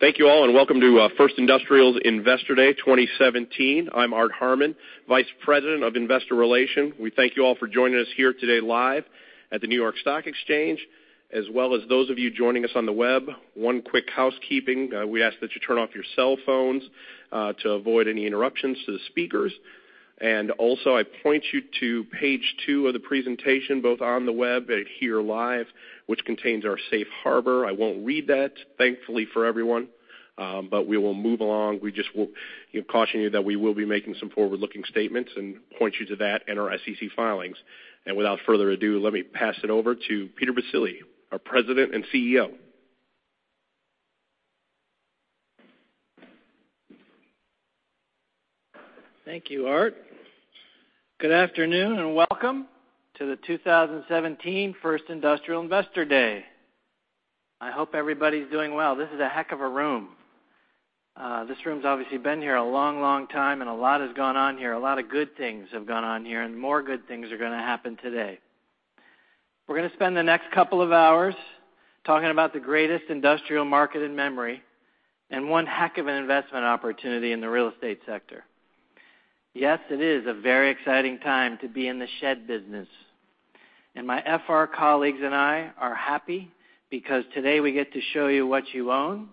Thank you all, and welcome to First Industrial's Investor Day 2017. I'm Art Harmon, Vice President of Investor Relations. We thank you all for joining us here today live at the New York Stock Exchange, as well as those of you joining us on the web. One quick housekeeping. We ask that you turn off your cell phones to avoid any interruptions to the speakers. I point you to page two of the presentation, both on the web and here live, which contains our safe harbor. I won't read that, thankfully for everyone. We will move along. We just will caution you that we will be making some forward-looking statements and point you to that in our SEC filings. Without further ado, let me pass it over to Peter Baccile, our President and CEO. Thank you, Art. Good afternoon, and welcome to the 2017 First Industrial Investor Day. I hope everybody's doing well. This is a heck of a room. This room's obviously been here a long time, and a lot has gone on here. A lot of good things have gone on here, and more good things are going to happen today. We're going to spend the next couple of hours talking about the greatest industrial market in memory and one heck of an investment opportunity in the real estate sector. Yes, it is a very exciting time to be in the shed business. My FR colleagues and I are happy because today we get to show you what you own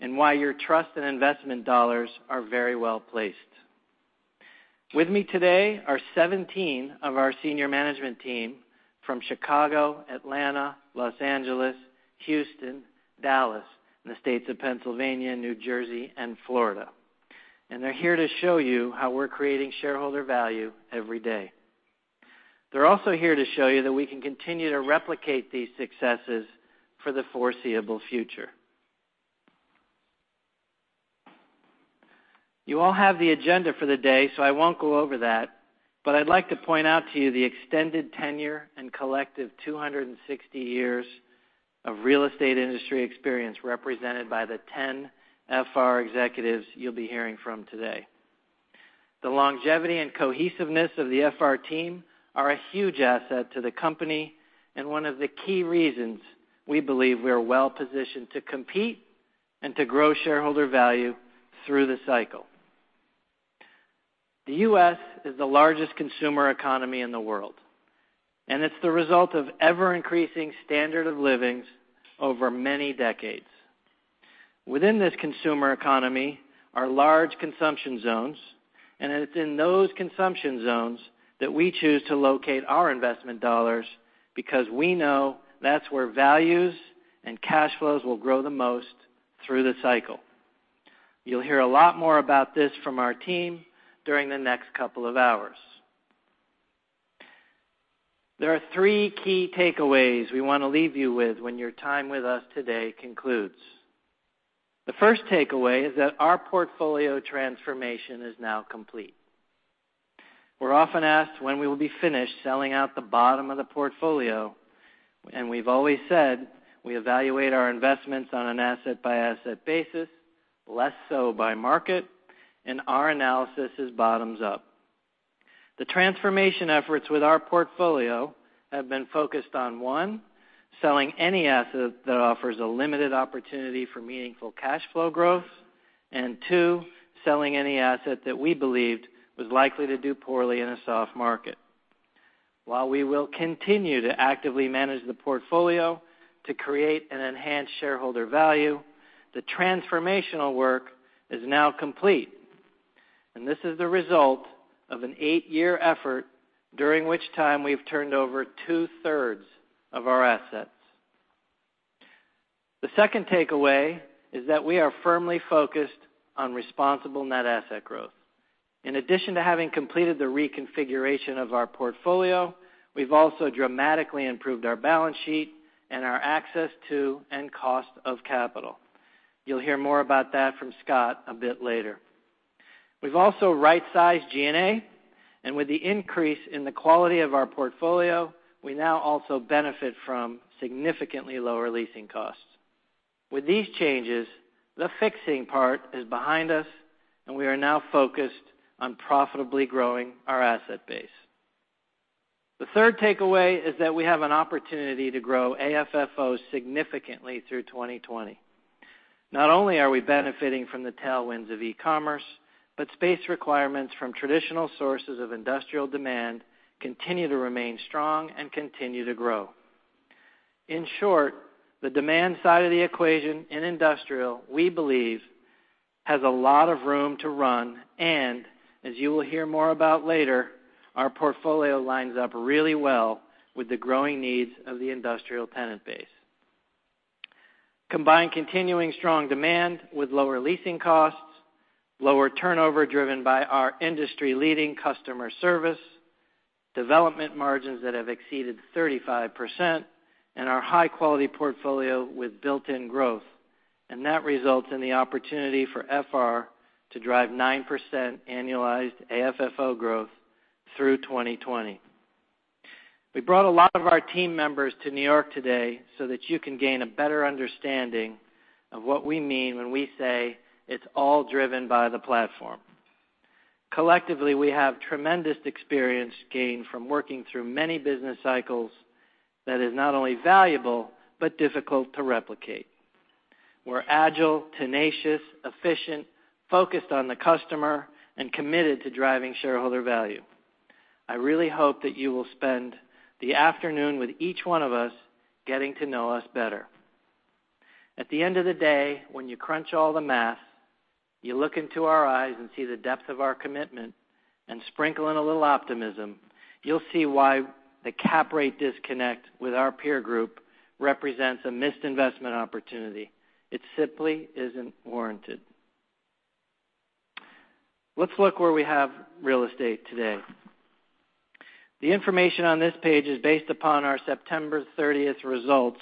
and why your trust and investment dollars are very well placed. With me today are 17 of our senior management team from Chicago, Atlanta, Los Angeles, Houston, Dallas, and the states of Pennsylvania, New Jersey, and Florida. They're here to show you how we're creating shareholder value every day. They're also here to show you that we can continue to replicate these successes for the foreseeable future. You all have the agenda for the day, so I won't go over that, but I'd like to point out to you the extended tenure and collective 260 years of real estate industry experience represented by the 10 FR executives you'll be hearing from today. The longevity and cohesiveness of the FR team are a huge asset to the company and one of the key reasons we believe we are well positioned to compete and to grow shareholder value through the cycle. The U.S. is the largest consumer economy in the world. It's the result of ever-increasing standard of livings over many decades. Within this consumer economy are large consumption zones. It's in those consumption zones that we choose to locate our investment dollars because we know that's where values and cash flows will grow the most through the cycle. You'll hear a lot more about this from our team during the next couple of hours. There are three key takeaways we want to leave you with when your time with us today concludes. The first takeaway is that our portfolio transformation is now complete. We're often asked when we will be finished selling out the bottom of the portfolio, and we've always said we evaluate our investments on an asset-by-asset basis, less so by market, and our analysis is bottoms up. The transformation efforts with our portfolio have been focused on, one, selling any asset that offers a limited opportunity for meaningful cash flow growth, and two, selling any asset that we believed was likely to do poorly in a soft market. While we will continue to actively manage the portfolio to create and enhance shareholder value, the transformational work is now complete. This is the result of an eight-year effort, during which time we've turned over two-thirds of our assets. The second takeaway is that we are firmly focused on responsible net asset growth. In addition to having completed the reconfiguration of our portfolio, we've also dramatically improved our balance sheet and our access to and cost of capital. You'll hear more about that from Scott a bit later. We've also right-sized G&A. With the increase in the quality of our portfolio, we now also benefit from significantly lower leasing costs. With these changes, the fixing part is behind us, and we are now focused on profitably growing our asset base. The third takeaway is that we have an opportunity to grow AFFO significantly through 2020. Not only are we benefiting from the tailwinds of e-commerce, but space requirements from traditional sources of industrial demand continue to remain strong and continue to grow. In short, the demand side of the equation in industrial, we believe, has a lot of room to run. As you will hear more about later, our portfolio lines up really well with the growing needs of the industrial tenant base. Combine continuing strong demand with lower leasing costs, lower turnover driven by our industry-leading customer service, development margins that have exceeded 35%, and our high-quality portfolio with built-in growth. That results in the opportunity for FR to drive 9% annualized AFFO growth through 2020. We brought a lot of our team members to New York today so that you can gain a better understanding of what we mean when we say it's all driven by the platform. Collectively, we have tremendous experience gained from working through many business cycles that is not only valuable but difficult to replicate. We're agile, tenacious, efficient, focused on the customer, and committed to driving shareholder value. I really hope that you will spend the afternoon with each one of us, getting to know us better. At the end of the day, when you crunch all the math, you look into our eyes and see the depth of our commitment, and sprinkle in a little optimism, you'll see why the cap rate disconnect with our peer group represents a missed investment opportunity. It simply isn't warranted. Let's look where we have real estate today. The information on this page is based upon our September 30th results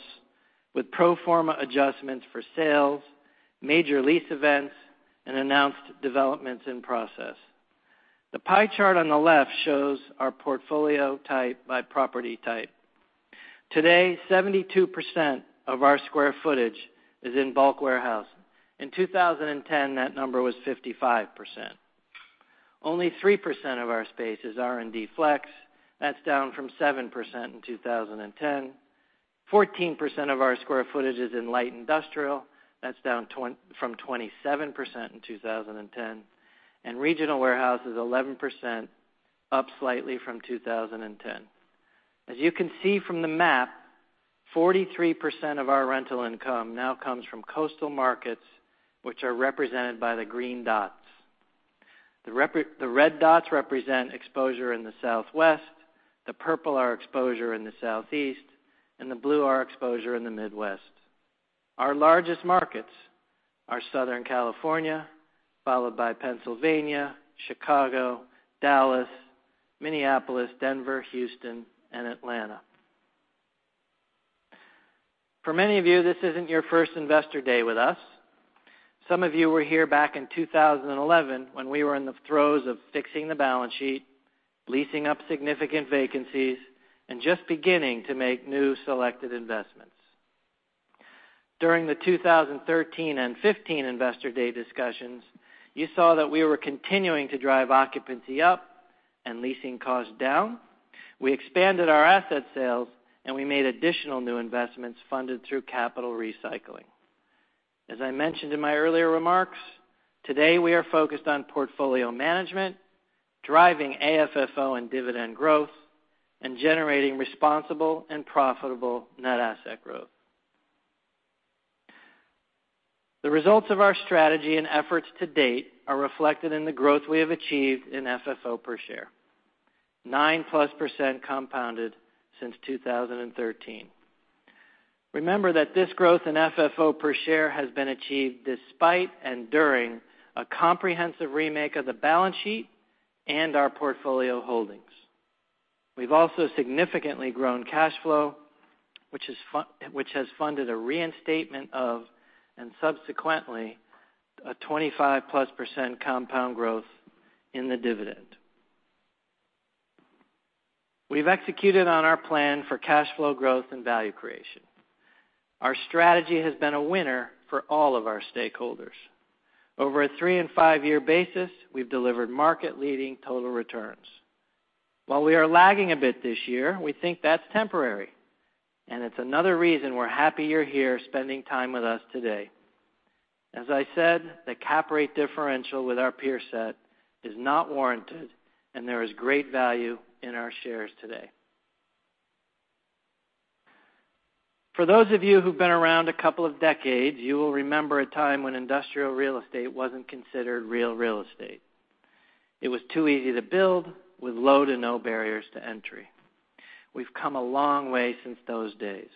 with pro forma adjustments for sales, major lease events, and announced developments in process. The pie chart on the left shows our portfolio type by property type. Today, 72% of our square footage is in bulk warehouse. In 2010, that number was 55%. Only 3% of our space is R&D flex. That's down from 7% in 2010. 14% of our square footage is in light industrial. That's down from 27% in 2010. Regional warehouse is 11%, up slightly from 2010. As you can see from the map, 43% of our rental income now comes from coastal markets, which are represented by the green dots. The red dots represent exposure in the Southwest, the purple are exposure in the Southeast, and the blue are exposure in the Midwest. Our largest markets are Southern California, followed by Pennsylvania, Chicago, Dallas, Minneapolis, Denver, Houston, and Atlanta. For many of you, this isn't your first investor day with us. Some of you were here back in 2011 when we were in the throes of fixing the balance sheet, leasing up significant vacancies, and just beginning to make new selected investments. During the 2013 and 2015 investor day discussions, you saw that we were continuing to drive occupancy up and leasing costs down. We expanded our asset sales. We made additional new investments funded through capital recycling. As I mentioned in my earlier remarks, today we are focused on portfolio management, driving AFFO and dividend growth, and generating responsible and profitable net asset growth. The results of our strategy and efforts to date are reflected in the growth we have achieved in FFO per share, 9-plus% compounded since 2013. Remember that this growth in FFO per share has been achieved despite and during a comprehensive remake of the balance sheet and our portfolio holdings. We've also significantly grown cash flow, which has funded a reinstatement of, and subsequently, a 25-plus% compound growth in the dividend. We've executed on our plan for cash flow growth and value creation. Our strategy has been a winner for all of our stakeholders. Over a 3 and 5-year basis, we've delivered market-leading total returns. While we are lagging a bit this year, we think that's temporary. It's another reason we're happy you're here spending time with us today. As I said, the cap rate differential with our peer set is not warranted. There is great value in our shares today. For those of you who've been around a couple of decades, you will remember a time when industrial real estate wasn't considered real real estate. It was too easy to build with low to no barriers to entry. We've come a long way since those days.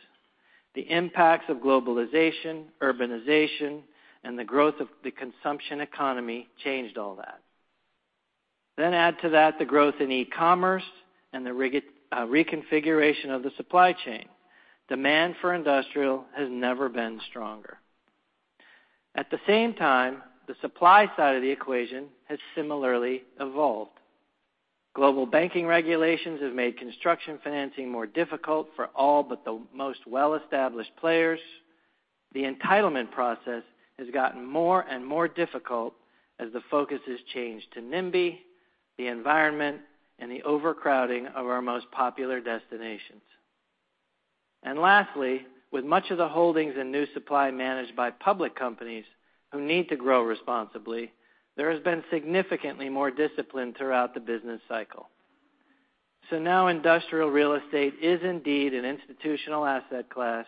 The impacts of globalization, urbanization, and the growth of the consumption economy changed all that. Add to that the growth in e-commerce and the reconfiguration of the supply chain. Demand for industrial has never been stronger. At the same time, the supply side of the equation has similarly evolved. Global banking regulations have made construction financing more difficult for all but the most well-established players. The entitlement process has gotten more and more difficult as the focus has changed to NIMBY, the environment, and the overcrowding of our most popular destinations. Lastly, with much of the holdings and new supply managed by public companies who need to grow responsibly, there has been significantly more discipline throughout the business cycle. Now industrial real estate is indeed an institutional asset class,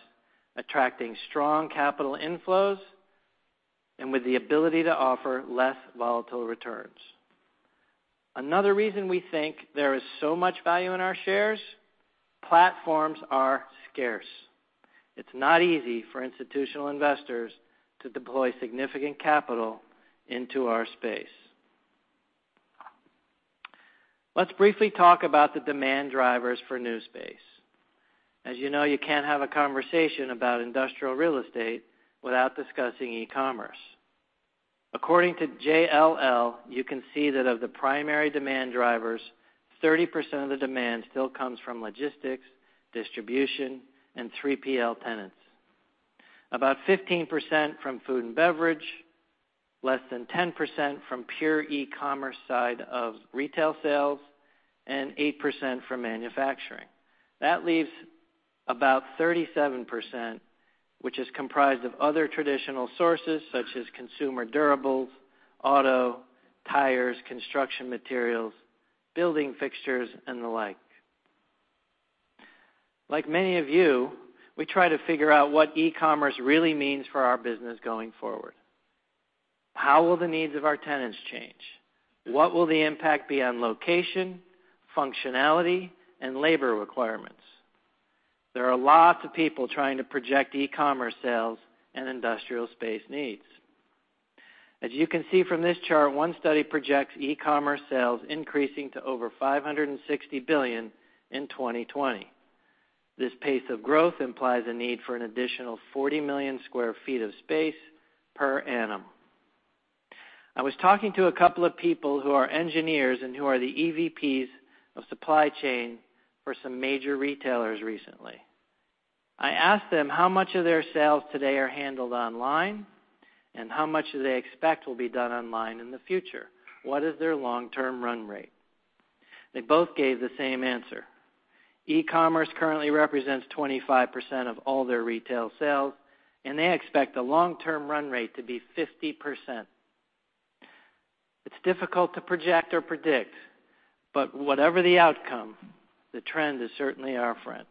attracting strong capital inflows and with the ability to offer less volatile returns. Another reason we think there is so much value in our shares, platforms are scarce. It's not easy for institutional investors to deploy significant capital into our space. Let's briefly talk about the demand drivers for new space. As you know, you can't have a conversation about industrial real estate without discussing e-commerce. According to JLL, you can see that of the primary demand drivers, 30% of the demand still comes from logistics, distribution, and 3PL tenants. About 15% from food and beverage, less than 10% from pure e-commerce side of retail sales, and 8% from manufacturing. That leaves about 37%, which is comprised of other traditional sources such as consumer durables, auto, tires, construction materials, building fixtures, and the like. Like many of you, we try to figure out what e-commerce really means for our business going forward. How will the needs of our tenants change? What will the impact be on location, functionality, and labor requirements? There are lots of people trying to project e-commerce sales and industrial space needs. As you can see from this chart, one study projects e-commerce sales increasing to over $560 billion in 2020. This pace of growth implies a need for an additional 40 million sq ft of space per annum. I was talking to a couple of people who are engineers and who are the EVPs of supply chain for some major retailers recently. I asked them how much of their sales today are handled online, and how much do they expect will be done online in the future. What is their long-term run rate? They both gave the same answer. E-commerce currently represents 25% of all their retail sales, and they expect the long-term run rate to be 50%. It's difficult to project or predict, but whatever the outcome, the trend is certainly our friend.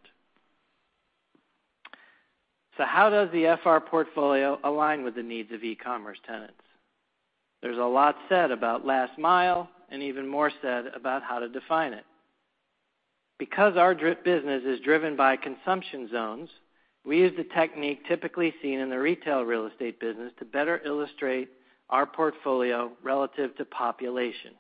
How does the FR portfolio align with the needs of e-commerce tenants? There's a lot said about last mile and even more said about how to define it. Because our business is driven by consumption zones, we use the technique typically seen in the retail real estate business to better illustrate our portfolio relative to population.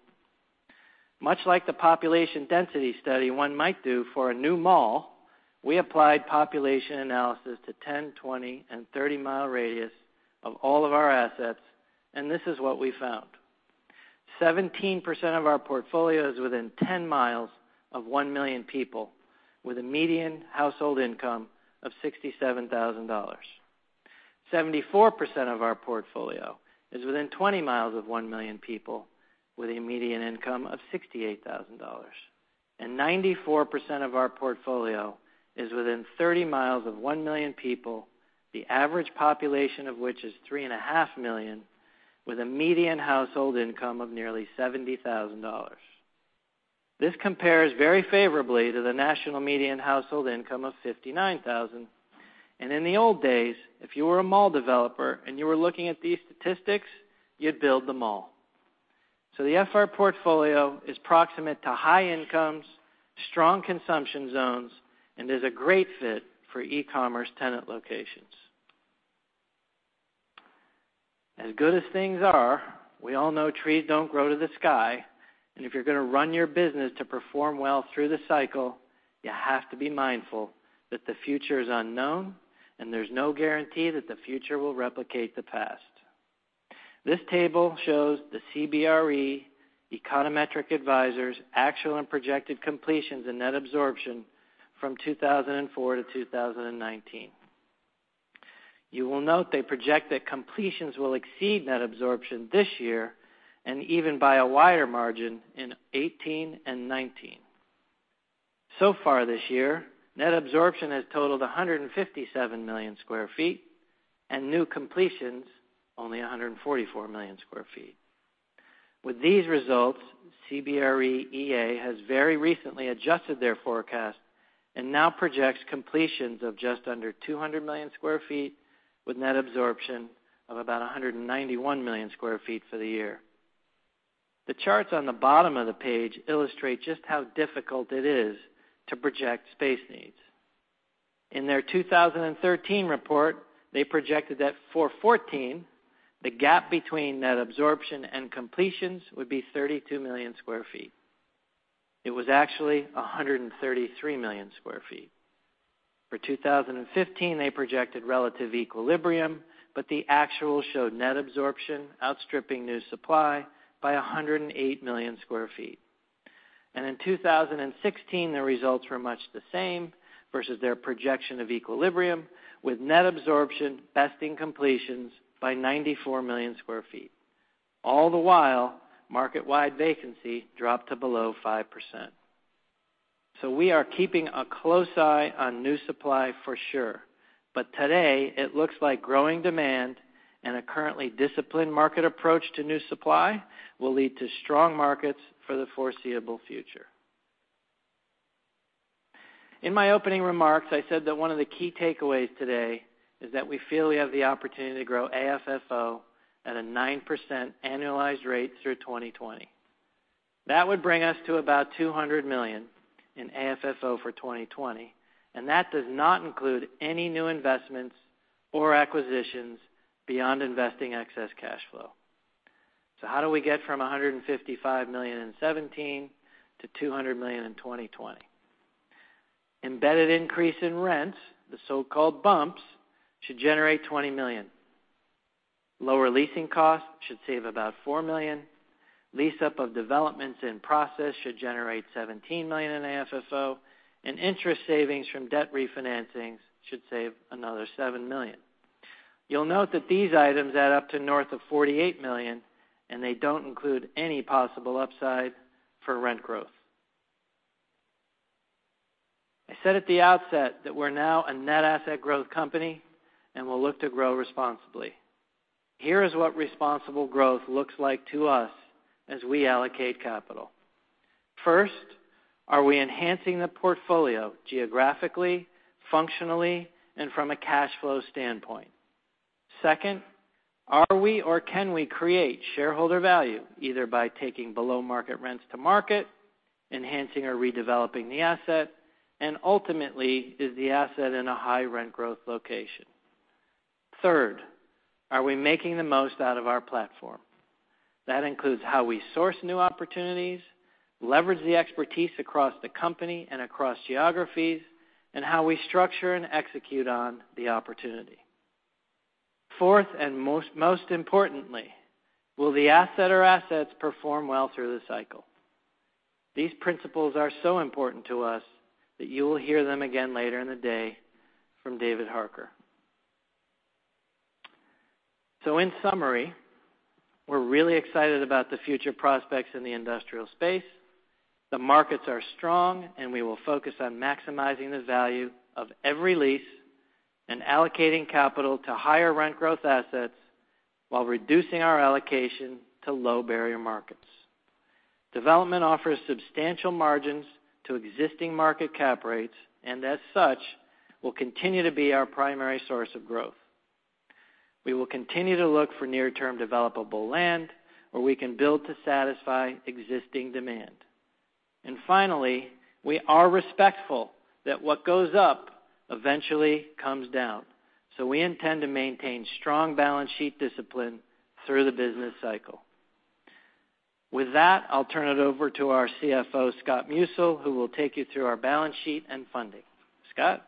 Much like the population density study one might do for a new mall, we applied population analysis to 10, 20, and 30-mile radius of all of our assets, and this is what we found. 17% of our portfolio is within 10 miles of one million people with a median household income of $67,000. 74% of our portfolio is within 20 miles of one million people with a median income of $68,000. 94% of our portfolio is within 30 miles of one million people, the average population of which is three and a half million, with a median household income of nearly $70,000. This compares very favorably to the national median household income of $59,000. In the old days, if you were a mall developer and you were looking at these statistics, you'd build the mall. The FR portfolio is proximate to high incomes, strong consumption zones, and is a great fit for e-commerce tenant locations. As good as things are, we all know trees don't grow to the sky, and if you're going to run your business to perform well through the cycle, you have to be mindful that the future is unknown, and there's no guarantee that the future will replicate the past. This table shows the CBRE Econometric Advisors actual and projected completions and net absorption from 2004 to 2019. You will note they project that completions will exceed net absorption this year and even by a wider margin in 2018 and 2019. Far this year, net absorption has totaled 157 million sq ft and new completions only 144 million sq ft. With these results, CBRE EA has very recently adjusted their forecast and now projects completions of just under 200 million sq ft with net absorption of about 191 million sq ft for the year. The charts on the bottom of the page illustrate just how difficult it is to project space needs. In their 2013 report, they projected that for 2014, the gap between net absorption and completions would be 32 million sq ft. It was actually 133 million sq ft. For 2015, they projected relative equilibrium, but the actual showed net absorption outstripping new supply by 108 million sq ft. In 2016, the results were much the same versus their projection of equilibrium with net absorption besting completions by 94 million sq ft. All the while, market-wide vacancy dropped to below 5%. We are keeping a close eye on new supply for sure, but today, it looks like growing demand and a currently disciplined market approach to new supply will lead to strong markets for the foreseeable future. In my opening remarks, I said that one of the key takeaways today is that we feel we have the opportunity to grow AFFO at a 9% annualized rate through 2020. That would bring us to about $200 million in AFFO for 2020, and that does not include any new investments or acquisitions beyond investing excess cash flow. How do we get from $155 million in 2017 to $200 million in 2020? Embedded increase in rents, the so-called bumps, should generate $20 million. Lower leasing costs should save about $4 million. Lease up of developments in process should generate $17 million in AFFO. Interest savings from debt refinancings should save another $7 million. You'll note that these items add up to north of $48 million. They don't include any possible upside for rent growth. I said at the outset that we're now a net asset growth company and will look to grow responsibly. Here is what responsible growth looks like to us as we allocate capital. First, are we enhancing the portfolio geographically, functionally, and from a cash flow standpoint? Second, are we or can we create shareholder value, either by taking below-market rents to market, enhancing or redeveloping the asset, and ultimately, is the asset in a high rent growth location? Third, are we making the most out of our platform? That includes how we source new opportunities, leverage the expertise across the company and across geographies, and how we structure and execute on the opportunity. Fourth, most importantly, will the asset or assets perform well through the cycle? These principles are so important to us that you will hear them again later in the day from David Harker. In summary, we're really excited about the future prospects in the industrial space. The markets are strong. We will focus on maximizing the value of every lease and allocating capital to higher rent growth assets while reducing our allocation to low-barrier markets. Development offers substantial margins to existing market cap rates and as such, will continue to be our primary source of growth. We will continue to look for near-term developable land where we can build to satisfy existing demand. Finally, we are respectful that what goes up eventually comes down. We intend to maintain strong balance sheet discipline through the business cycle. With that, I will turn it over to our CFO, Scott Musil, who will take you through our balance sheet and funding. Scott?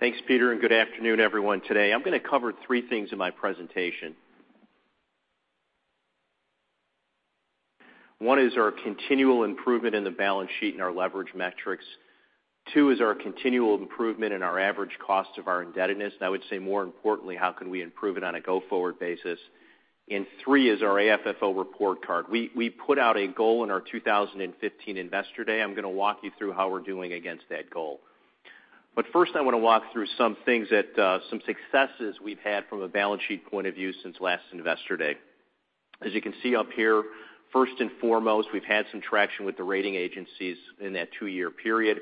Thanks, Peter. Good afternoon, everyone. Today, I am going to cover three things in my presentation. One is our continual improvement in the balance sheet and our leverage metrics. Two is our continual improvement in our average cost of our indebtedness, and I would say more importantly, how can we improve it on a go-forward basis. Three is our AFFO report card. We put out a goal in our 2015 Investor Day. I am going to walk you through how we are doing against that goal. First, I want to walk through some successes we have had from a balance sheet point of view since last Investor Day. As you can see up here, first and foremost, we have had some traction with the rating agencies in that two-year period.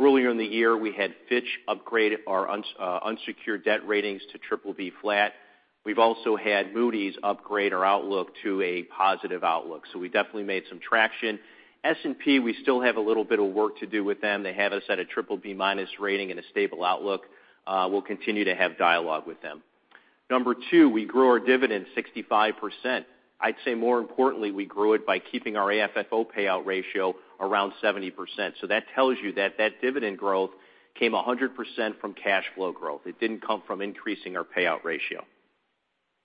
Earlier in the year, we had Fitch upgrade our unsecured debt ratings to BBB flat. We have also had Moody's upgrade our outlook to a positive outlook. We definitely made some traction. S&P, we still have a little bit of work to do with them. They have us at a BBB minus rating and a stable outlook. We will continue to have dialogue with them. Number two, we grew our dividend 65%. I would say more importantly, we grew it by keeping our AFFO payout ratio around 70%. That tells you that that dividend growth came 100% from cash flow growth. It did not come from increasing our payout ratio.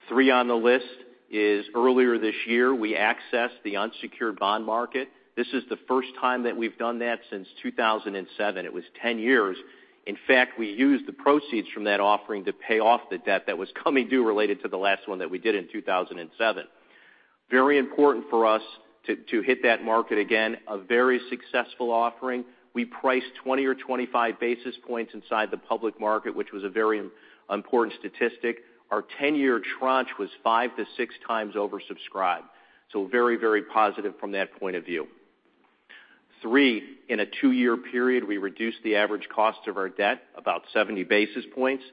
Three on the list is earlier this year, we accessed the unsecured bond market. This is the first time that we have done that since 2007. It was 10 years. In fact, we used the proceeds from that offering to pay off the debt that was coming due related to the last one that we did in 2007. Very important for us to hit that market again. A very successful offering. We priced 20 or 25 basis points inside the public market, which was a very important statistic. Our 10-year tranche was five to six times oversubscribed. Very positive from that point of view. Three, in a two-year period, we reduced the average cost of our debt about 70 basis points.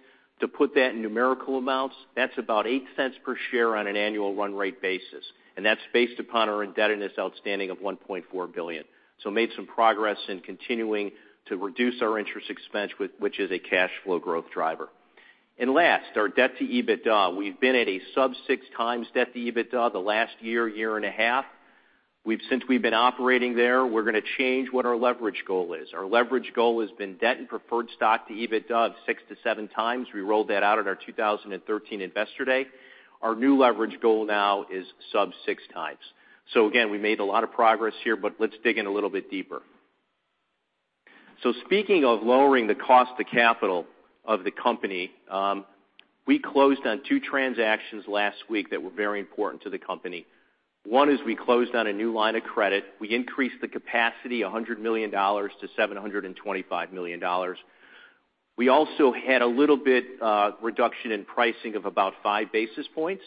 To put that in numerical amounts, that is about $0.08 per share on an annual run rate basis, and that is based upon our indebtedness outstanding of $1.4 billion. Made some progress in continuing to reduce our interest expense, which is a cash flow growth driver. Last, our debt to EBITDA. We have been at a sub six times debt to EBITDA the last year and a half. Since we have been operating there, we are going to change what our leverage goal is. Our leverage goal has been debt and preferred stock to EBITDA of six to seven times. We rolled that out at our 2013 Investor Day. Our new leverage goal now is sub six times. Again, we made a lot of progress here, but let's dig in a little bit deeper. Speaking of lowering the cost of capital of the company, we closed on two transactions last week that were very important to the company. One is we closed on a new line of credit. We increased the capacity $100 million to $725 million. We also had a little bit of reduction in pricing of about five basis points.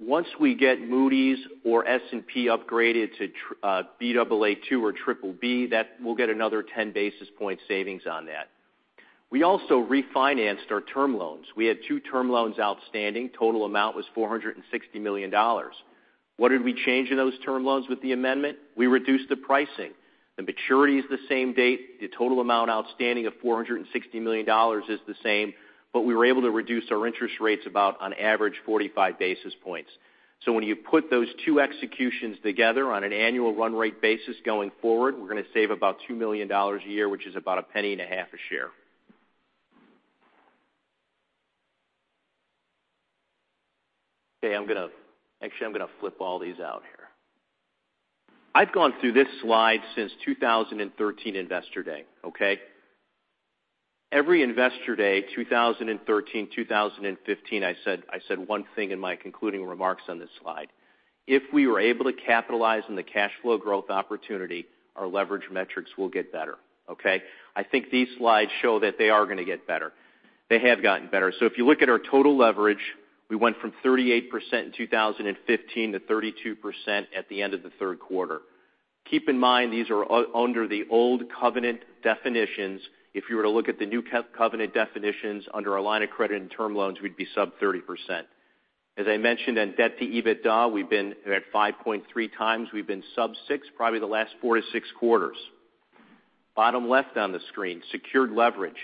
Once we get Moody's or S&P upgraded to Baa2 or BBB, we'll get another 10 basis point savings on that. We also refinanced our term loans. We had two term loans outstanding. Total amount was $460 million. What did we change in those term loans with the amendment? We reduced the pricing. The maturity is the same date. The total amount outstanding of $460 million is the same, but we were able to reduce our interest rates about, on average, 45 basis points. When you put those two executions together on an annual run rate basis going forward, we're going to save about $2 million a year, which is about a penny and a half a share. Okay. Actually, I'm going to flip all these out here. I've gone through this slide since 2013 Investor Day. Every Investor Day, 2013, 2015, I said one thing in my concluding remarks on this slide. If we were able to capitalize on the cash flow growth opportunity, our leverage metrics will get better. I think these slides show that they are going to get better. They have gotten better. If you look at our total leverage, we went from 38% in 2015 to 32% at the end of the third quarter. Keep in mind, these are under the old covenant definitions. If you were to look at the new covenant definitions under our line of credit and term loans, we'd be sub 30%. As I mentioned, on debt-to-EBITDA, we've been at 5.3 times. We've been sub six probably the last four to six quarters. Bottom left on the screen, secured leverage.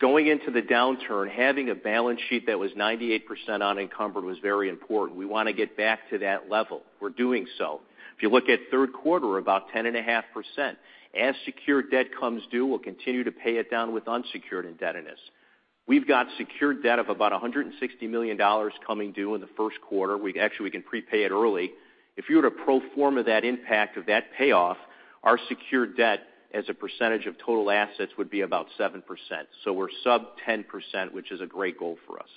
Going into the downturn, having a balance sheet that was 98% unencumbered was very important. We want to get back to that level. We're doing so. If you look at third quarter, about 10.5%. As secured debt comes due, we'll continue to pay it down with unsecured indebtedness. We've got secured debt of about $160 million coming due in the first quarter. Actually, we can prepay it early. If you were to pro forma that impact of that payoff, our secured debt as a percentage of total assets would be about 7%. We're sub 10%, which is a great goal for us.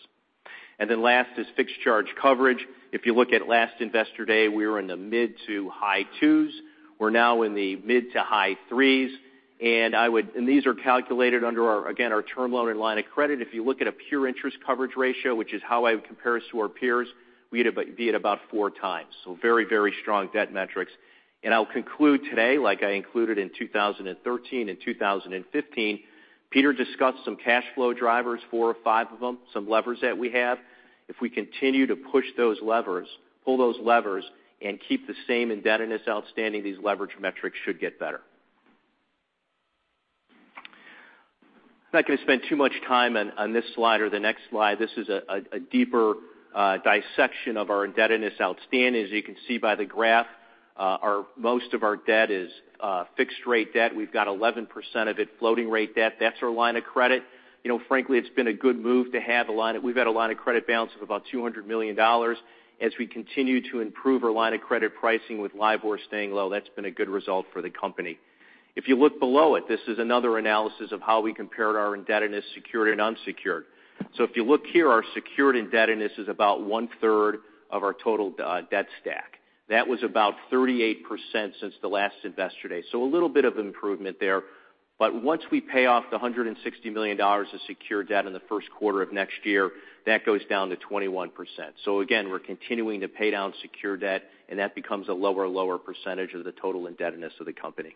Then last is fixed charge coverage. If you look at last Investor Day, we were in the mid to high twos. We're now in the mid to high threes. These are calculated under, again, our term loan and line of credit. If you look at a pure interest coverage ratio, which is how I would compare us to our peers, we'd be at about four times. Very strong debt metrics. I'll conclude today, like I included in 2013 and 2015, Peter discussed some cash flow drivers, four or five of them, some levers that we have. If we continue to push those levers, pull those levers, and keep the same indebtedness outstanding, these leverage metrics should get better. I am not going to spend too much time on this slide or the next slide. This is a deeper dissection of our indebtedness outstanding. As you can see by the graph, most of our debt is fixed rate debt. We have got 11% of it floating rate debt. That is our line of credit. Frankly, it has been a good move to have a line of credit balance of about $200 million. As we continue to improve our line of credit pricing with LIBOR staying low, that has been a good result for the company. If you look below it, this is another analysis of how we compared our indebtedness secured and unsecured. If you look here, our secured indebtedness is about one-third of our total debt stack. That was about 38% since the last Investor Day. A little bit of improvement there. Once we pay off the $160 million of secured debt in the first quarter of next year, that goes down to 21%. Again, we are continuing to pay down secured debt, and that becomes a lower percentage of the total indebtedness of the company.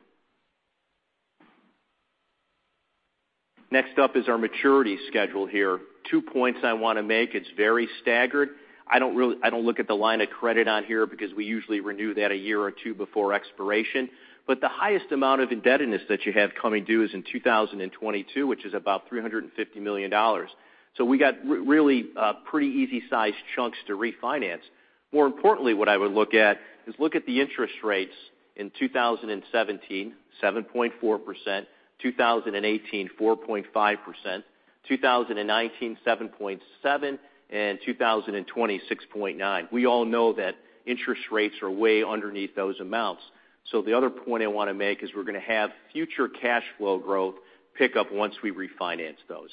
Next up is our maturity schedule here. Two points I want to make. It is very staggered. I do not look at the line of credit on here because we usually renew that a year or two before expiration. The highest amount of indebtedness that you have coming due is in 2022, which is about $350 million. We got really pretty easy size chunks to refinance. More importantly, what I would look at is look at the interest rates in 2017, 7.4%; 2018, 4.5%; 2019, 7.7%; and 2020, 6.9%. We all know that interest rates are way underneath those amounts. The other point I want to make is we are going to have future cash flow growth pick up once we refinance those.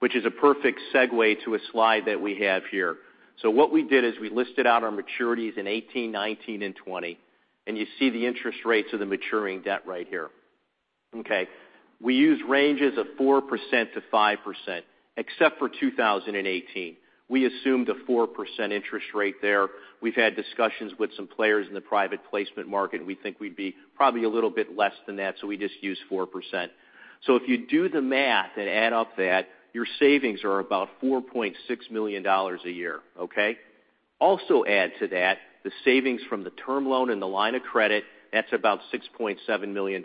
Which is a perfect segue to a slide that we have here. What we did is we listed out our maturities in 2018, 2019, and 2020, and you see the interest rates of the maturing debt right here. We use ranges of 4% to 5%, except for 2018. We assumed a 4% interest rate there. We have had discussions with some players in the private placement market, and we think we would be probably a little bit less than that, so we just use 4%. If you do the math and add up that, your savings are about $4.6 million a year. Also add to that the savings from the term loan and the line of credit, that is about $6.7 million.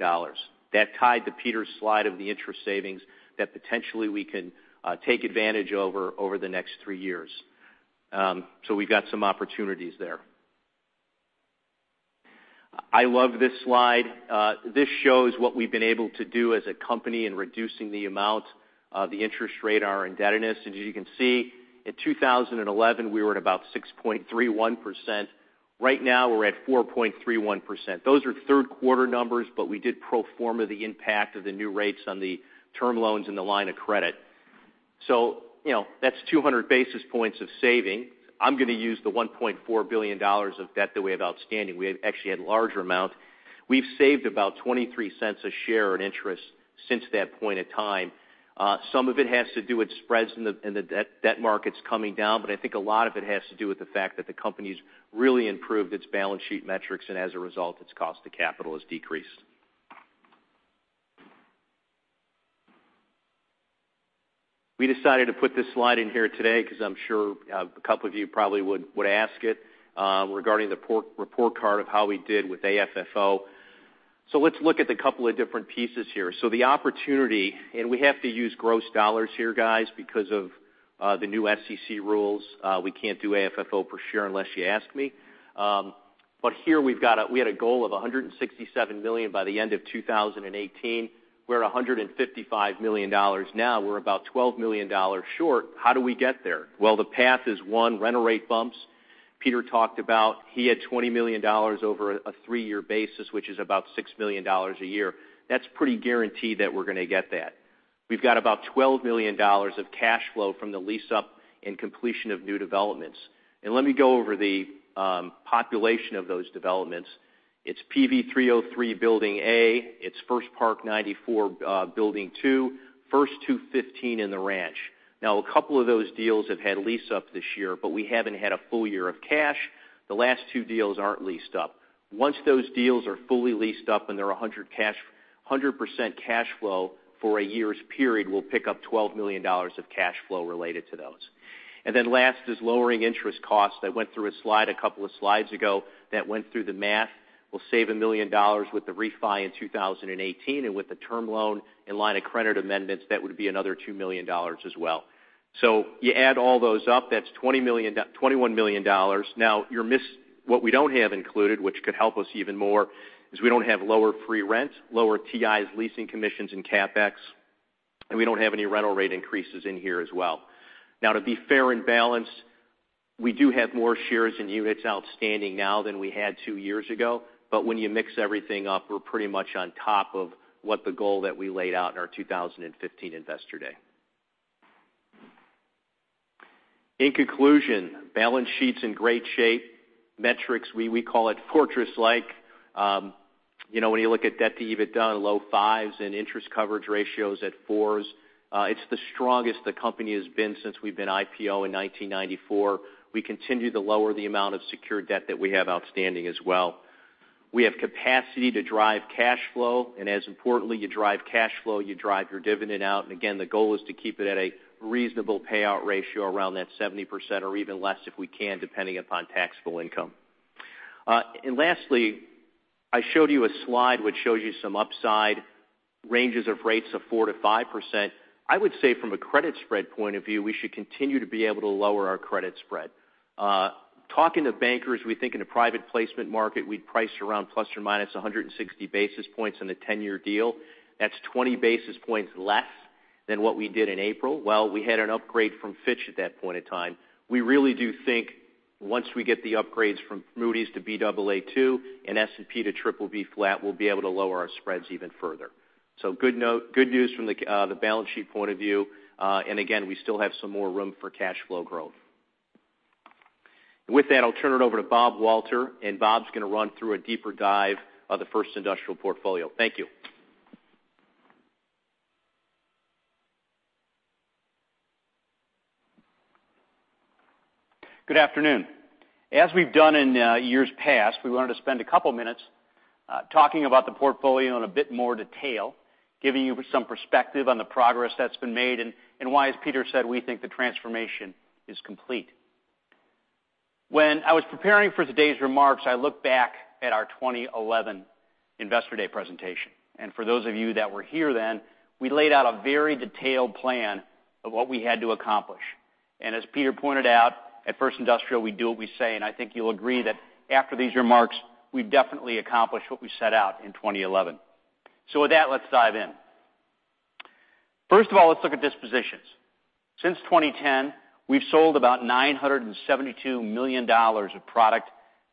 That tied to Peter's slide of the interest savings that potentially we can take advantage over the next three years. We have got some opportunities there. I love this slide. This shows what we have been able to do as a company in reducing the amount of the interest rate on our indebtedness. As you can see, in 2011, we were at about 6.31%. Right now, we are at 4.31%. Those are third quarter numbers, but we did pro forma the impact of the new rates on the term loans and the line of credit. That is 200 basis points of saving. I am going to use the $1.4 billion of debt that we have outstanding. We actually had a larger amount. We've saved about $0.23 a share in interest since that point in time. Some of it has to do with spreads in the debt markets coming down, but I think a lot of it has to do with the fact that the company's really improved its balance sheet metrics, and as a result, its cost of capital has decreased. We decided to put this slide in here today because I'm sure a couple of you probably would ask it regarding the report card of how we did with AFFO. Let's look at the couple of different pieces here. The opportunity, and we have to use gross dollars here, guys, because of the new SEC rules. We can't do AFFO per share unless you ask me. Here we had a goal of $167 million by the end of 2018. We're at $155 million now. We're about $12 million short. How do we get there? Well, the path is, one, rent rate bumps. Peter talked about, he had $20 million over a three-year basis, which is about $6 million a year. That's pretty guaranteed that we're going to get that. We've got about $12 million of cash flow from the lease-up and completion of new developments. Let me go over the population of those developments. It's PV 303 Building A. It's First Park 94 Building 2. First 215 in The Ranch. Now, a couple of those deals have had lease-up this year, but we haven't had a full year of cash. The last two deals aren't leased up. Once those deals are fully leased up and they're 100% cash flow for a year's period, we'll pick up $12 million of cash flow related to those. Last is lowering interest costs. I went through a slide a couple of slides ago that went through the math. We'll save $1 million with the refi in 2018, and with the term loan and line of credit amendments, that would be another $2 million as well. You add all those up, that's $21 million. What we don't have included, which could help us even more, is we don't have lower free rent, lower TIs, leasing commissions, and CapEx, and we don't have any rental rate increases in here as well. To be fair and balanced, we do have more shares and units outstanding now than we had two years ago. When you mix everything up, we're pretty much on top of what the goal that we laid out in our 2015 investor day. In conclusion, balance sheet's in great shape. Metrics, we call it fortress-like. When you look at debt to EBITDA in the low fives and interest coverage ratios at fours, it's the strongest the company has been since we've been IPO in 1994. We continue to lower the amount of secured debt that we have outstanding as well. We have capacity to drive cash flow, and as importantly, you drive cash flow, you drive your dividend out. Again, the goal is to keep it at a reasonable payout ratio around that 70% or even less if we can, depending upon taxable income. Lastly, I showed you a slide which shows you some upside ranges of rates of 4%-5%. I would say from a credit spread point of view, we should continue to be able to lower our credit spread. Talking to bankers, we think in a private placement market, we'd price around ±160 basis points on a 10-year deal. That's 20 basis points less than what we did in April. While we had an upgrade from Fitch at that point in time, we really do think once we get the upgrades from Moody's to Baa2 and S&P to BBB flat, we'll be able to lower our spreads even further. Good news from the balance sheet point of view. Again, we still have some more room for cash flow growth. With that, I'll turn it over to Bob Walter, and Bob's going to run through a deeper dive of the First Industrial portfolio. Thank you. Good afternoon. As we've done in years past, we wanted to spend a couple minutes talking about the portfolio in a bit more detail, giving you some perspective on the progress that's been made and why, as Peter said, we think the transformation is complete. When I was preparing for today's remarks, I looked back at our 2011 Investor Day presentation. For those of you that were here then, we laid out a very detailed plan of what we had to accomplish. As Peter pointed out, at First Industrial, we do what we say, and I think you'll agree that after these remarks, we've definitely accomplished what we set out in 2011. With that, let's dive in. First of all, let's look at dispositions. Since 2010, we've sold about $972 million of product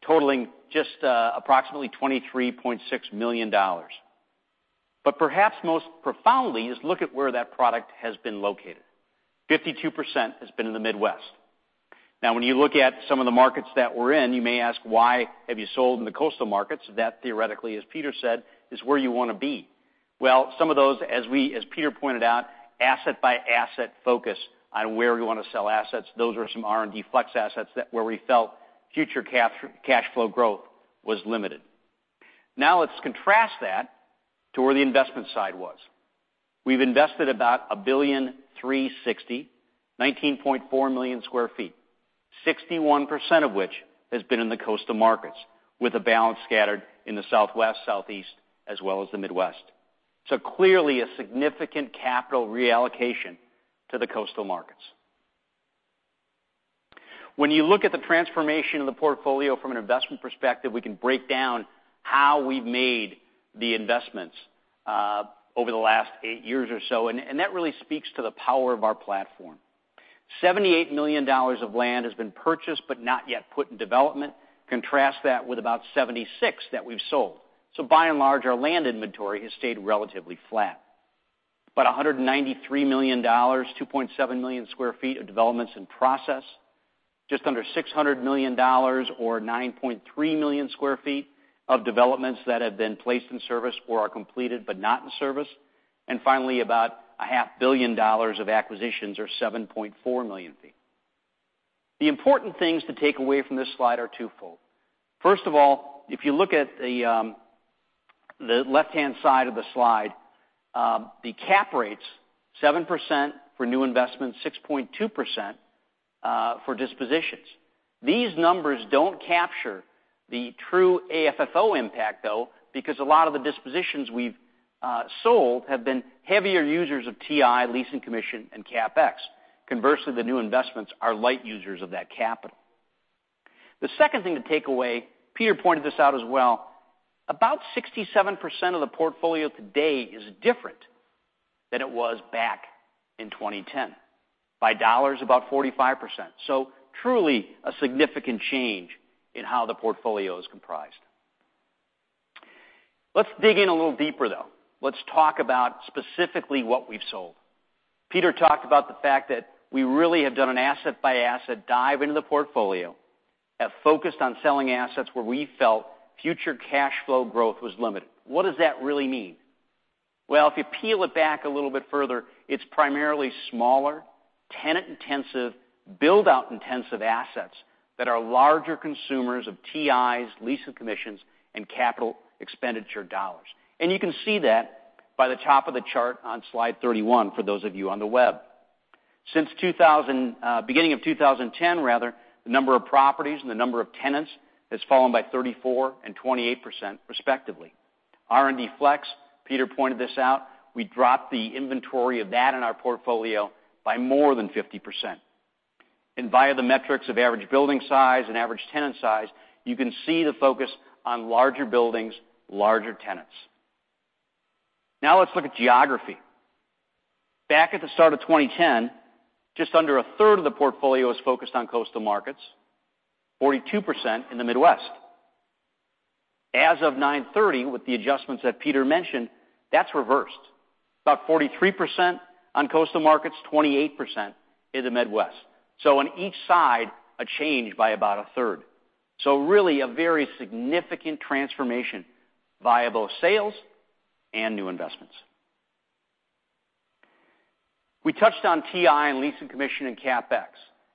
totaling just approximately [23.6 million square feet]. Perhaps most profoundly is look at where that product has been located. 52% has been in the Midwest. When you look at some of the markets that we're in, you may ask, why have you sold in the coastal markets? That theoretically, as Peter said, is where you want to be. Well, some of those, as Peter pointed out, asset-by-asset focus on where we want to sell assets. Those are some R&D flex assets where we felt future cash flow growth was limited. Let's contrast that to where the investment side was. We've invested about $1.36 billion, 19.4 million sq ft, 61% of which has been in the coastal markets, with a balance scattered in the Southwest, Southeast, as well as the Midwest. Clearly, a significant capital reallocation to the coastal markets. When you look at the transformation of the portfolio from an investment perspective, we can break down how we've made the investments over the last eight years or so. That really speaks to the power of our platform. $78 million of land has been purchased but not yet put in development. Contrast that with about 76 that we've sold. By and large, our land inventory has stayed relatively flat. $193 million, 2.7 million sq ft of development's in process. Just under $600 million, or 9.3 million sq ft of developments that have been placed in service or are completed but not in service. Finally, about a half billion dollars of acquisitions or 7.4 million sq ft. The important things to take away from this slide are twofold. First of all, if you look at the left-hand side of the slide, the cap rates, 7% for new investments, 6.2% for dispositions. These numbers don't capture the true AFFO impact, though, because a lot of the dispositions we've sold have been heavier users of TI, leasing commission, and CapEx. Conversely, the new investments are light users of that capital. The second thing to take away, Peter pointed this out as well, about 67% of the portfolio today is different than it was back in 2010. By dollars, about 45%. Truly, a significant change in how the portfolio is comprised. Let's dig in a little deeper, though. Let's talk about specifically what we've sold. Peter talked about the fact that we really have done an asset by asset dive into the portfolio, have focused on selling assets where we felt future cash flow growth was limited. What does that really mean? If you peel it back a little bit further, it's primarily smaller, tenant-intensive, build-out intensive assets that are larger consumers of TIs, leasing commissions, and capital expenditure dollars. You can see that by the top of the chart on slide 31, for those of you on the web. Since beginning of 2010, the number of properties and the number of tenants has fallen by 34% and 28%, respectively. R&D flex, Peter pointed this out, we dropped the inventory of that in our portfolio by more than 50%. Via the metrics of average building size and average tenant size, you can see the focus on larger buildings, larger tenants. Let's look at geography. Back at the start of 2010, just under a third of the portfolio was focused on coastal markets, 42% in the Midwest. As of 9/30, with the adjustments that Peter mentioned, that's reversed. About 43% on coastal markets, 28% in the Midwest. On each side, a change by about a third. Really, a very significant transformation via both sales and new investments. We touched on TI, and leasing commission, and CapEx.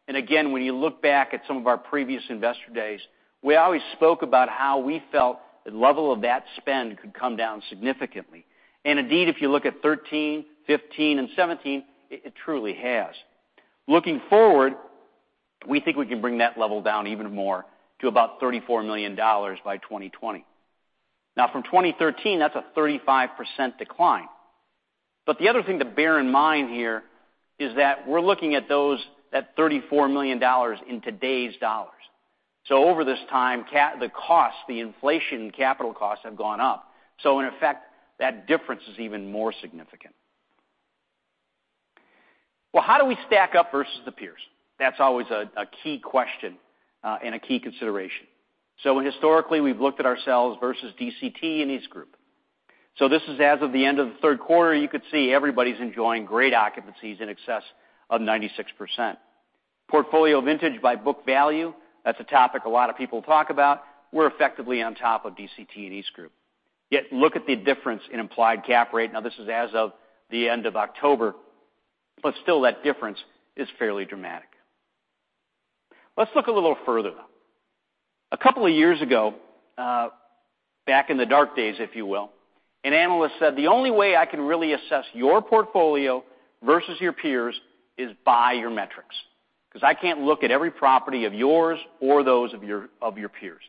Again, when you look back at some of our previous investor days, we always spoke about how we felt the level of that spend could come down significantly. Indeed, if you look at 2013, 2015, and 2017, it truly has. Looking forward, we think we can bring that level down even more to about $34 million by 2020. From 2013, that's a 35% decline. The other thing to bear in mind here is that we're looking at that $34 million in today's dollars. Over this time, the costs, the inflation capital costs, have gone up. In effect, that difference is even more significant. How do we stack up versus the peers? That's always a key question and a key consideration. Historically, we've looked at ourselves versus DCT and EastGroup. This is as of the end of the third quarter, and you could see everybody's enjoying great occupancies in excess of 96%. Portfolio vintage by book value, that's a topic a lot of people talk about. We're effectively on top of DCT and EastGroup. Look at the difference in implied cap rate. This is as of the end of October, still that difference is fairly dramatic. Let's look a little further now. A couple of years ago, back in the dark days, if you will, an analyst said, "The only way I can really assess your portfolio versus your peers is by your metrics, because I can't look at every property of yours or those of your peers."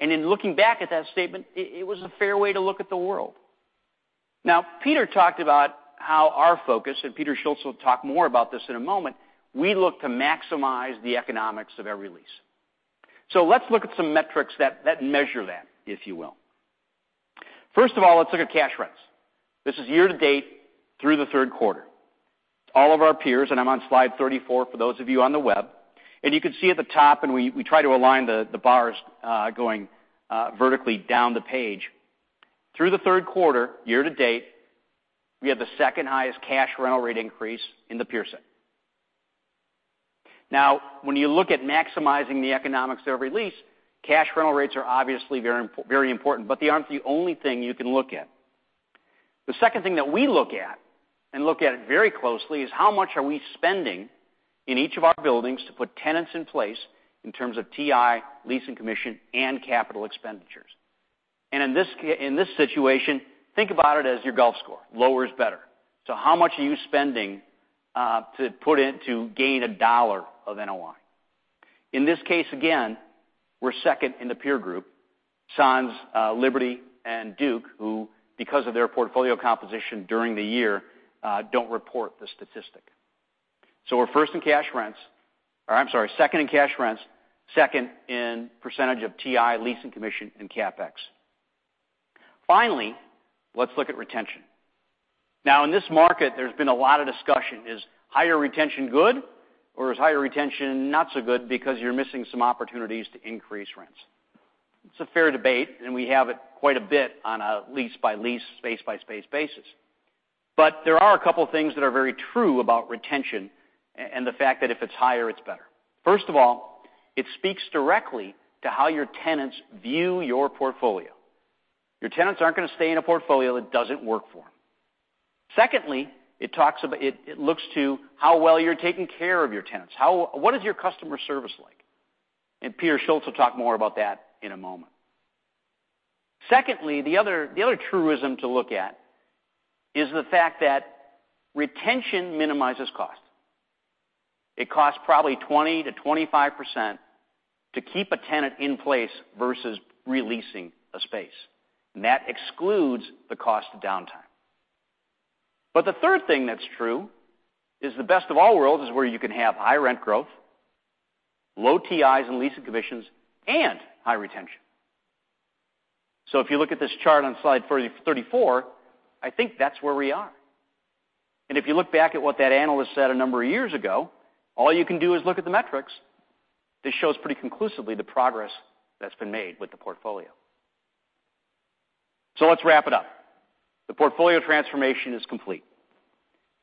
In looking back at that statement, it was a fair way to look at the world. Peter talked about how our focus, Peter Schultz will talk more about this in a moment, we look to maximize the economics of every lease. Let's look at some metrics that measure that, if you will. First of all, let's look at cash rents. This is year to date through the third quarter. All of our peers, I'm on slide 34 for those of you on the web. You can see at the top, and we try to align the bars going vertically down the page. Through the third quarter, year to date, we have the second highest cash rental rate increase in the peer set. When you look at maximizing the economics of every lease, cash rental rates are obviously very important, but they aren't the only thing you can look at. The second thing that we look at, and look at it very closely, is how much are we spending in each of our buildings to put tenants in place in terms of TI, leasing commission, and capital expenditures. In this situation, think about it as your golf score. Lower is better. How much are you spending to put in to gain $1 of NOI? In this case, again, we're second in the peer group, sans Liberty and Duke, who, because of their portfolio composition during the year, don't report the statistic. We're first in cash rents. I'm sorry, second in cash rents, second in percentage of TI, leasing commission, and CapEx. Finally, let's look at retention. In this market, there's been a lot of discussion. Is higher retention good, or is higher retention not so good because you're missing some opportunities to increase rents? It's a fair debate, and we have it quite a bit on a lease-by-lease, space-by-space basis. But there are a couple things that are very true about retention, and the fact that if it's higher, it's better. First of all, it speaks directly to how your tenants view your portfolio. Your tenants aren't going to stay in a portfolio that doesn't work for them. Secondly, it looks to how well you're taking care of your tenants. What is your customer service like? Peter Schultz will talk more about that in a moment. Secondly, the other truism to look at is the fact that retention minimizes cost. It costs probably 20%-25% to keep a tenant in place versus re-leasing a space. That excludes the cost of downtime. The third thing that's true is the best of all worlds is where you can have high rent growth, low TIs and leasing commissions, and high retention. If you look at this chart on slide 34, I think that's where we are. If you look back at what that analyst said a number of years ago, all you can do is look at the metrics. This shows pretty conclusively the progress that's been made with the portfolio. Let's wrap it up. The portfolio transformation is complete.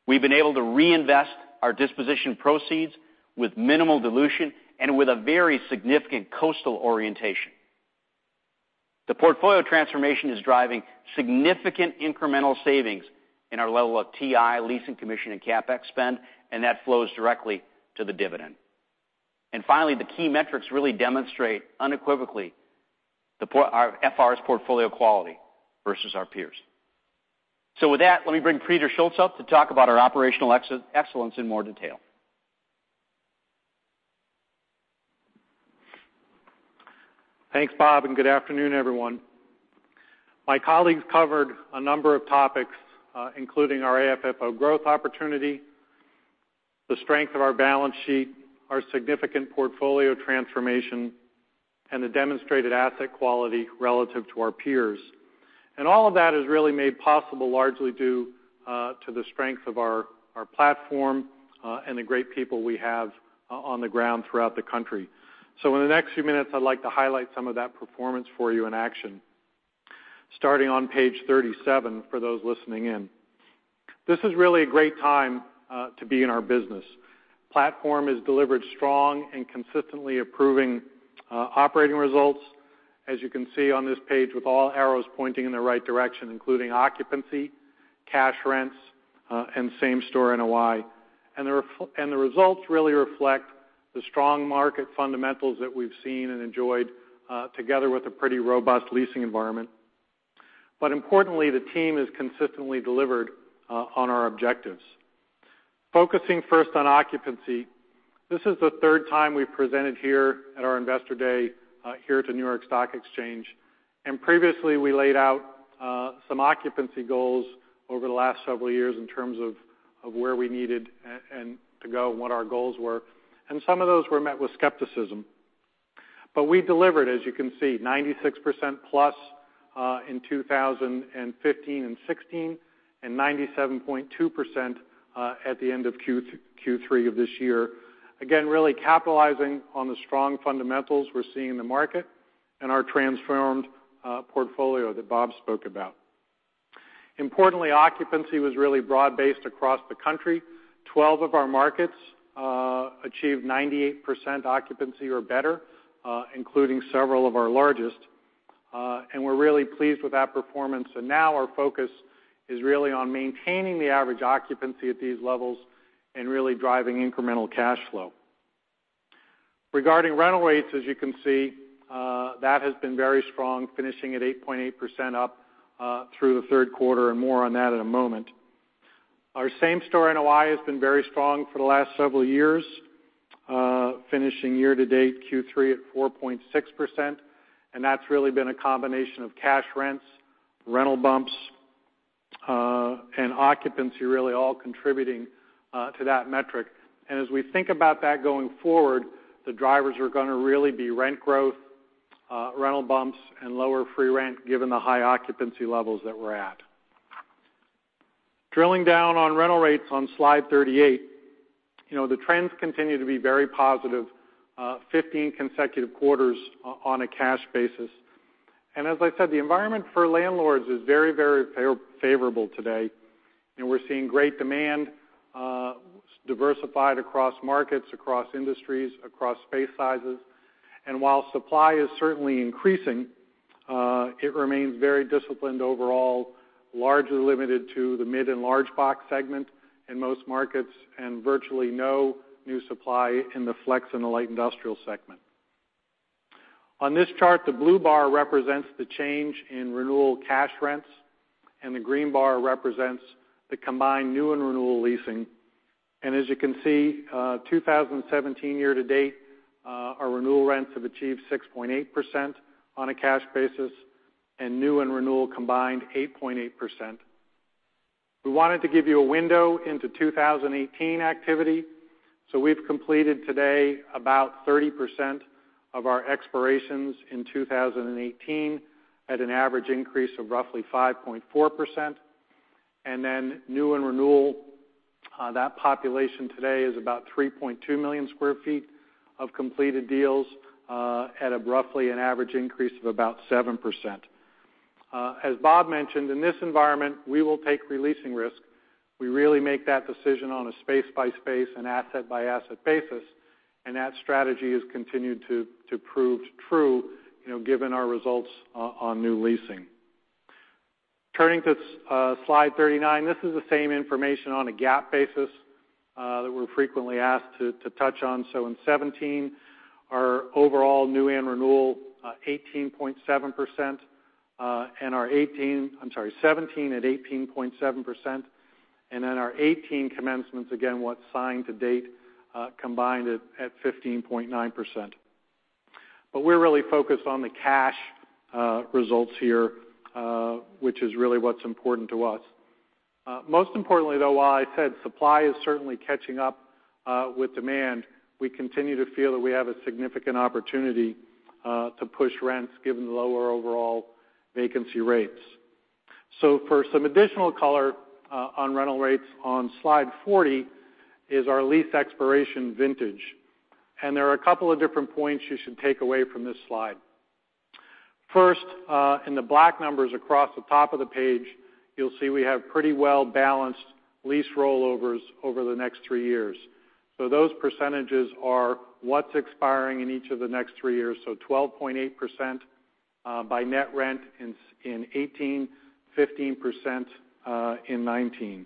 We've been able to reinvest our disposition proceeds with minimal dilution and with a very significant coastal orientation. The portfolio transformation is driving significant incremental savings in our level of TI, leasing commission, and CapEx spend, and that flows directly to the dividend. Finally, the key metrics really demonstrate unequivocally FR's portfolio quality versus our peers. With that, let me bring Peter Schultz up to talk about our operational excellence in more detail. Thanks, Bob, and good afternoon, everyone. My colleagues covered a number of topics, including our AFFO growth opportunity, the strength of our balance sheet, our significant portfolio transformation, and the demonstrated asset quality relative to our peers. All of that is really made possible largely due to the strength of our platform, and the great people we have on the ground throughout the country. In the next few minutes, I'd like to highlight some of that performance for you in action. Starting on page 37, for those listening in. This is really a great time to be in our business. Platform has delivered strong and consistently improving operating results. As you can see on this page, with all arrows pointing in the right direction, including occupancy, cash rents, and same-store NOI. The results really reflect the strong market fundamentals that we've seen and enjoyed, together with a pretty robust leasing environment. Importantly, the team has consistently delivered on our objectives. Focusing first on occupancy, this is the third time we've presented here at our Investor Day here at the New York Stock Exchange. Previously, we laid out some occupancy goals over the last several years in terms of where we needed to go and what our goals were. Some of those were met with skepticism. We delivered, as you can see, 96%-plus in 2015 and 2016, and 97.2% at the end of Q3 of this year. Again, really capitalizing on the strong fundamentals we're seeing in the market and our transformed portfolio that Bob spoke about. Importantly, occupancy was really broad-based across the country. 12 of our markets achieved 98% occupancy or better, including several of our largest. We're really pleased with that performance. Now our focus is really on maintaining the average occupancy at these levels and really driving incremental cash flow. Regarding rental rates, as you can see, that has been very strong, finishing at 8.8% up through the third quarter, and more on that in a moment. Our same-store NOI has been very strong for the last several years, finishing year-to-date Q3 at 4.6%. That's really been a combination of cash rents, rental bumps, and occupancy really all contributing to that metric. As we think about that going forward, the drivers are going to really be rent growth, rental bumps, and lower free rent, given the high occupancy levels that we're at. Drilling down on rental rates on slide 38. The trends continue to be very positive, 15 consecutive quarters on a cash basis. As I said, the environment for landlords is very favorable today. We're seeing great demand diversified across markets, across industries, across space sizes. While supply is certainly increasing, it remains very disciplined overall, largely limited to the mid and large box segment in most markets, and virtually no new supply in the flex and the light industrial segment. On this chart, the blue bar represents the change in renewal cash rents, and the green bar represents the combined new and renewal leasing. As you can see, 2017 year-to-date, our renewal rents have achieved 6.8% on a cash basis, and new and renewal combined, 8.8%. We wanted to give you a window into 2018 activity. We've completed today about 30% of our expirations in 2018 at an average increase of roughly 5.4%. New and renewal, that population today is about 3.2 million square feet of completed deals at roughly an average increase of about 7%. As Bob Walter mentioned, in this environment, we will take re-leasing risk. We really make that decision on a space-by-space and asset-by-asset basis, and that strategy has continued to prove true, given our results on new leasing. Turning to slide 39. This is the same information on a GAAP basis that we're frequently asked to touch on. In 2017, our overall new and renewal, 18.7%. Our 2018, I'm sorry, 2017 at 18.7%, and our 2018 commencements, again, what's signed to date, combined at 15.9%. We're really focused on the cash results here, which is really what's important to us. Most importantly, though, while I said supply is certainly catching up with demand, we continue to feel that we have a significant opportunity to push rents given the lower overall vacancy rates. For some additional color on rental rates, on slide 40 is our lease expiration vintage. There are a couple of different points you should take away from this slide. First, in the black numbers across the top of the page, you'll see we have pretty well-balanced lease rollovers over the next three years. Those percentages are what's expiring in each of the next three years, 12.8% by net rent in 2018, 15% in 2019.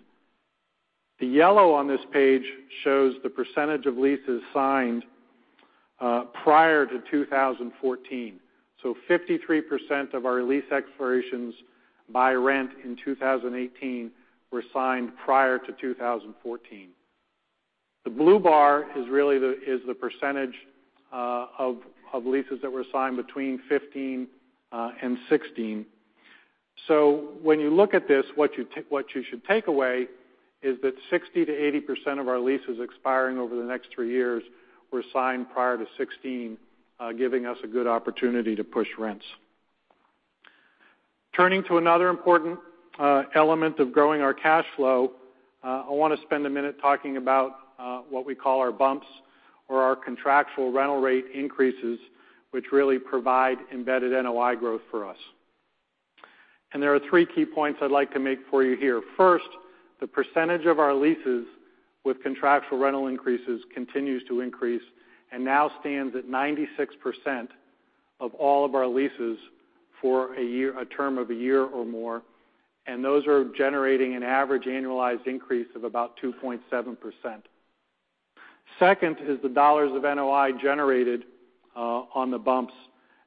The yellow on this page shows the percentage of leases signed prior to 2014. 53% of our lease expirations by rent in 2018 were signed prior to 2014. The blue bar is the percentage of leases that were signed between 2015 and 2016. When you look at this, what you should take away is that 60%-80% of our leases expiring over the next three years were signed prior to 2016, giving us a good opportunity to push rents. Turning to another important element of growing our cash flow, I want to spend a minute talking about what we call our bumps or our contractual rental rate increases, which really provide embedded NOI growth for us. There are three key points I'd like to make for you here. First, the percentage of our leases with contractual rental increases continues to increase and now stands at 96% of all of our leases for a term of a year or more, and those are generating an average annualized increase of about 2.7%. Second is the dollars of NOI generated on the bumps,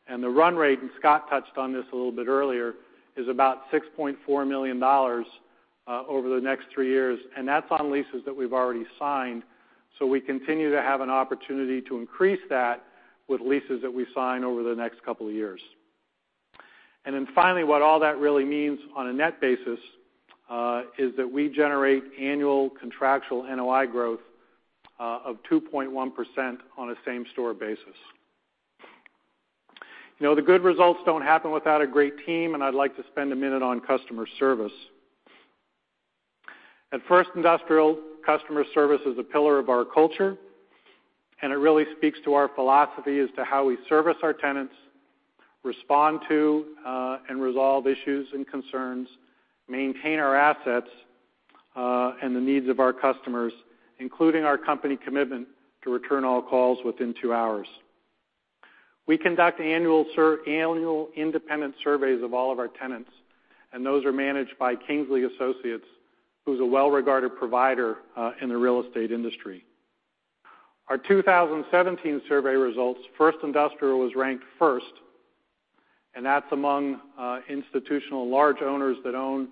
and the run rate, and Scott touched on this a little bit earlier, is about $6.4 million over the next three years, and that's on leases that we've already signed. We continue to have an opportunity to increase that with leases that we sign over the next couple of years. Finally, what all that really means on a net basis is that we generate annual contractual NOI growth of 2.1% on a same-store basis. The good results don't happen without a great team, and I'd like to spend a minute on customer service. At First Industrial, customer service is a pillar of our culture, and it really speaks to our philosophy as to how we service our tenants, respond to and resolve issues and concerns, maintain our assets and the needs of our customers, including our company commitment to return all calls within two hours. We conduct annual independent surveys of all of our tenants, and those are managed by Kingsley Associates, who's a well-regarded provider in the real estate industry. Our 2017 survey results, First Industrial was ranked first, and that's among institutional large owners that own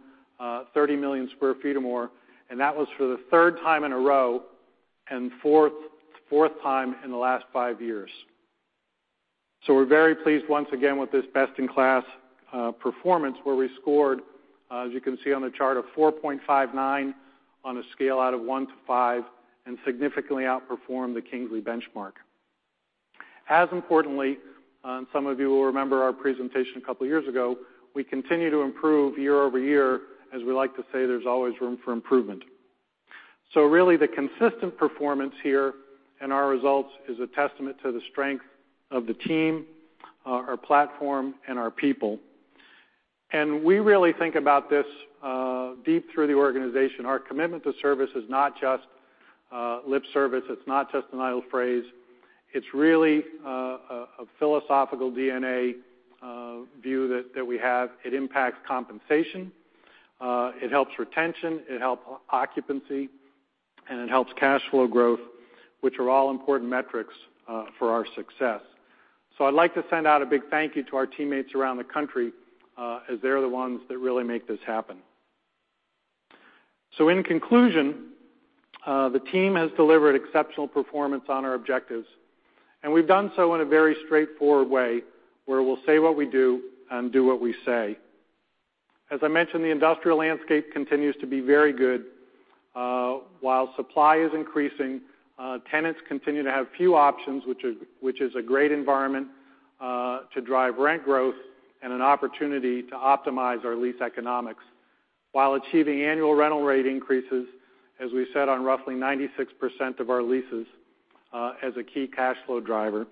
30 million square feet or more, and that was for the third time in a row and fourth time in the last five years. We're very pleased once again with this best-in-class performance, where we scored, as you can see on the chart, a 4.59 on a scale out of one to five and significantly outperformed the Kingsley benchmark. As importantly, some of you will remember our presentation a couple of years ago, we continue to improve year-over-year. As we like to say, there's always room for improvement. Really, the consistent performance here in our results is a testament to the strength of the team, our platform, and our people. We really think about this deep through the organization. Our commitment to service is not just lip service. It's not just an idle phrase. It's really a philosophical DNA view that we have. It impacts compensation, it helps retention, it helps occupancy, and it helps cash flow growth, which are all important metrics for our success. I'd like to send out a big thank you to our teammates around the country, as they're the ones that really make this happen. In conclusion, the team has delivered exceptional performance on our objectives, and we've done so in a very straightforward way, where we'll say what we do and do what we say. As I mentioned, the industrial landscape continues to be very good. While supply is increasing, tenants continue to have few options, which is a great environment to drive rent growth and an opportunity to optimize our lease economics while achieving annual rental rate increases, as we said, on roughly 96% of our leases as a key cash flow driver.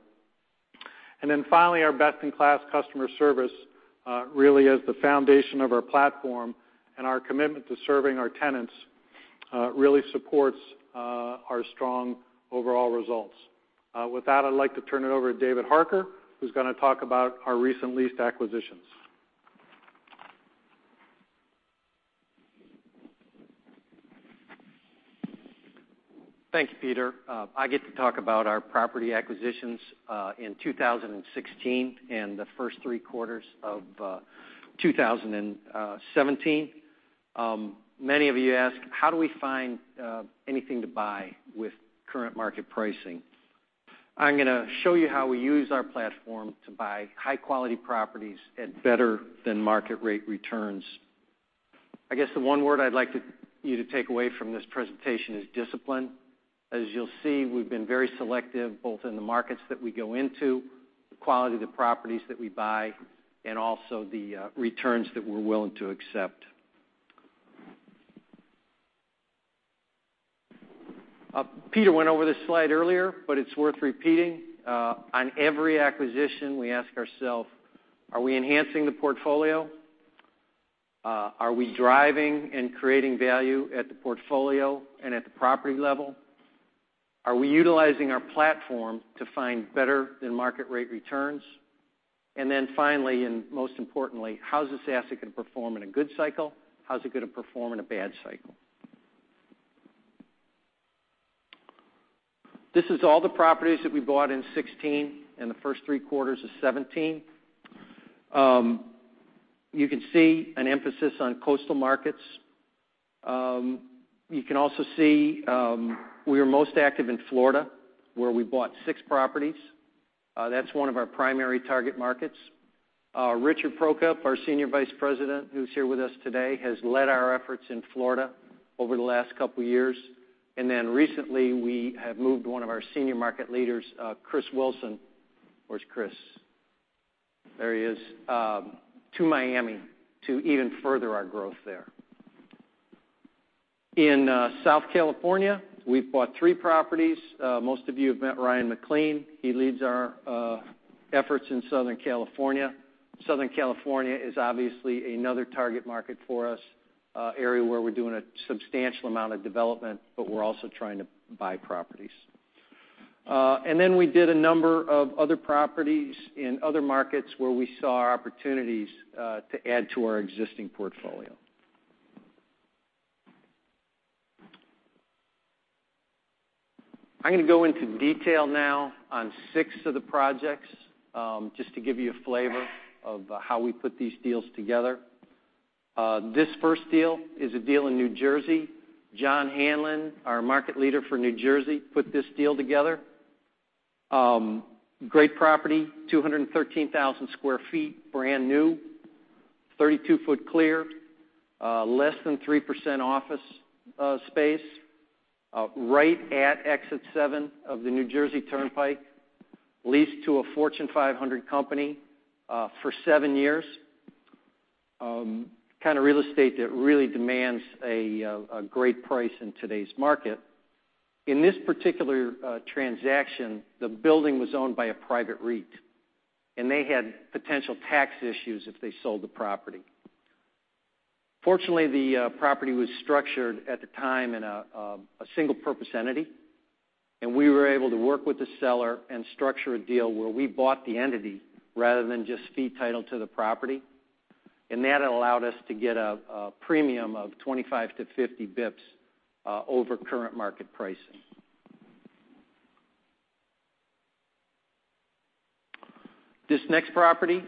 Finally, our best-in-class customer service really is the foundation of our platform, and our commitment to serving our tenants really supports our strong overall results. With that, I'd like to turn it over to David Harker, who's going to talk about our recent leased acquisitions. Thanks, Peter. I get to talk about our property acquisitions in 2016 and the first three quarters of 2017. Many of you ask, how do we find anything to buy with current market pricing? I'm going to show you how we use our platform to buy high-quality properties at better-than-market-rate returns. I guess the one word I'd like you to take away from this presentation is discipline. As you'll see, we've been very selective, both in the markets that we go into, the quality of the properties that we buy, and also the returns that we're willing to accept. Peter went over this slide earlier, but it's worth repeating. On every acquisition, we ask ourself, are we enhancing the portfolio? Are we driving and creating value at the portfolio and at the property level? Are we utilizing our platform to find better-than-market-rate returns? Finally, and most importantly, how is this asset going to perform in a good cycle? How is it going to perform in a bad cycle? This is all the properties that we bought in 2016 and the first three quarters of 2017. You can see an emphasis on coastal markets. You can also see we are most active in Florida, where we bought six properties. That's one of our primary target markets. Richard Prokup, our Senior Vice President, who's here with us today, has led our efforts in Florida over the last couple of years. Recently, we have moved one of our senior market leaders, Chris Willson. Where's Chris? There he is. To Miami to even further our growth there. In Southern California, we've bought three properties. Most of you have met Ryan McClean. He leads our efforts in Southern California. Southern California is obviously another target market for us. Area where we're doing a substantial amount of development, but we're also trying to buy properties. We did a number of other properties in other markets where we saw opportunities to add to our existing portfolio. I'm going to go into detail now on six of the projects, just to give you a flavor of how we put these deals together. This first deal is a deal in New Jersey. John Hanlon, our market leader for New Jersey, put this deal together. Great property, 213,000 sq ft, brand new. 32-foot clear. Less than 3% office space. Right at Exit 7 of the New Jersey Turnpike. Leased to a Fortune 500 company for seven years. Kind of real estate that really demands a great price in today's market. In this particular transaction, the building was owned by a private REIT, and they had potential tax issues if they sold the property. Fortunately, the property was structured at the time in a single-purpose entity, and we were able to work with the seller and structure a deal where we bought the entity rather than just fee title to the property. That allowed us to get a premium of 25-50 basis points over current market pricing. This next property,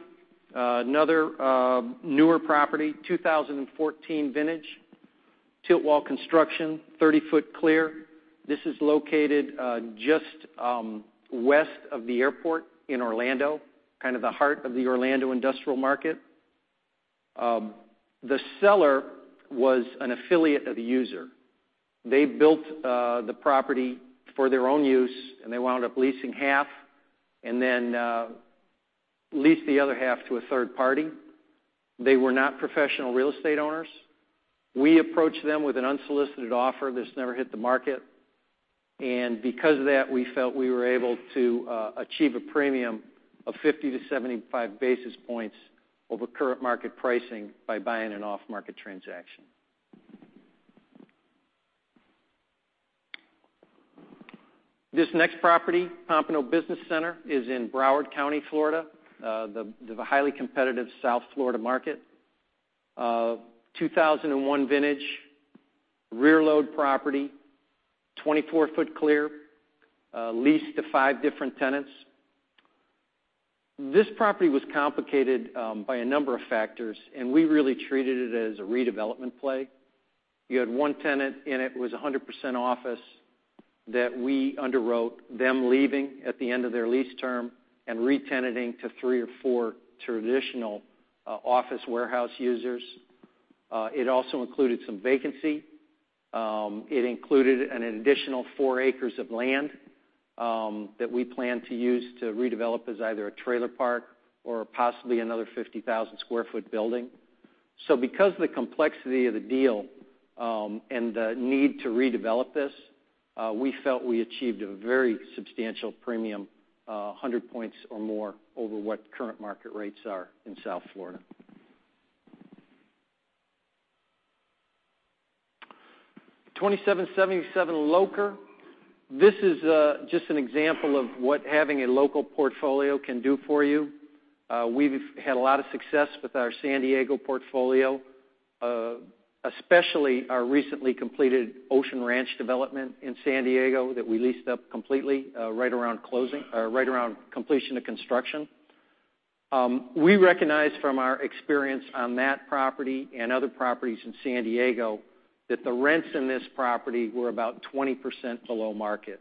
another newer property. 2014 vintage. Tilt wall construction, 30-foot clear. This is located just west of the airport in Orlando, kind of the heart of the Orlando industrial market. The seller was an affiliate of the user. They built the property for their own use, and they wound up leasing half and then leased the other half to a third party. They were not professional real estate owners. We approached them with an unsolicited offer. This never hit the market. Because of that, we felt we were able to achieve a premium of 50-75 basis points over current market pricing by buying an off-market transaction. This next property, Pompano Business Center, is in Broward County, Florida, the highly competitive South Florida market. 2001 vintage. Rear load property. 24-foot clear. Leased to five different tenants. This property was complicated by a number of factors, and we really treated it as a redevelopment play. You had one tenant in it. It was 100% office that we underwrote them leaving at the end of their lease term and re-tenanting to three or four traditional office warehouse users. It also included some vacancy. It included an additional four acres of land that we plan to use to redevelop as either a trailer park or possibly another 50,000-square-foot building. Because of the complexity of the deal and the need to redevelop this, we felt we achieved a very substantial premium, 100 points or more over what current market rates are in South Florida. 2777 Loker. This is just an example of what having a local portfolio can do for you. We've had a lot of success with our San Diego portfolio, especially our recently completed Ocean Ranch development in San Diego that we leased up completely right around completion of construction. We recognized from our experience on that property and other properties in San Diego that the rents in this property were about 20% below market.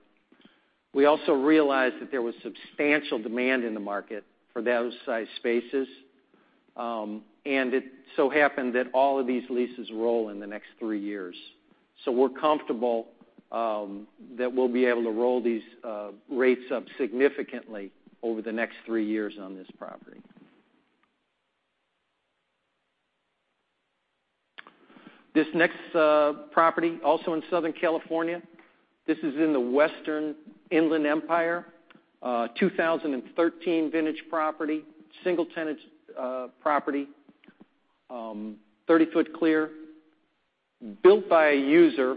We also realized that there was substantial demand in the market for those size spaces. It so happened that all of these leases roll in the next three years. We're comfortable that we'll be able to roll these rates up significantly over the next three years on this property. This next property, also in Southern California. This is in the Western Inland Empire. 2013 vintage property. Single-tenant property. 30-foot clear. Built by a user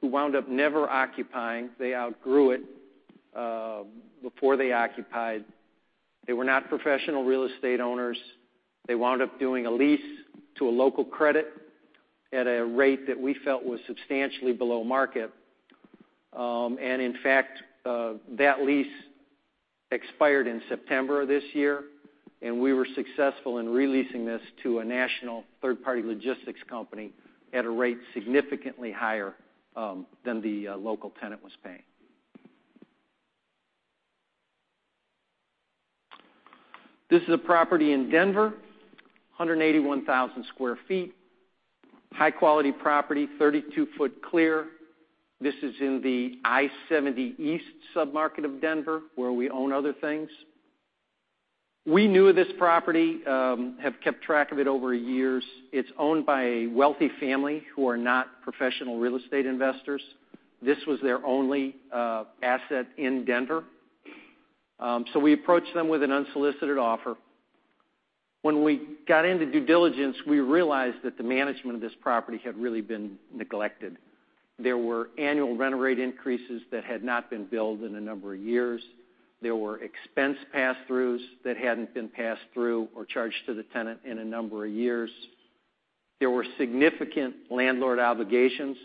who wound up never occupying. They outgrew it before they occupied. They were not professional real estate owners. They wound up doing a lease to a local credit at a rate that we felt was substantially below market. In fact, that lease expired in September of this year, and we were successful in re-leasing this to a national third-party logistics company at a rate significantly higher than the local tenant was paying. This is a property in Denver, 181,000 square feet. High-quality property, 32-foot clear. This is in the I-70 east submarket of Denver, where we own other things. We knew this property, have kept track of it over years. It's owned by a wealthy family who are not professional real estate investors. This was their only asset in Denver. We approached them with an unsolicited offer. When we got into due diligence, we realized that the management of this property had really been neglected. There were annual rent rate increases that had not been billed in a number of years. There were expense pass-throughs that hadn't been passed through or charged to the tenant in a number of years. There were significant landlord obligations,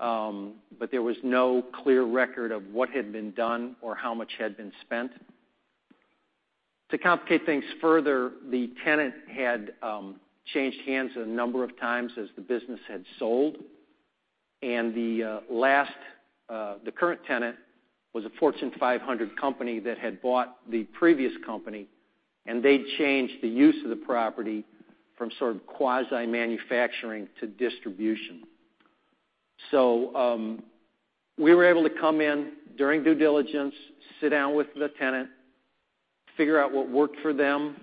but there was no clear record of what had been done or how much had been spent. To complicate things further, the tenant had changed hands a number of times as the business had sold, and the current tenant was a Fortune 500 company that had bought the previous company, and they changed the use of the property from sort of quasi-manufacturing to distribution. We were able to come in during due diligence, sit down with the tenant, figure out what worked for them,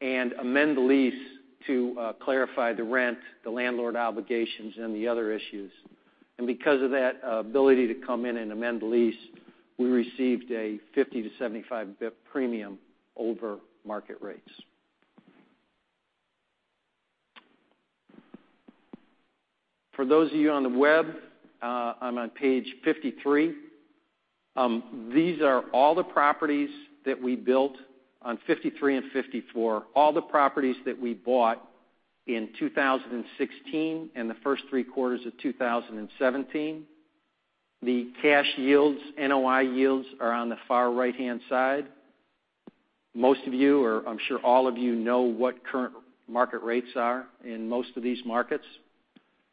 and amend the lease to clarify the rent, the landlord obligations, and the other issues. Because of that ability to come in and amend the lease, we received a 50 to 75 basis point premium over market rates. For those of you on the web, I'm on page 53. These are all the properties that we built on 53 and 54. All the properties that we bought in 2016 and the first three quarters of 2017. The cash yields, NOI yields, are on the far right-hand side. Most of you, or I'm sure all of you, know what current market rates are in most of these markets.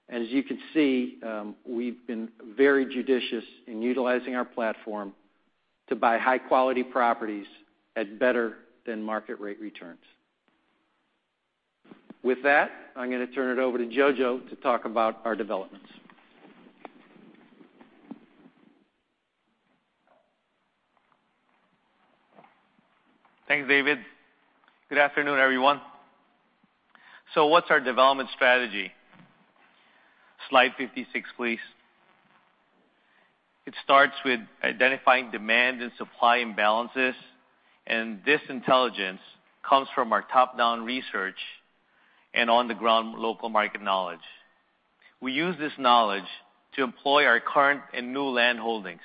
As you can see, we've been very judicious in utilizing our platform to buy high-quality properties at better than market rate returns. With that, I'm going to turn it over to Jojo to talk about our developments. Thanks, David. Good afternoon, everyone. What's our development strategy? Slide 56, please. It starts with identifying demand and supply imbalances, this intelligence comes from our top-down research and on-the-ground local market knowledge. We use this knowledge to employ our current and new land holdings.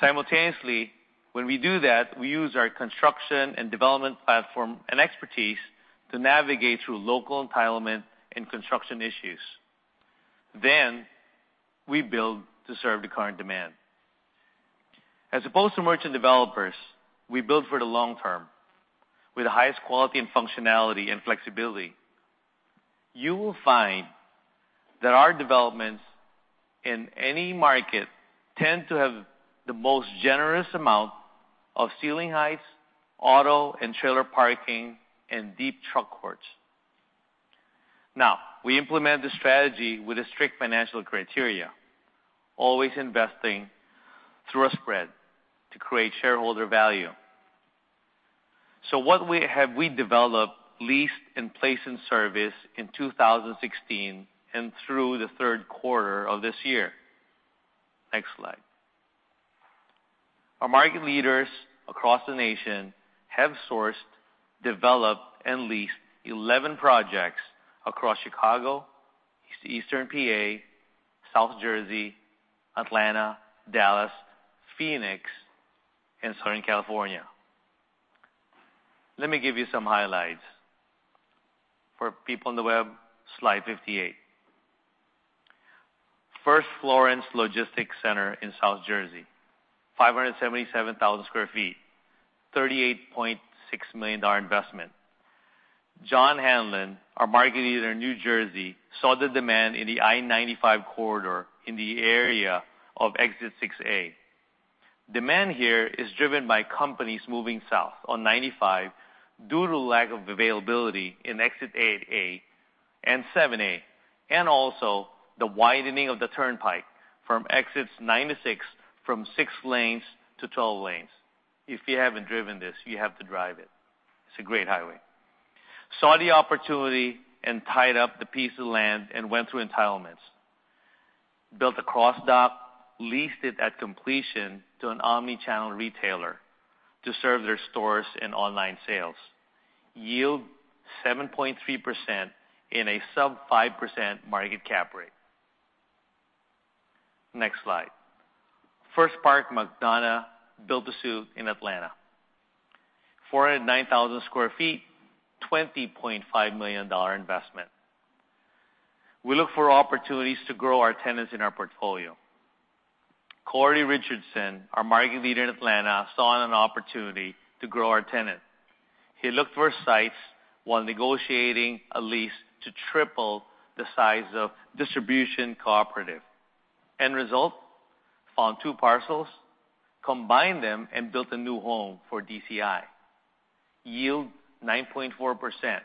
Simultaneously, when we do that, we use our construction and development platform and expertise to navigate through local entitlement and construction issues. We build to serve the current demand. As opposed to merchant developers, we build for the long term with the highest quality and functionality and flexibility. You will find that our developments in any market tend to have the most generous amount of ceiling heights, auto and trailer parking, and deep truck courts. Now, we implement the strategy with a strict financial criteria, always investing through a spread to create shareholder value. What have we developed, leased, and placed in service in 2016 and through the third quarter of this year? Next slide. Our market leaders across the nation have sourced, developed, and leased 11 projects across Chicago, Eastern PA, South Jersey, Atlanta, Dallas, Phoenix, and Southern California. Let me give you some highlights. For people on the web, slide 58. First Florence Logistics Center in South Jersey, 577,000 sq ft, $38.6 million investment. John Hanlon, our market leader in New Jersey, saw the demand in the I-95 corridor in the area of exit 6A. Demand here is driven by companies moving south on 95 due to lack of availability in exit 8A and 7A, and also the widening of the turnpike from exits 9 and 6 from six lanes to 12 lanes. If you haven't driven this, you have to drive it. It's a great highway. Saw the opportunity and tied up the piece of land and went through entitlements. Built a cross dock, leased it at completion to an omni-channel retailer to serve their stores and online sales. Yield 7.3% in a sub 5% market cap rate. Next slide. First Park McDonough build-to-suit in Atlanta. 409,000 sq ft, $20.5 million investment. We look for opportunities to grow our tenants in our portfolio. Corey Richardson, our market leader in Atlanta, saw an opportunity to grow our tenant. He looked for sites while negotiating a lease to triple the size of Distribution Cooperative. End result, found two parcels, combined them, and built a new home for DCI. Yield 9.4%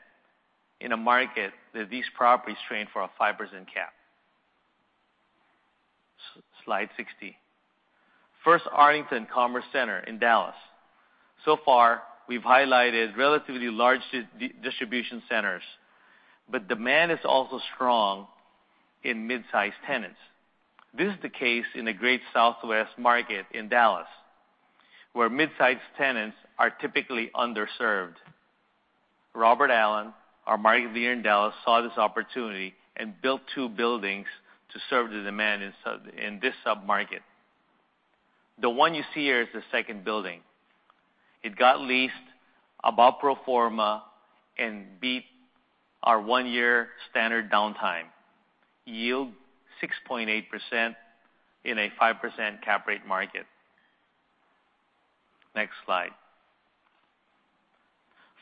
in a market that these properties trade for a 5% cap. Slide 60. First Arlington Commerce Center in Dallas. So far, we've highlighted relatively large distribution centers, but demand is also strong in mid-size tenants. This is the case in the great southwest market in Dallas, where mid-size tenants are typically underserved. Robert Allen, our market leader in Dallas, saw this opportunity and built two buildings to serve the demand in this sub-market. The one you see here is the second building. It got leased above pro forma and beat our one-year standard downtime. Yield 6.8% in a 5% cap rate market. Next slide.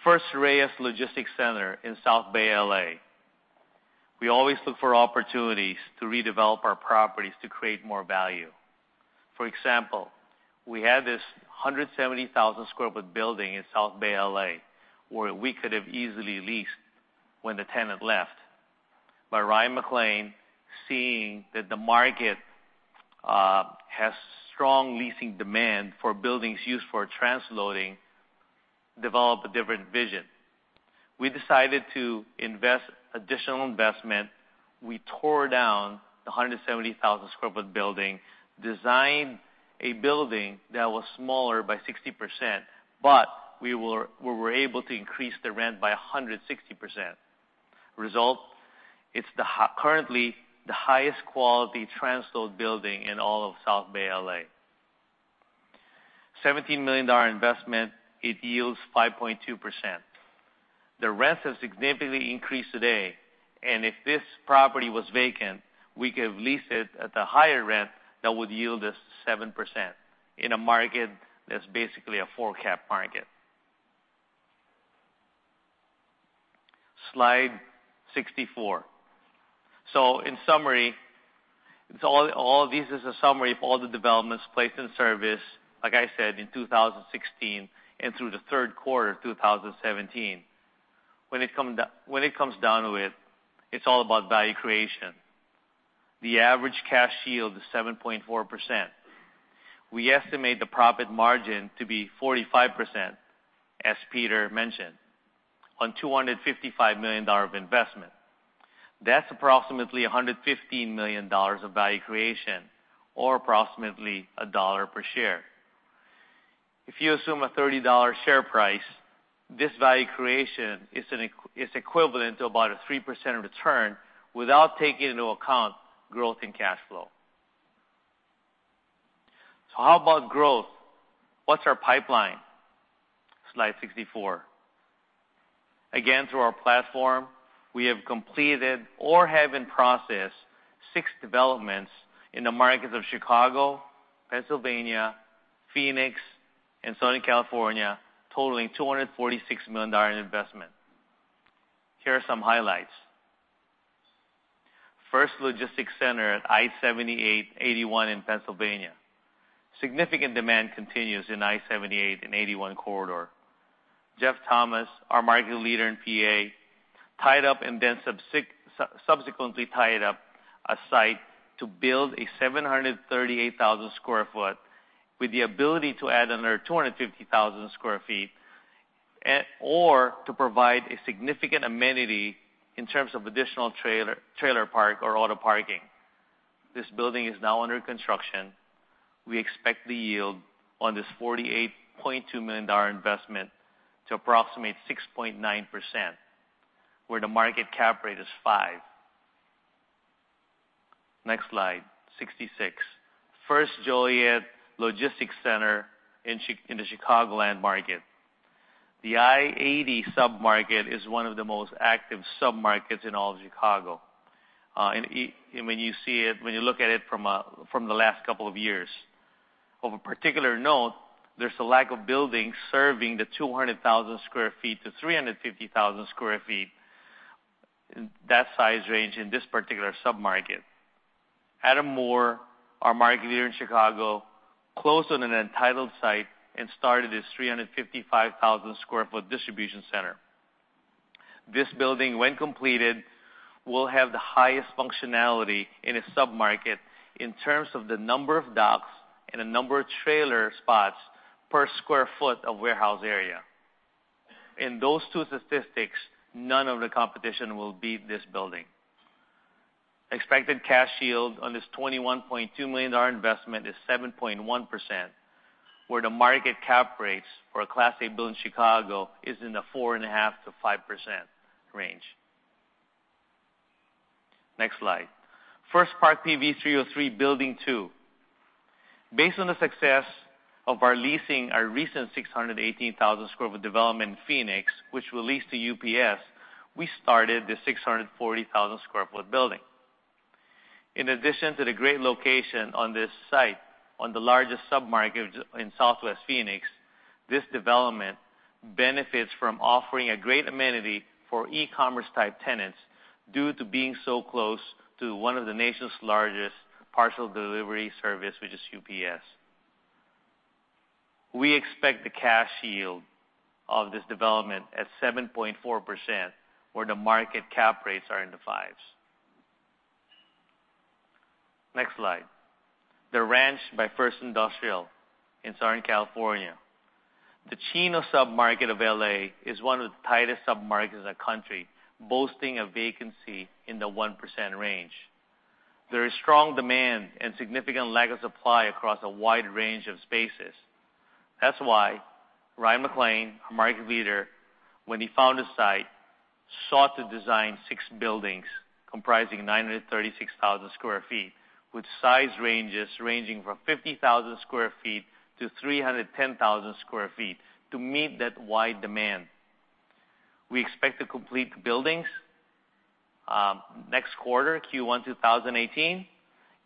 First Reyes Logistics Center in South Bay, L.A. We always look for opportunities to redevelop our properties to create more value. For example, we had this 170,000 sq ft building in South Bay, L.A., where we could have easily leased when the tenant left. But Ryan McClean, seeing that the market has strong leasing demand for buildings used for transloading, developed a different vision. We decided to invest additional investment. We tore down the 170,000 sq ft building, designed a building that was smaller by 60%, but we were able to increase the rent by 160%. Result, it's currently the highest quality transload building in all of South Bay, L.A. $17 million investment, it yields 5.2%. The rents have significantly increased today, and if this property was vacant, we could have leased it at the higher rent that would yield us 7% in a market that's basically a 4 cap market. Slide 64. In summary, all this is a summary of all the developments placed in service, like I said, in 2016 and through the third quarter of 2017. When it comes down to it's all about value creation. The average cash yield is 7.4%. We estimate the profit margin to be 45%, as Peter mentioned, on $255 million of investment. That's approximately $115 million of value creation or approximately a dollar per share. If you assume a $30 share price, this value creation is equivalent to about a 3% return without taking into account growth in cash flow. How about growth? What's our pipeline? Slide 64. Again, through our platform, we have completed or have in process six developments in the markets of Chicago, Pennsylvania, Phoenix, and Southern California, totaling $246 million in investment. Here are some highlights. First Logistics Center at I-78/81 in Pennsylvania. Significant demand continues in the I-78 and I-81 corridor. Jeff Thomas, our market leader in PA, tied up and then subsequently tied up a site to build a 738,000 sq ft with the ability to add another 250,000 sq ft or to provide a significant amenity in terms of additional trailer park or auto parking. This building is now under construction. We expect the yield on this $48.2 million investment to approximate 6.9%, where the market cap rate is 5%. Next slide, 66. First Joliet Logistics Center in the Chicagoland market. The I-80 sub-market is one of the most active sub-markets in all of Chicago, when you look at it from the last couple of years. Of a particular note, there's a lack of buildings serving the 200,000 sq ft to 350,000 sq ft, that size range in this particular sub-market. Adam Moore, our market leader in Chicago, closed on an entitled site and started this 355,000 sq ft distribution center. This building, when completed, will have the highest functionality in a sub-market in terms of the number of docks and the number of trailer spots per sq ft of warehouse area. In those two statistics, none of the competition will beat this building. Expected cash yield on this $21.2 million investment is 7.1%, where the market cap rates for a Class A build in Chicago is in the 4.5%-5% range. Next slide. First Park PV 303 Building 2. Based on the success of our leasing our recent 618,000 sq ft development in Phoenix, which we leased to UPS, we started the 640,000 sq ft building. In addition to the great location on this site, on the largest sub-market in Southwest Phoenix, this development benefits from offering a great amenity for e-commerce type tenants due to being so close to one of the nation's largest parcel delivery service, which is UPS. We expect the cash yield of this development at 7.4%, where the market cap rates are in the 5s. Next slide. The Ranch by First Industrial in Southern California. The Chino sub-market of L.A. is one of the tightest sub-markets in the country, boasting a vacancy in the 1% range. There is strong demand and significant lack of supply across a wide range of spaces. That's why Ryan McClean, our market leader, when he found a site, sought to design six buildings comprising 936,000 sq ft, with size ranges ranging from 50,000 sq ft to 310,000 sq ft to meet that wide demand. We expect to complete the buildings next quarter, Q1 2018,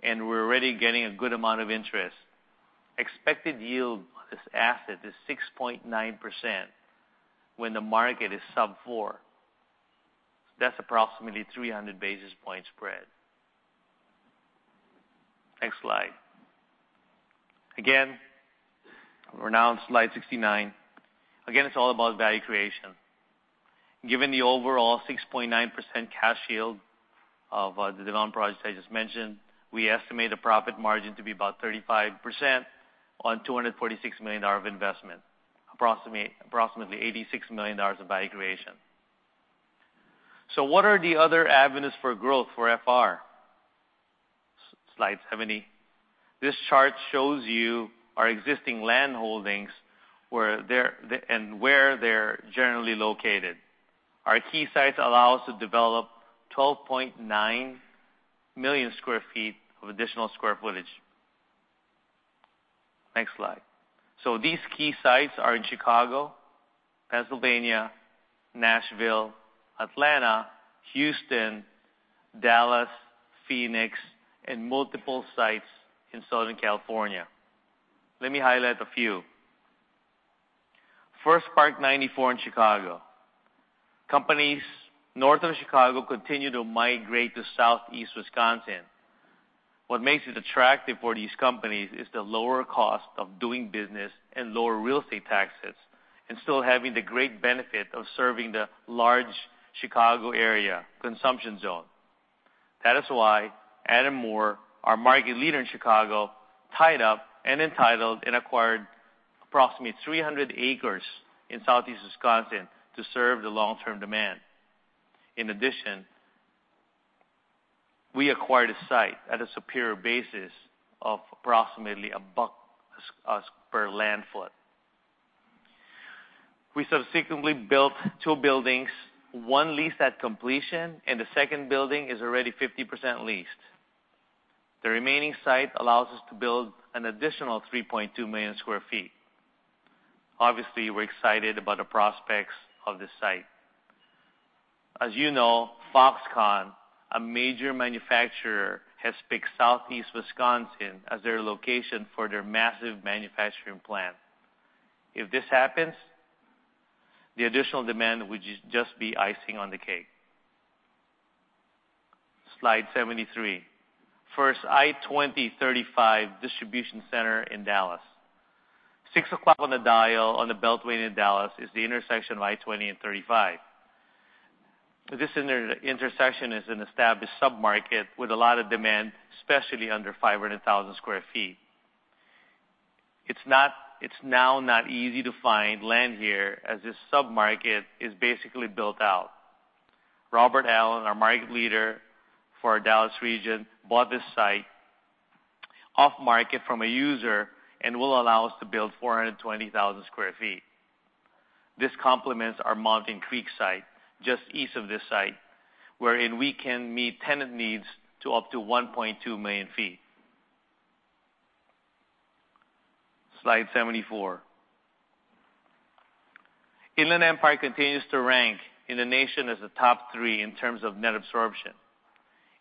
and we're already getting a good amount of interest. Expected yield on this asset is 6.9%, when the market is sub-four. That's approximately 300 basis point spread. Next slide. Again, we're now on slide 69. Again, it's all about value creation. Given the overall 6.9% cash yield of the development projects I just mentioned, we estimate the profit margin to be about 35% on $246 million of investment, approximately $86 million of value creation. What are the other avenues for growth for FR? Slide 70. This chart shows you our existing land holdings and where they're generally located. Our key sites allow us to develop 12.9 million sq ft of additional square footage. Next slide. These key sites are in Chicago, Pennsylvania, Nashville, Atlanta, Houston, Dallas, Phoenix, and multiple sites in Southern California. Let me highlight a few. First Park 94 in Chicago. Companies north of Chicago continue to migrate to Southeast Wisconsin. What makes it attractive for these companies is the lower cost of doing business and lower real estate taxes, and still having the great benefit of serving the large Chicago area consumption zone. That is why Adam Moore, our market leader in Chicago, tied up an entitled and acquired approximately 300 acres in Southeast Wisconsin to serve the long-term demand. In addition, we acquired a site at a superior basis of approximately a buck per land foot. We subsequently built two buildings, one leased at completion, and the second building is already 50% leased. The remaining site allows us to build an additional 3.2 million sq ft. Obviously, we're excited about the prospects of this site. As you know, Foxconn, a major manufacturer, has picked Southeast Wisconsin as their location for their massive manufacturing plant. If this happens, the additional demand would just be icing on the cake. Slide 73. First I-20/35 Distribution Center in Dallas. Six o'clock on the dial on the beltway in Dallas is the intersection of I-20 and 35. This intersection is an established sub-market with a lot of demand, especially under 500,000 sq ft. It's now not easy to find land here as this sub-market is basically built out. Robert Allen, our market leader for our Dallas region, bought this site off-market from a user and will allow us to build 420,000 sq ft. This complements our Mountain Creek site just east of this site, wherein we can meet tenant needs to up to 1.2 million sq ft. Slide 74. Inland Empire continues to rank in the nation as a top three in terms of net absorption.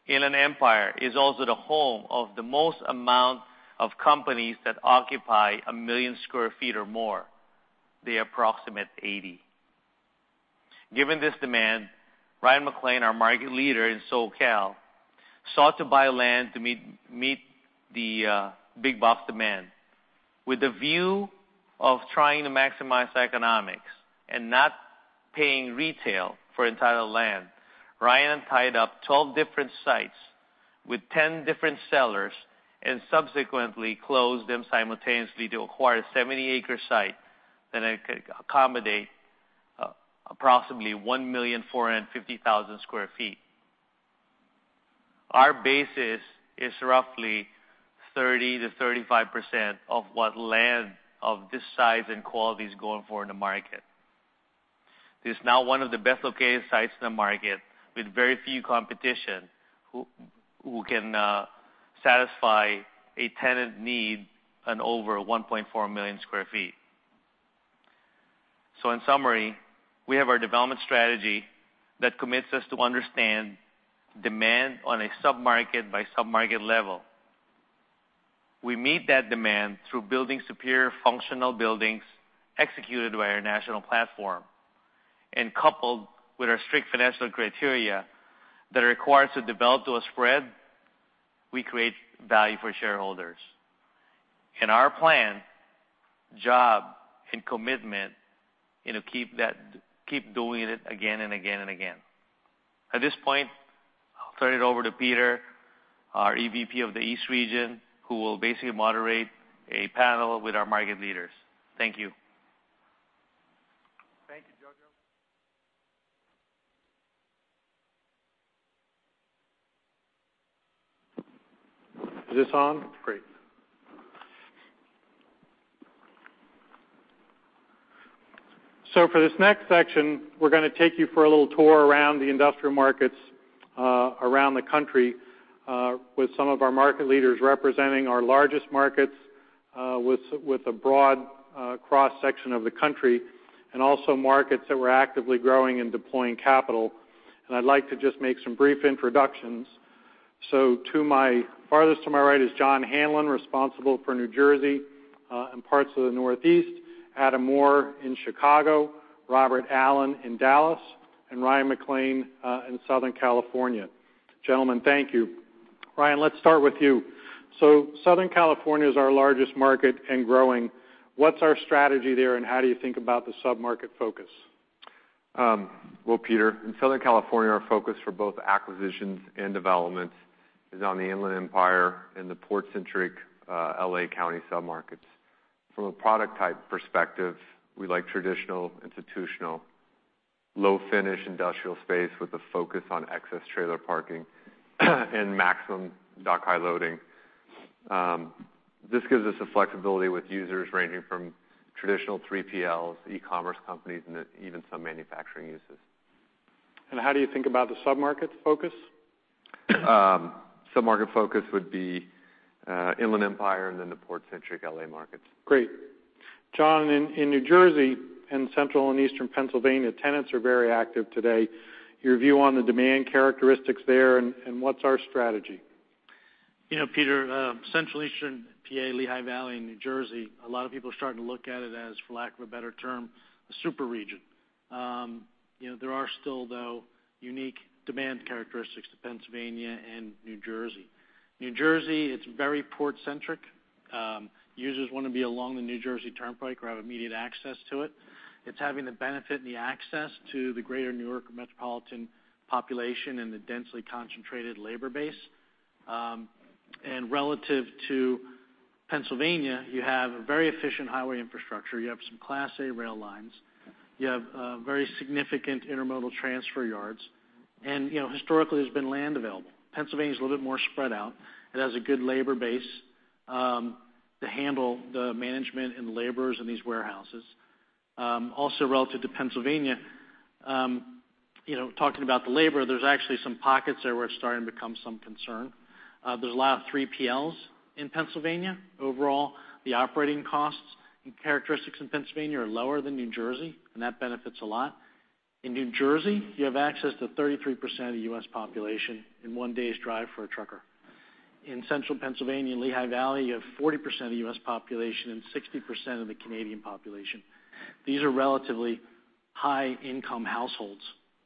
Inland Empire is also the home of the most amount of companies that occupy 1 million sq ft or more. They approximate 80. Given this demand, Ryan McClean, our market leader in SoCal, sought to buy land to meet the big box demand. With the view of trying to maximize economics and not paying retail for entitled land, Ryan tied up 12 different sites with 10 different sellers and subsequently closed them simultaneously to acquire a 70-acre site that could accommodate approximately 1,450,000 sq ft. Our base is roughly 30%-35% of what land of this size and quality is going for in the market. This is now one of the best located sites in the market with very few competition who can satisfy a tenant need an over 1.4 million sq ft. In summary, we have our development strategy that commits us to understand demand on a sub-market by sub-market level. We meet that demand through building superior functional buildings executed by our national platform. Coupled with our strict financial criteria that are required to develop to a spread, we create value for shareholders. Our plan, job, and commitment keep doing it again and again and again. At this point, I'll turn it over to Peter, our EVP of the East Region, who will basically moderate a panel with our market leaders. Thank you. Thank you, Jojo. Is this on? Great. For this next section, we're going to take you for a little tour around the industrial markets around the country with some of our market leaders representing our largest markets with a broad cross-section of the country, and also markets that we're actively growing and deploying capital. I'd like to just make some brief introductions. Farthest to my right is John Hanlon, responsible for New Jersey, and parts of the Northeast. Adam Moore in Chicago, Robert Allen in Dallas, and Ryan McClean in Southern California. Gentlemen, thank you. Ryan, let's start with you. Southern California is our largest market and growing. What's our strategy there and how do you think about the sub-market focus? Well, Peter, in Southern California, our focus for both acquisitions and developments is on the Inland Empire and the port-centric L.A. County sub-markets. From a product type perspective, we like traditional, institutional, low-finish industrial space with a focus on excess trailer parking and maximum dock-high loading. This gives us the flexibility with users ranging from traditional 3PLs, e-commerce companies, and even some manufacturing uses. How do you think about the sub-market focus? Sub-market focus would be Inland Empire and then the port-centric L.A. markets. Great. John, in New Jersey and Central and Eastern Pennsylvania, tenants are very active today. Your view on the demand characteristics there and what's our strategy? Peter, Central Eastern PA, Lehigh Valley, and New Jersey, a lot of people are starting to look at it as, for lack of a better term, a super region. There are still, though, unique demand characteristics to Pennsylvania and New Jersey. New Jersey, it's very port-centric. Users want to be along the New Jersey Turnpike or have immediate access to it. It's having the benefit and the access to the greater New York metropolitan population and the densely concentrated labor base. Relative to Pennsylvania, you have a very efficient highway infrastructure. You have some Class 8 rail lines. You have very significant intermodal transfer yards. Historically, there's been land available. Pennsylvania is a little bit more spread out. It has a good labor base to handle the management and laborers in these warehouses. Also relative to Pennsylvania, talking about the labor, there's actually some pockets there where it's starting to become some concern. There's a lot of 3PLs in Pennsylvania. Overall, the operating costs and characteristics in Pennsylvania are lower than New Jersey, and that benefits a lot. In New Jersey, you have access to 33% of the U.S. population in one day's drive for a trucker. In Central Pennsylvania and Lehigh Valley, you have 40% of the U.S. population and 60% of the Canadian population. These are relatively high-income households.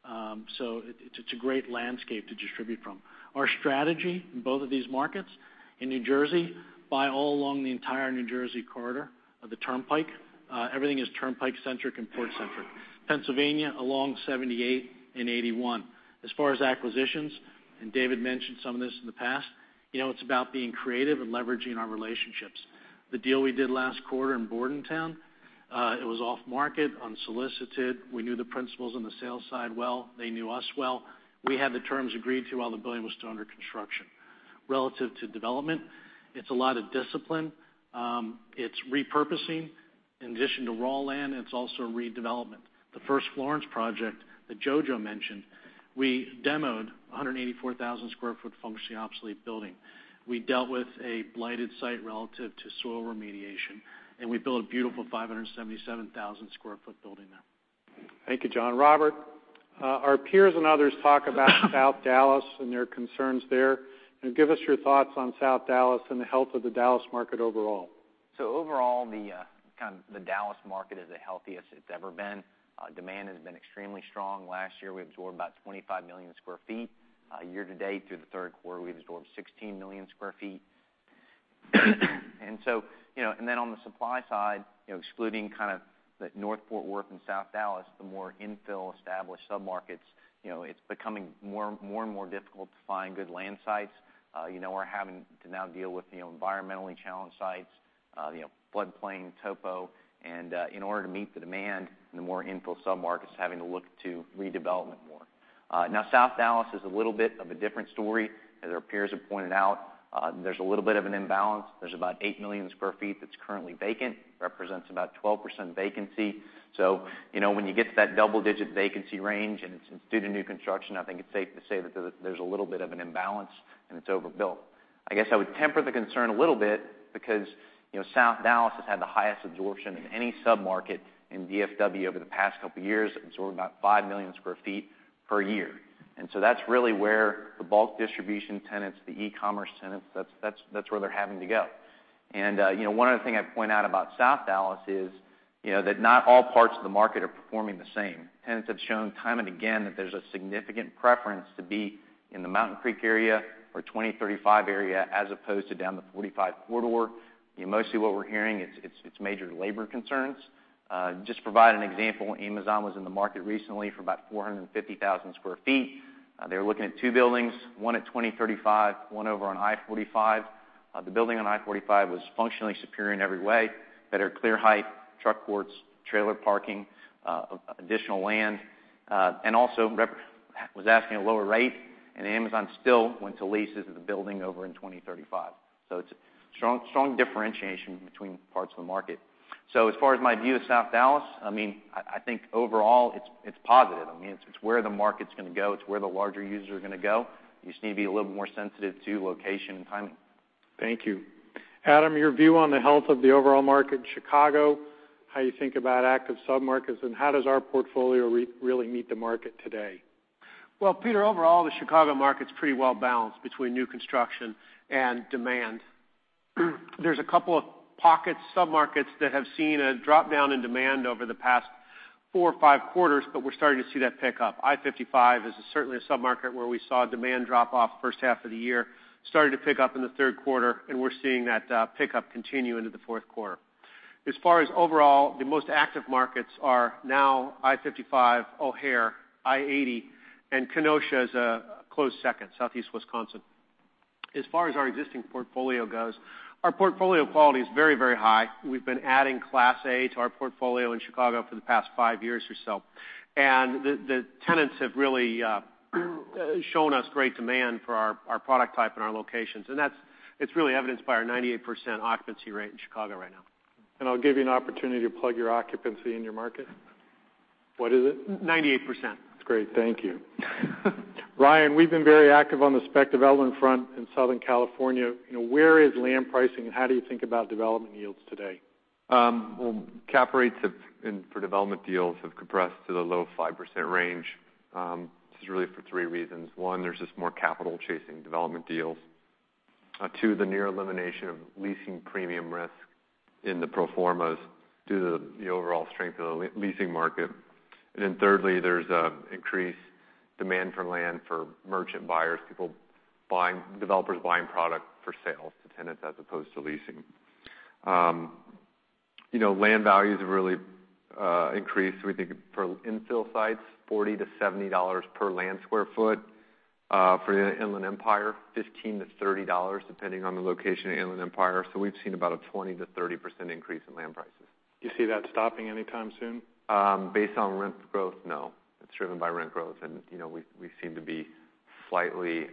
It's a great landscape to distribute from. Our strategy in both of these markets, in New Jersey, buy all along the entire New Jersey corridor of the turnpike. Everything is turnpike-centric and port-centric. Pennsylvania, along 78 and 81. As far as acquisitions, David mentioned some of this in the past It's about being creative and leveraging our relationships. The deal we did last quarter in Bordentown, it was off-market, unsolicited. We knew the principals on the sales side well. They knew us well. We had the terms agreed to while the building was still under construction. Relative to development, it's a lot of discipline. It's repurposing. In addition to raw land, it's also redevelopment. The First Florence project that Jojo mentioned, we demoed 184,000 sq ft functionally obsolete building. We dealt with a blighted site relative to soil remediation, and we built a beautiful 577,000 sq ft building there. Thank you, John. Robert, our peers and others talk about South Dallas and their concerns there. Can you give us your thoughts on South Dallas and the health of the Dallas market overall? Overall, the Dallas market is the healthiest it's ever been. Demand has been extremely strong. Last year, we absorbed about 25 million sq ft. Year-to-date through the third quarter, we've absorbed 16 million sq ft. On the supply side, excluding kind of the North Fort Worth and South Dallas, the more infill established sub-markets, it's becoming more and more difficult to find good land sites. We're having to now deal with environmentally challenged sites, flood plain, topo. In order to meet the demand in the more infill sub-markets, having to look to redevelopment more. South Dallas is a little bit of a different story. As our peers have pointed out, there's a little bit of an imbalance. There's about 8 million sq ft that's currently vacant, represents about 12% vacancy. When you get to that double-digit vacancy range, and it's due to new construction, I think it's safe to say that there's a little bit of an imbalance and it's overbuilt. I guess I would temper the concern a little bit because South Dallas has had the highest absorption of any sub-market in DFW over the past couple of years, absorbing about 5 million sq ft per year. That's really where the bulk distribution tenants, the e-commerce tenants, that's where they're having to go. One other thing I'd point out about South Dallas is that not all parts of the market are performing the same. Tenants have shown time and again that there's a significant preference to be in the Mountain Creek area or 2035 area, as opposed to down the 45 corridor. Mostly what we're hearing, it's major labor concerns. Just provide an example, Amazon was in the market recently for about 450,000 sq ft. They were looking at two buildings, one at 20/35, one over on I-45. The building on I-45 was functionally superior in every way, better clear height, truck courts, trailer parking, additional land. Also, was asking a lower rate, Amazon still went to lease this building over in 20/35. It's a strong differentiation between parts of the market. As far as my view of South Dallas, I think overall, it's positive. It's where the market's going to go. It's where the larger users are going to go. You just need to be a little more sensitive to location and timing. Thank you. Adam, your view on the health of the overall market in Chicago, how you think about active sub-markets, and how does our portfolio really meet the market today? Well, Peter, overall, the Chicago market's pretty well-balanced between new construction and demand. There's a couple of pocket sub-markets that have seen a drop-down in demand over the past four or five quarters, but we're starting to see that pick up. I-55 is certainly a sub-market where we saw demand drop off first half of the year. Starting to pick up in the third quarter, we're seeing that pick up continue into the fourth quarter. As far as overall, the most active markets are now I-55, O'Hare, I-80, Kenosha is a close second, Southeast Wisconsin. As far as our existing portfolio goes, our portfolio quality is very high. We've been adding Class A to our portfolio in Chicago for the past five years or so. The tenants have really shown us great demand for our product type and our locations. It's really evidenced by our 98% occupancy rate in Chicago right now. I'll give you an opportunity to plug your occupancy in your market. What is it? 98%. That's great. Thank you. Ryan, we've been very active on the spec development front in Southern California. Where is land pricing and how do you think about development yields today? Well, cap rates for development deals have compressed to the low 5% range. This is really for three reasons. One, there's just more capital chasing development deals. Two, the near elimination of leasing premium risk in the pro formas due to the overall strength of the leasing market. thirdly, there's increased demand for land for merchant buyers, developers buying product for sales to tenants as opposed to leasing. Land values have really increased. We think for infill sites, $40-$70 per land sq ft. For the Inland Empire, $15-$30, depending on the location in Inland Empire. We've seen about a 20%-30% increase in land prices. Do you see that stopping anytime soon? Based on rent growth, no. It's driven by rent growth. We seem to be slightly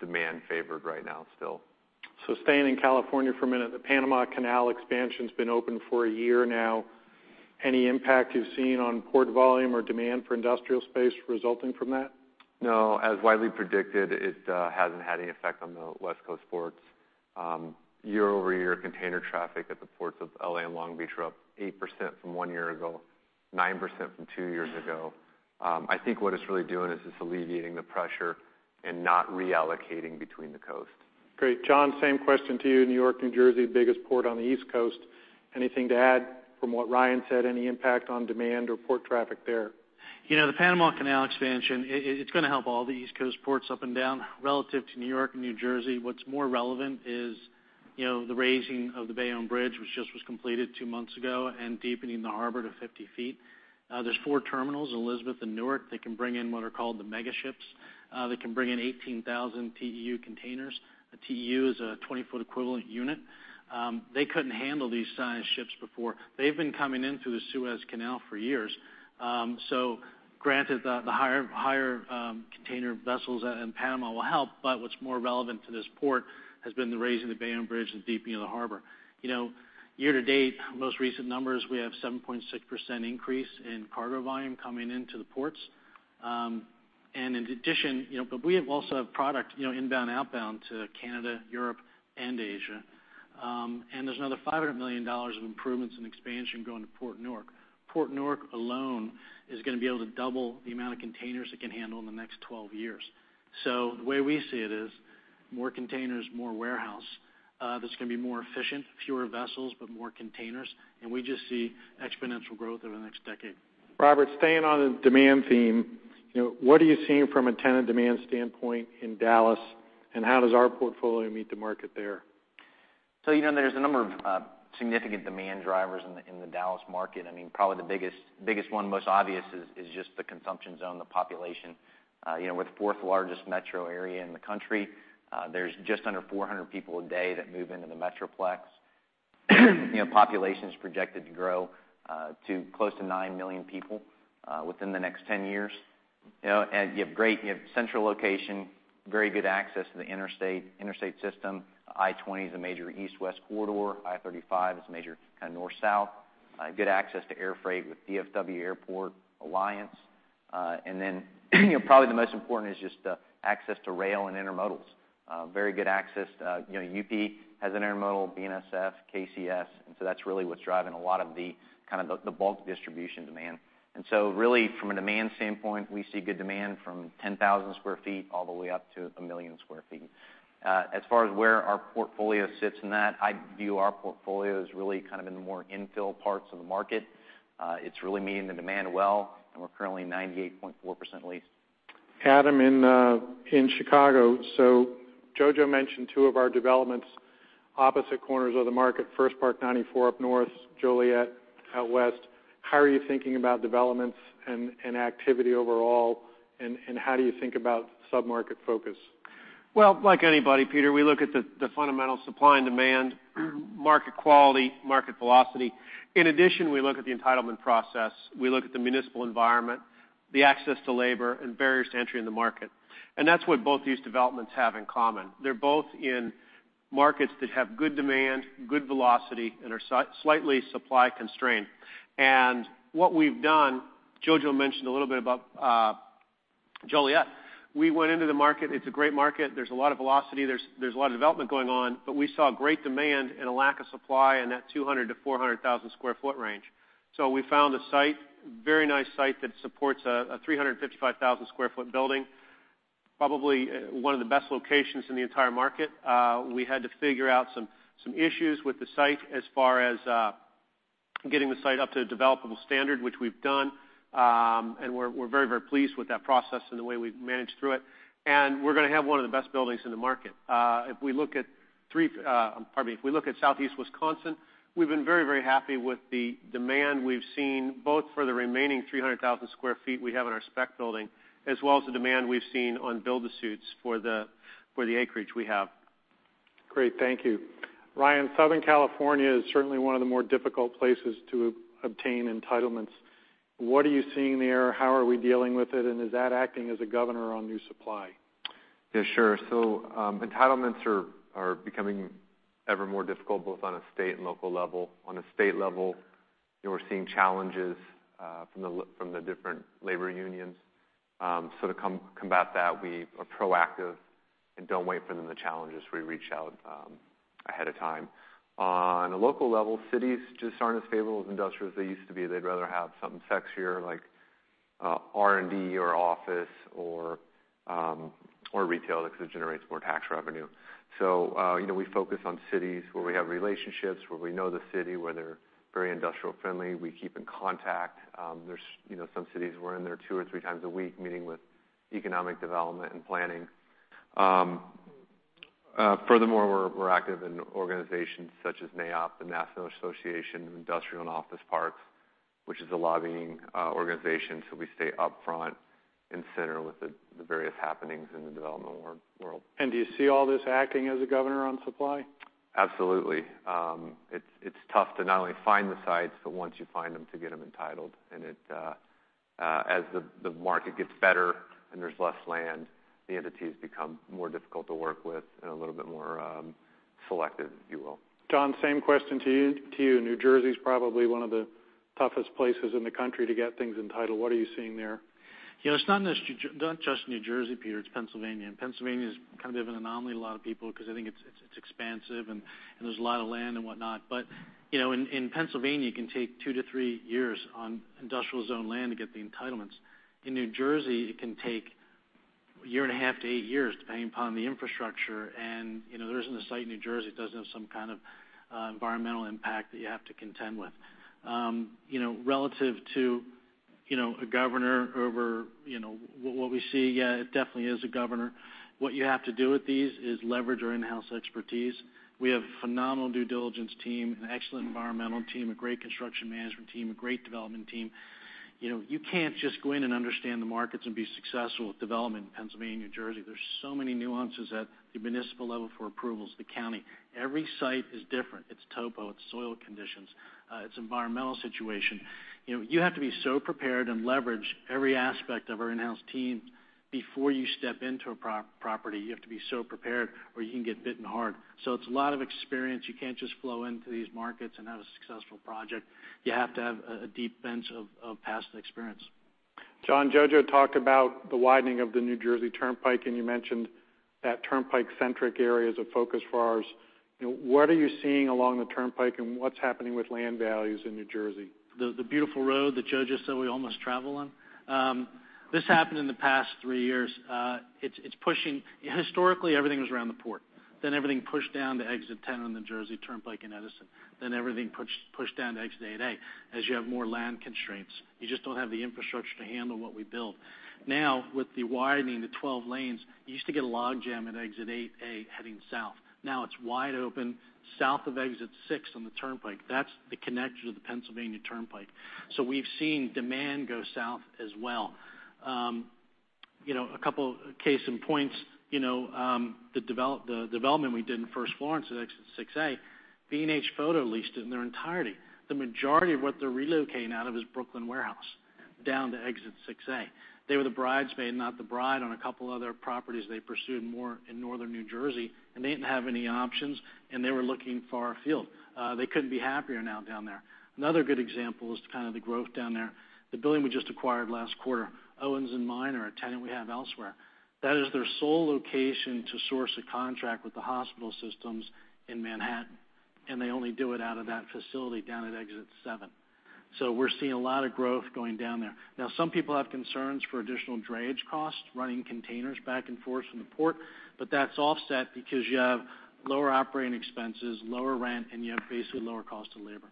demand-favored right now still. Staying in California for a minute, the Panama Canal expansion's been open for a year now. Any impact you've seen on port volume or demand for industrial space resulting from that? No. As widely predicted, it hasn't had any effect on the West Coast ports. Year-over-year container traffic at the ports of L.A. and Long Beach are up 8% from one year ago, 9% from two years ago. I think what it's really doing is just alleviating the pressure and not reallocating between the coasts. Great. John, same question to you. New York, New Jersey, biggest port on the East Coast. Anything to add from what Ryan said? Any impact on demand or port traffic there? The Panama Canal expansion, it's going to help all the East Coast ports up and down. Relative to New York and New Jersey, what's more relevant is The raising of the Bayonne Bridge, which just was completed two months ago, and deepening the harbor to 50 feet. There's four terminals, Elizabeth and Newark, that can bring in what are called the mega ships. They can bring in 18,000 TEU containers. A TEU is a 20-foot equivalent unit. They couldn't handle these size ships before. They've been coming in through the Suez Canal for years. Granted, the higher container vessels in Panama will help, but what's more relevant to this port has been the raising of the Bayonne Bridge and the deepening of the harbor. Year to date, most recent numbers, we have 7.6% increase in cargo volume coming into the ports. In addition, we have also have product inbound, outbound to Canada, Europe, and Asia. There's another $500 million of improvements in expansion going to Port Newark. Port Newark alone is going to be able to double the amount of containers it can handle in the next 12 years. The way we see it is more containers, more warehouse. This is going to be more efficient, fewer vessels, but more containers. We just see exponential growth over the next decade. Robert, staying on the demand theme, what are you seeing from a tenant demand standpoint in Dallas? How does our portfolio meet the market there? There's a number of significant demand drivers in the Dallas market. Probably the biggest one, most obvious, is just the consumption zone, the population. We're the fourth largest metro area in the country. There's just under 400 people a day that move into the metroplex. Population is projected to grow to close to nine million people within the next 10 years. You have central location, very good access to the interstate system. I-20 is a major east-west corridor. I-35 is a major north-south. Good access to air freight with DFW Airport, Alliance. Probably the most important is just the access to rail and intermodals. Very good access. UP has an intermodal, BNSF, KCS. That's really what's driving a lot of the bulk distribution demand. Really, from a demand standpoint, we see good demand from 10,000 square feet all the way up to 1 million square feet. As far as where our portfolio sits in that, I view our portfolio as really in the more infill parts of the market. It's really meeting the demand well, and we're currently 98.4% leased. Adam, in Chicago. Jojo mentioned two of our developments, opposite corners of the market. First Park 94 up north, Joliet out west. How are you thinking about developments and activity overall, and how do you think about sub-market focus? Well, like anybody, Peter, we look at the fundamental supply and demand, market quality, market velocity. In addition, we look at the entitlement process. We look at the municipal environment, the access to labor, and barriers to entry in the market. That's what both these developments have in common. They're both in markets that have good demand, good velocity, and are slightly supply-constrained. What we've done, Jojo mentioned a little bit about Joliet. We went into the market. It's a great market. There's a lot of velocity. There's a lot of development going on, but we saw great demand and a lack of supply in that 200,000 to 400,000 square foot range. We found a site, very nice site, that supports a 355,000 square foot building. Probably one of the best locations in the entire market. We had to figure out some issues with the site as far as getting the site up to a developable standard, which we've done. We're very pleased with that process and the way we've managed through it. We're going to have one of the best buildings in the market. If we look at Southeast Wisconsin, we've been very happy with the demand we've seen, both for the remaining 300,000 square feet we have in our spec building, as well as the demand we've seen on build-to-suits for the acreage we have. Great. Thank you. Ryan, Southern California is certainly one of the more difficult places to obtain entitlements. What are you seeing there? How are we dealing with it? Is that acting as a governor on new supply? Yeah, sure. Entitlements are becoming ever more difficult, both on a state and local level. On a state level, we're seeing challenges from the different labor unions. To combat that, we are proactive and don't wait for the challenges. We reach out ahead of time. On a local level, cities just aren't as favorable as industrial as they used to be. They'd rather have something sexier like R&D or office or retail because it generates more tax revenue. We focus on cities where we have relationships, where we know the city, where they're very industrial friendly. We keep in contact. There's some cities we're in there two or three times a week, meeting with economic development and planning. Furthermore, we're active in organizations such as NAIOP, the National Association for Industrial and Office Parks, which is a lobbying organization, so we stay upfront and center with the various happenings in the development world. Do you see all this acting as a governor on supply? Absolutely. It's tough to not only find the sites, but once you find them, to get them entitled. As the market gets better and there's less land, the entities become more difficult to work with and a little bit more selective, if you will. John, same question to you. New Jersey is probably one of the toughest places in the country to get things entitled. What are you seeing there? It's not just New Jersey, Peter. It's Pennsylvania. Pennsylvania is kind of an anomaly to a lot of people because they think it's expansive and there's a lot of land and whatnot. In Pennsylvania, it can take two to three years on industrial zone land to get the entitlements. In New Jersey, it can take a year and a half to eight years, depending upon the infrastructure. There isn't a site in New Jersey that doesn't have some kind of environmental impact that you have to contend with. Relative to. a governor over what we see. It definitely is a governor. What you have to do with these is leverage our in-house expertise. We have a phenomenal due diligence team, an excellent environmental team, a great construction management team, a great development team. You can't just go in and understand the markets and be successful with development in Pennsylvania, New Jersey. There's so many nuances at the municipal level for approvals, the county. Every site is different. It's topo, it's soil conditions, it's environmental situation. You have to be so prepared and leverage every aspect of our in-house team before you step into a property. You have to be so prepared, or you can get bitten hard. It's a lot of experience. You can't just flow into these markets and have a successful project. You have to have a deep bench of past experience. John, Jojo talked about the widening of the New Jersey Turnpike, you mentioned that turnpike-centric area as a focus for ours. What are you seeing along the turnpike, and what's happening with land values in New Jersey? The beautiful road that Jojo said we almost travel on. This happened in the past three years. Historically, everything was around the port. Everything pushed down to Exit 10 on the Jersey Turnpike in Edison. Everything pushed down to Exit 8A, as you have more land constraints. You just don't have the infrastructure to handle what we build. Now, with the widening to 12 lanes, you used to get a log jam at Exit 8A heading south. Now it's wide open south of Exit 6 on the turnpike. That's the connection to the Pennsylvania Turnpike. We've seen demand go south as well. A couple case in points. The development we did in First Florence at Exit 6A, B&H Photo leased it in their entirety. The majority of what they're relocating out of is Brooklyn warehouse down to Exit 6A. They were the bridesmaid, not the bride, on a couple other properties they pursued more in northern New Jersey, they didn't have any options, they were looking far afield. They couldn't be happier now down there. Another good example is kind of the growth down there. The building we just acquired last quarter, Owens & Minor, a tenant we have elsewhere. That is their sole location to source a contract with the hospital systems in Manhattan, they only do it out of that facility down at Exit 7. We're seeing a lot of growth going down there. Some people have concerns for additional drayage costs, running containers back and forth from the port, that's offset because you have lower operating expenses, lower rent, and you have basically lower cost of labor.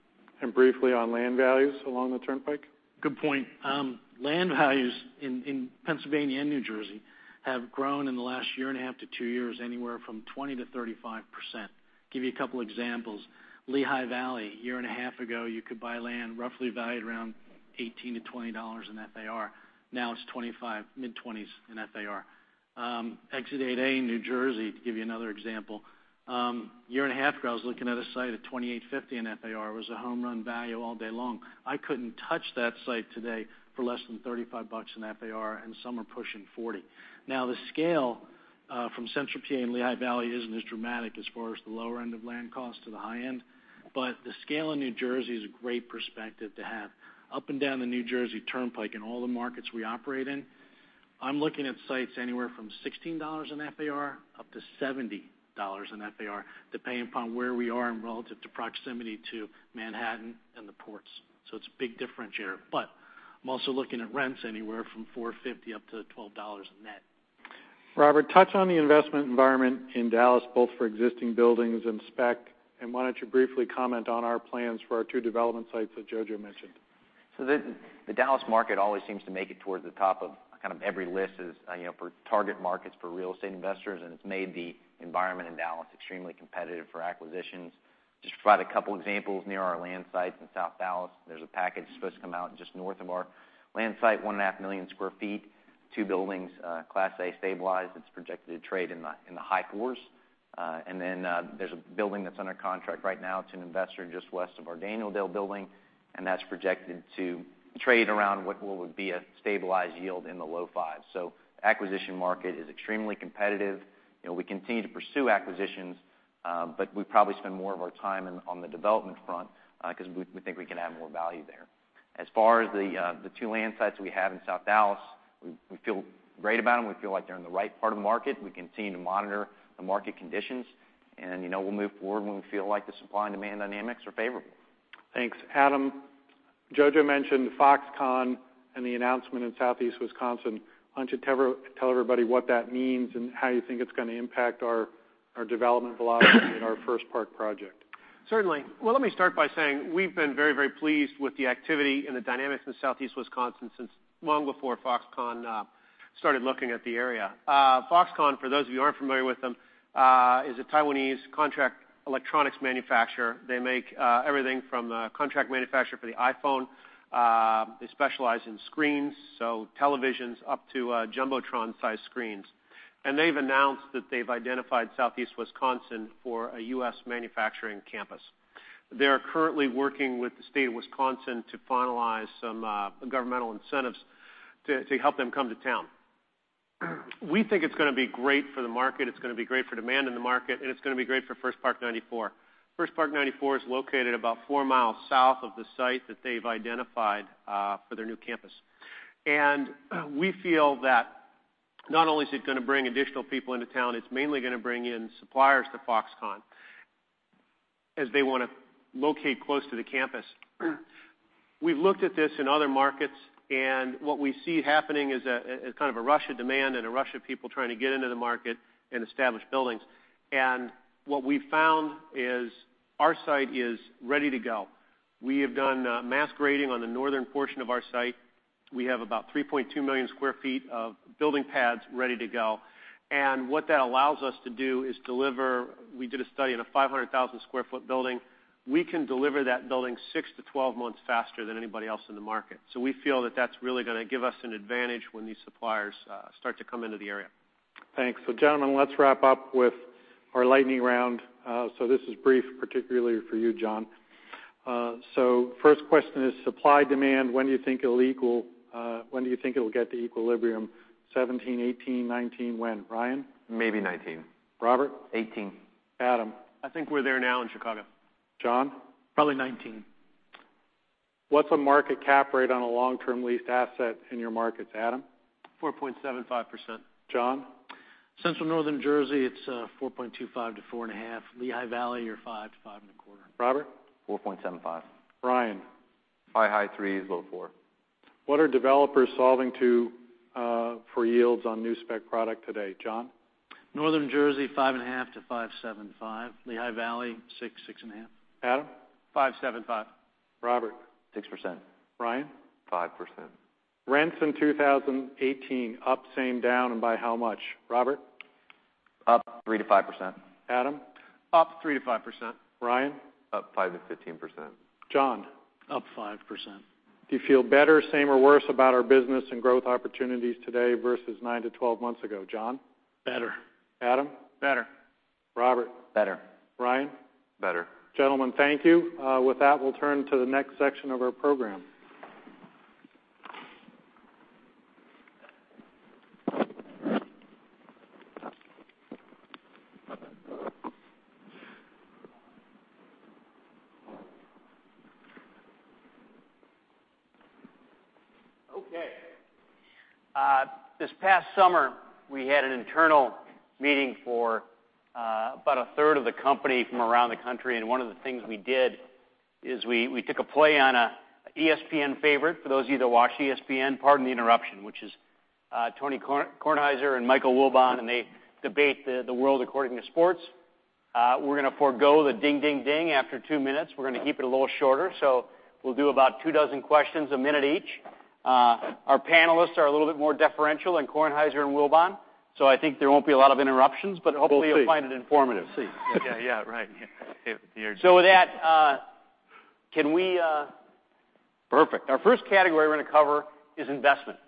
Briefly on land values along the turnpike? Good point. Land values in Pennsylvania and New Jersey have grown in the last year and a half to two years, anywhere from 20%-35%. Give you a couple examples. Lehigh Valley, a year and a half ago, you could buy land roughly valued around $18-$20 an FAR. Now it's $25, mid-20s an FAR. Exit 8A in New Jersey, to give you another example. A year and a half ago, I was looking at a site at $28.50 an FAR. It was a home run value all day long. I couldn't touch that site today for less than $35 bucks an FAR, and some are pushing $40. Now, the scale from Central P.A. and Lehigh Valley isn't as dramatic as far as the lower end of land costs to the high end. The scale in New Jersey is a great perspective to have. Up and down the New Jersey Turnpike in all the markets we operate in, I'm looking at sites anywhere from $16 an FAR up to $70 an FAR, depending upon where we are in relative to proximity to Manhattan and the ports. It's a big differentiator. I'm also looking at rents anywhere from $4.50 up to $12 net. Robert, touch on the investment environment in Dallas, both for existing buildings and spec, and why don't you briefly comment on our plans for our two development sites that Jojo mentioned? The Dallas market always seems to make it towards the top of every list for target markets for real estate investors, it's made the environment in Dallas extremely competitive for acquisitions. Just to provide a couple examples, near our land sites in South Dallas, there's a package supposed to come out just north of our land site, 1.5 million sq ft, two buildings, Class A stabilized. It's projected to trade in the high 4s. There's a building that's under contract right now to an investor just west of our Danieldale building, that's projected to trade around what would be a stabilized yield in the low 5s. Acquisition market is extremely competitive. We continue to pursue acquisitions, we probably spend more of our time on the development front because we think we can add more value there. As far as the two land sites we have in South Dallas, we feel great about them. We feel like they're in the right part of the market. We continue to monitor the market conditions, we'll move forward when we feel like the supply and demand dynamics are favorable. Thanks. Adam, Jojo mentioned Foxconn and the announcement in Southeast Wisconsin. Why don't you tell everybody what that means and how you think it's going to impact our development velocity in our First Park project? Certainly. Let me start by saying we've been very, very pleased with the activity and the dynamics in Southeast Wisconsin since long before Foxconn started looking at the area. Foxconn, for those of you who aren't familiar with them, is a Taiwanese contract electronics manufacturer. They make everything from contract manufacturer for the iPhone. They specialize in screens, so televisions up to jumbotron-sized screens. They've announced that they've identified Southeast Wisconsin for a U.S. manufacturing campus. They are currently working with the state of Wisconsin to finalize some governmental incentives to help them come to town. We think it's going to be great for the market, it's going to be great for demand in the market, it's going to be great for First Park 94. First Park 94 is located about four miles south of the site that they've identified for their new campus. We feel that not only is it going to bring additional people into town, it's mainly going to bring in suppliers to Foxconn, as they want to locate close to the campus. We've looked at this in other markets, what we see happening is kind of a rush of demand and a rush of people trying to get into the market and establish buildings. What we've found is our site is ready to go. We have done mass grading on the northern portion of our site We have about 3.2 million sq ft of building pads ready to go. What that allows us to do is deliver We did a study on a 500,000 sq ft building. We can deliver that building 6 to 12 months faster than anybody else in the market. We feel that that's really going to give us an advantage when these suppliers start to come into the area. Thanks. Gentlemen, let's wrap up with our lightning round. This is brief, particularly for you, Johannson. First question is supply-demand. When do you think it'll get to equilibrium? 2017, 2018, 2019, when? Ryan? Maybe 2019. Robert? 18. Adam? I think we're there now in Chicago. John? Probably 2019. What's a market cap rate on a long-term leased asset in your markets, Adam? 4.75%. John? Central Northern Jersey, it's 4.25%-4.5%. Lehigh Valley, you're 5%-5.25%. Robert? 4.75. Ryan? By high threes, low four. What are developers solving to for yields on new spec product today, John? Northern Jersey, 5.5%-5.75%. Lehigh Valley, 6%, 6.5%. Adam? 5.75. Robert? 6%. Ryan? 5%. Rents in 2018, up, same, down, and by how much, Robert? Up 3%-5%. Adam? Up 3%-5%. Ryan? Up 5%-15%. John? Up 5%. Do you feel better, same, or worse about our business and growth opportunities today versus 9-12 months ago, John? Better. Adam? Better. Robert? Better. Ryan? Better. Gentlemen, thank you. With that, we'll turn to the next section of our program. This past summer, we had an internal meeting for about a third of the company from around the country, and one of the things we did is we took a play on a ESPN favorite. For those of you that watch ESPN, "Pardon the Interruption," which is Tony Kornheiser and Michael Wilbon, they debate the world according to sports. We're going to forego the ding, ding after two minutes. We're going to keep it a little shorter. We'll do about two dozen questions, a minute each. Our panelists are a little bit more deferential than Kornheiser and Wilbon, I think there won't be a lot of interruptions, hopefully- We'll see you'll find it informative. We'll see. Yeah. Right. With that, can we Perfect. Our first category we're going to cover is investment.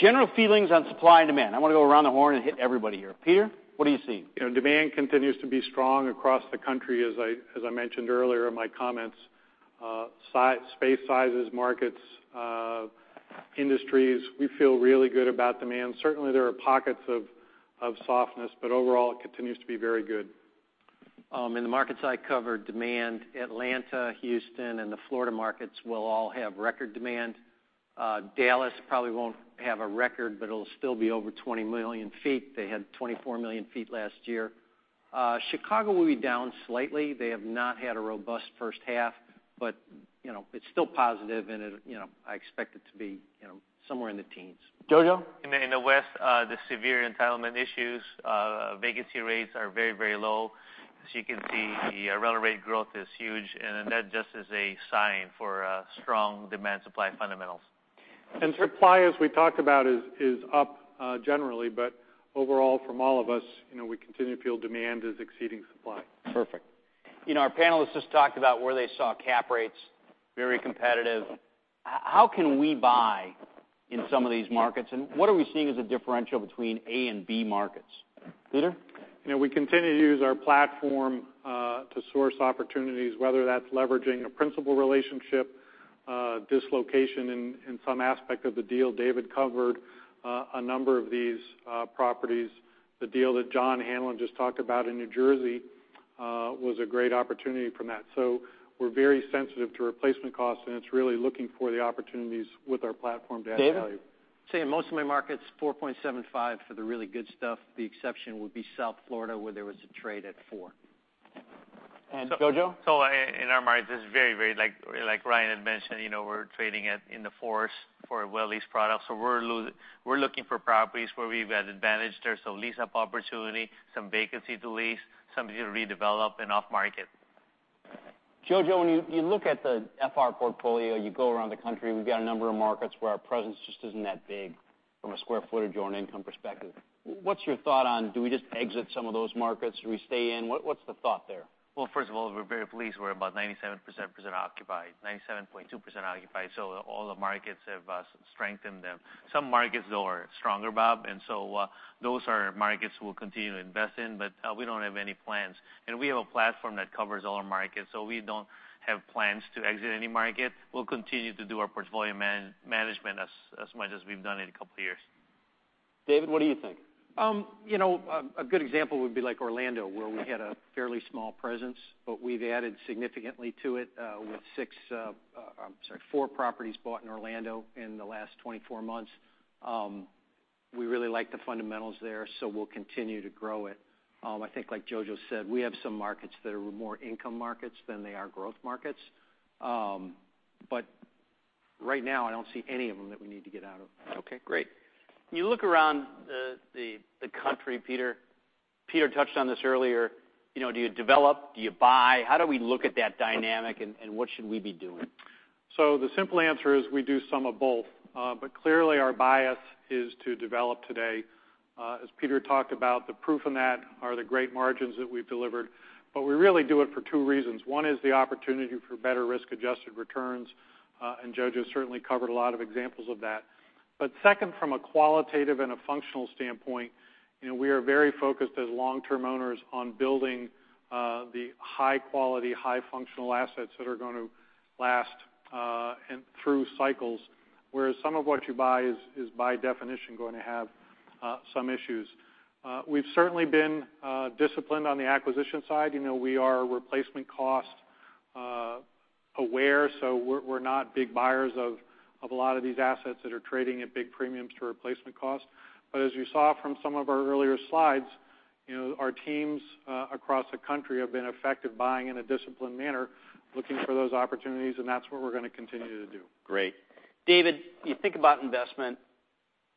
General feelings on supply and demand. I want to go around the horn and hit everybody here. Peter, what are you seeing? Demand continues to be strong across the country, as I mentioned earlier in my comments. Space sizes, markets, industries, we feel really good about demand. Certainly, there are pockets of softness, overall, it continues to be very good. In the markets I cover, demand, Atlanta, Houston, and the Florida markets will all have record demand. Dallas probably won't have a record, it'll still be over 20 million feet. They had 24 million feet last year. Chicago will be down slightly. They have not had a robust first half. It's still positive, and I expect it to be somewhere in the teens. Jojo? In the west, the severe entitlement issues, vacancy rates are very low. As you can see, the rental rate growth is huge. That just is a sign for strong demand-supply fundamentals. Supply, as we talked about, is up, generally. Overall, from all of us, we continue to feel demand is exceeding supply. Perfect. Our panelists just talked about where they saw cap rates very competitive. How can we buy in some of these markets? What are we seeing as a differential between A and B markets? Peter? We continue to use our platform to source opportunities, whether that's leveraging a principal relationship, dislocation in some aspect of the deal. David covered a number of these properties. The deal that John Hanlon just talked about in New Jersey was a great opportunity from that. We're very sensitive to replacement costs. It's really looking for the opportunities with our platform to add value. David? Say, in most of my markets, 4.75 for the really good stuff. The exception would be South Florida, where there was a trade at 4. Jojo? In our markets, it's very, like Ryan had mentioned, we're trading it in the fours for well leased products. We're looking for properties where we've got advantage there. Lease-up opportunity, some vacancy to lease, some to redevelop and off-market. Jojo, when you look at the FR portfolio, you go around the country, we've got a number of markets where our presence just isn't that big from a square footage or an income perspective. What's your thought on, do we just exit some of those markets? Do we stay in? What's the thought there? Well, first of all, we're very pleased. We're about 97% occupied, 97.2% occupied. All the markets have strengthened. Some markets, though, are stronger, Bob, those are markets we'll continue to invest in. We don't have any plans. We have a platform that covers all our markets, we don't have plans to exit any market. We'll continue to do our portfolio management as much as we've done it a couple of years. David, what do you think? A good example would be like Orlando, where we had a fairly small presence. We've added significantly to it with four properties bought in Orlando in the last 24 months. We really like the fundamentals there, we'll continue to grow it. I think like Jojo said, we have some markets that are more income markets than they are growth markets. Right now, I don't see any of them that we need to get out of. Okay, great. You look around the country, Peter touched on this earlier. Do you develop? Do you buy? How do we look at that dynamic, and what should we be doing? The simple answer is we do some of both. Clearly our bias is to develop today. As Peter talked about, the proof in that are the great margins that we've delivered. We really do it for two reasons. One is the opportunity for better risk-adjusted returns, and Jojo certainly covered a lot of examples of that. Second, from a qualitative and a functional standpoint, we are very focused as long-term owners on building the high-quality, high-functional assets that are going to last through cycles. Whereas some of what you buy is by definition going to have some issues. We've certainly been disciplined on the acquisition side. We are replacement cost aware, so we're not big buyers of a lot of these assets that are trading at big premiums to replacement cost. As you saw from some of our earlier slides, our teams across the country have been effective, buying in a disciplined manner, looking for those opportunities, and that's what we're going to continue to do. Great. David, you think about investment.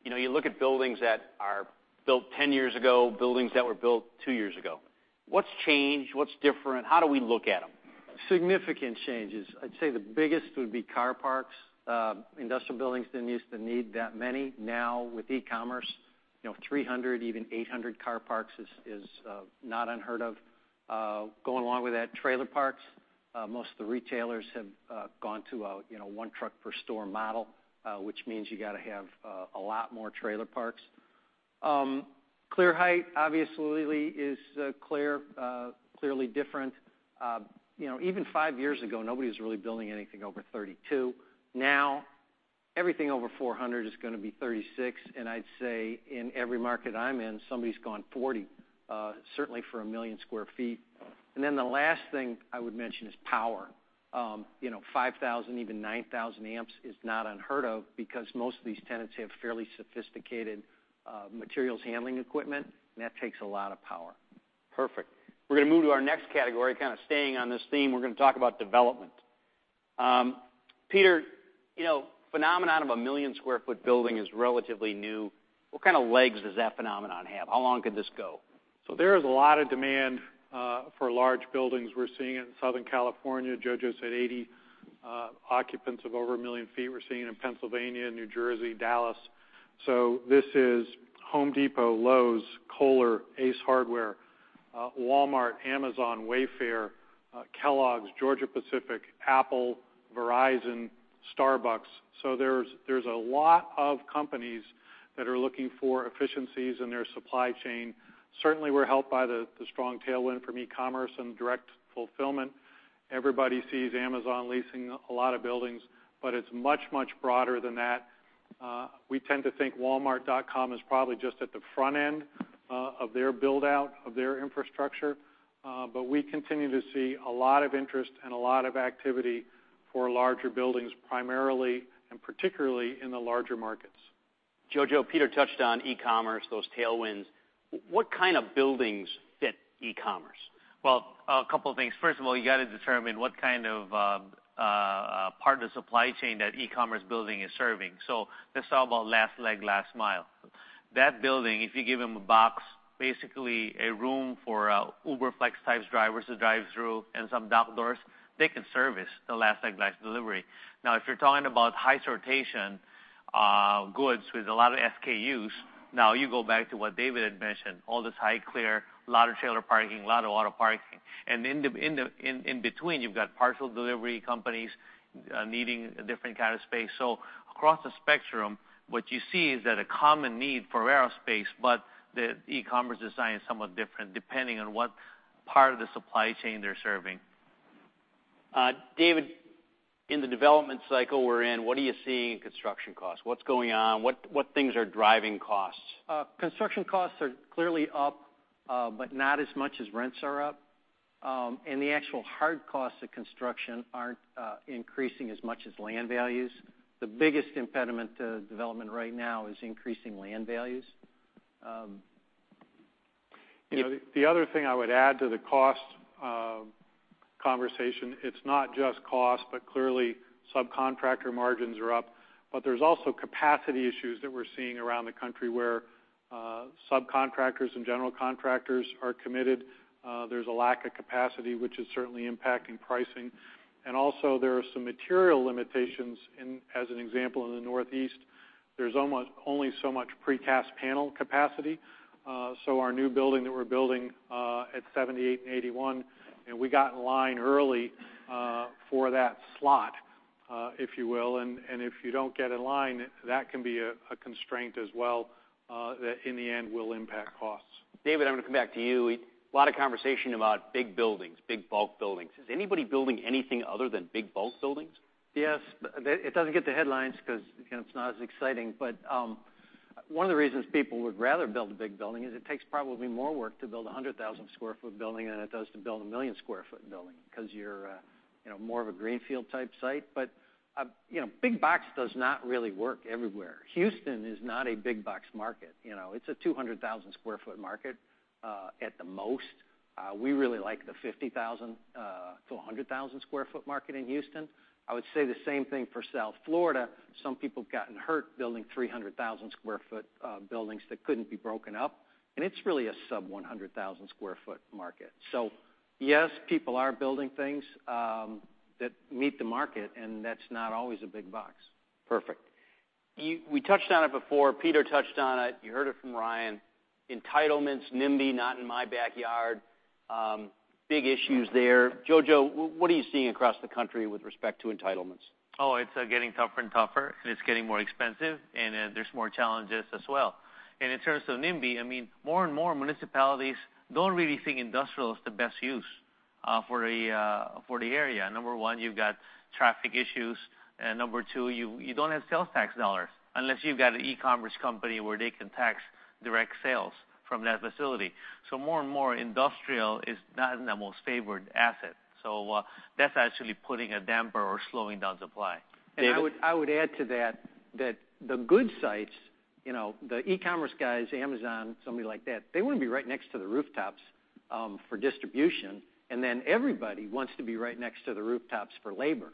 You look at buildings that are built 10 years ago, buildings that were built two years ago. What's changed? What's different? How do we look at them? Significant changes. I'd say the biggest would be car parks. Industrial buildings didn't used to need that many. Now, with e-commerce, 300, even 800 car parks is not unheard of. Going along with that, trailer parks. Most of the retailers have gone to a one truck per store model, which means you got to have a lot more trailer parks. Clear height, obviously, is clearly different. Even five years ago, nobody was really building anything over 32. Now, everything over 400 is going to be 36, and I'd say in every market I'm in, somebody's gone 40, certainly for 1 million sq ft. The last thing I would mention is power. 5,000, even 9,000 amps is not unheard of because most of these tenants have fairly sophisticated materials handling equipment. That takes a lot of power. Perfect. We're going to move to our next category, kind of staying on this theme. We're going to talk about development. Peter, phenomenon of a million-square-foot building is relatively new. What kind of legs does that phenomenon have? How long could this go? There is a lot of demand for large buildings. We're seeing it in Southern California. Jojo said 80 occupants of over a million feet. We're seeing it in Pennsylvania, New Jersey, Dallas. This is The Home Depot, Lowe's, Kohler, Ace Hardware, Walmart, Amazon, Wayfair, Kellogg's, Georgia-Pacific, Apple, Verizon, Starbucks. There's a lot of companies that are looking for efficiencies in their supply chain. Certainly, we're helped by the strong tailwind from e-commerce and direct fulfillment. Everybody sees Amazon leasing a lot of buildings, it's much, much broader than that. We tend to think Walmart.com is probably just at the front end of their build-out of their infrastructure. We continue to see a lot of interest and a lot of activity for larger buildings, primarily and particularly in the larger markets. Jojo, Peter touched on e-commerce, those tailwinds. What kind of buildings fit e-commerce? Well, a couple of things. First of all, you got to determine what kind of part of the supply chain that e-commerce building is serving. Let's talk about last leg, last mile. That building, if you give them a box, basically a room for Uber Flash types drivers to drive through and some dock doors, they can service the last leg, last delivery. If you're talking about high sortation goods with a lot of SKUs, you go back to what David had mentioned, all this high clear, lot of trailer parking, lot of auto parking. In between, you've got parcel delivery companies needing a different kind of space. Across the spectrum, what you see is that a common need for aerospace, the e-commerce design is somewhat different depending on what part of the supply chain they're serving. David, in the development cycle we're in, what are you seeing in construction costs? What's going on? What things are driving costs? Construction costs are clearly up, but not as much as rents are up. The actual hard costs of construction aren't increasing as much as land values. The biggest impediment to development right now is increasing land values. The other thing I would add to the cost conversation, it's not just cost, but clearly subcontractor margins are up. There's also capacity issues that we're seeing around the country where subcontractors and general contractors are committed. There's a lack of capacity, which is certainly impacting pricing. Also, there are some material limitations. As an example, in the Northeast, there's only so much precast panel capacity. Our new building that we're building at 78 and 81, and we got in line early for that slot, if you will. If you don't get in line, that can be a constraint as well, that in the end will impact costs. David, I'm going to come back to you. A lot of conversation about big buildings, big bulk buildings. Is anybody building anything other than big bulk buildings? Yes. It doesn't get the headlines because it's not as exciting. One of the reasons people would rather build a big building is it takes probably more work to build a 100,000 sq ft building than it does to build a 1 million sq ft building because you're more of a greenfield type site. Big box does not really work everywhere. Houston is not a big box market. It's a 200,000 sq ft market at the most. We really like the 50,000-100,000 sq ft market in Houston. I would say the same thing for South Florida. Some people have gotten hurt building 300,000 sq ft buildings that couldn't be broken up, and it's really a sub-100,000 sq ft market. Yes, people are building things that meet the market, and that's not always a big box. Perfect. We touched on it before. Peter touched on it. You heard it from Ryan. Entitlements, NIMBY, "not in my backyard." Big issues there. Jojo, what are you seeing across the country with respect to entitlements? It's getting tougher and tougher, and it's getting more expensive, and there's more challenges as well. In terms of NIMBY, more and more municipalities don't really think industrial is the best use for the area. Number 1, you've got traffic issues, and Number 2, you don't have sales tax dollars unless you've got an e-commerce company where they can tax direct sales from that facility. More and more industrial is not the most favored asset. That's actually putting a damper or slowing down supply. David? I would add to that the good sites, the e-commerce guys, Amazon, somebody like that, they want to be right next to the rooftops for distribution, and then everybody wants to be right next to the rooftops for labor.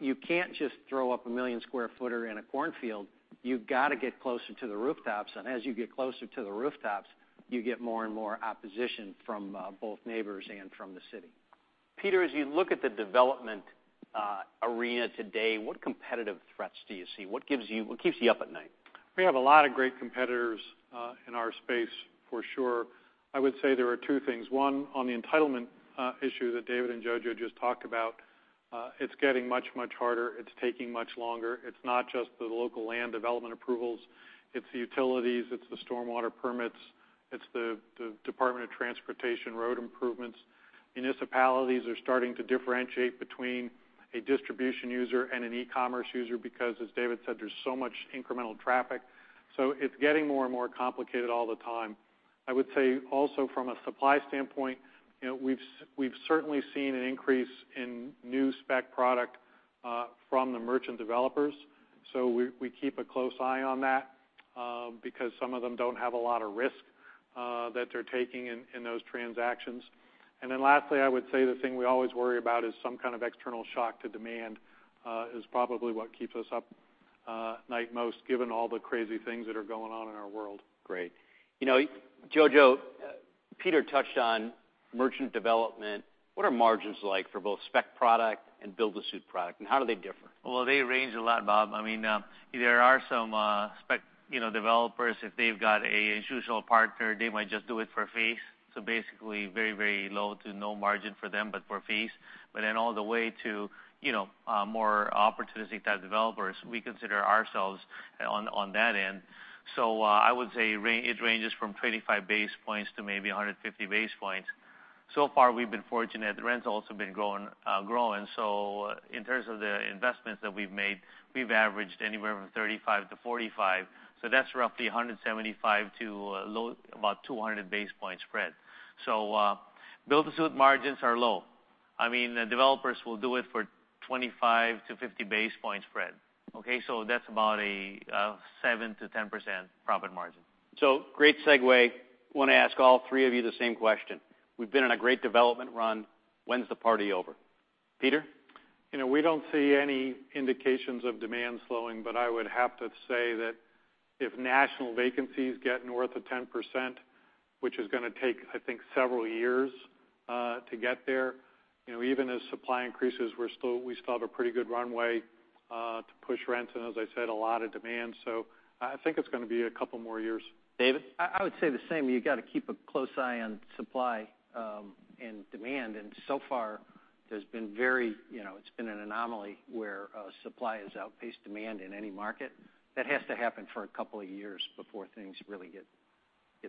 You can't just throw up a 1 million sq ft footer in a cornfield. You've got to get closer to the rooftops, and as you get closer to the rooftops, you get more and more opposition from both neighbors and from the city. Peter, as you look at the development arena today, what competitive threats do you see? What keeps you up at night? We have a lot of great competitors in our space for sure. I would say there are two things. One, on the entitlement issue that David and Jojo just talked about, it's getting much, much harder. It's taking much longer. It's not just the local land development approvals. It's the utilities. It's the stormwater permits. It's the Department of Transportation road improvements. Municipalities are starting to differentiate between a distribution user and an e-commerce user because, as David said, there's so much incremental traffic. It's getting more and more complicated all the time. I would say also from a supply standpoint, we've certainly seen an increase in new spec product from the merchant developers. We keep a close eye on that because some of them don't have a lot of risk that they're taking in those transactions. Lastly, I would say the thing we always worry about is some kind of external shock to demand is probably what keeps us up at night most, given all the crazy things that are going on in our world. Great. Jojo, Peter touched on merchant development. What are margins like for both spec product and build-to-suit product, and how do they differ? They range a lot, Bob. There are some spec developers. If they've got an institutional partner, they might just do it for a fee. Basically very low to no margin for them, but for a fee. All the way to more opportunistic-type developers. We consider ourselves on that end. I would say it ranges from 25 basis points to maybe 150 basis points. So far, we've been fortunate. The rent's also been growing. In terms of the investments that we've made, we've averaged anywhere from 35 to 45. That's roughly 175 to about 200 basis points spread. Build-to-suit margins are low. The developers will do it for 25 to 50 basis points spread. That's about a 7%-10% profit margin. Great segue. Want to ask all three of you the same question. We've been in a great development run. When's the party over? Peter? We don't see any indications of demand slowing, but I would have to say that if national vacancies get north of 10%, which is going to take, I think, several years to get there. Even as supply increases, we still have a pretty good runway to push rents and as I said, a lot of demand. I think it's going to be a couple more years. David? I would say the same. You got to keep a close eye on supply and demand, and so far it's been an anomaly where supply has outpaced demand in any market. That has to happen for a couple of years before things really get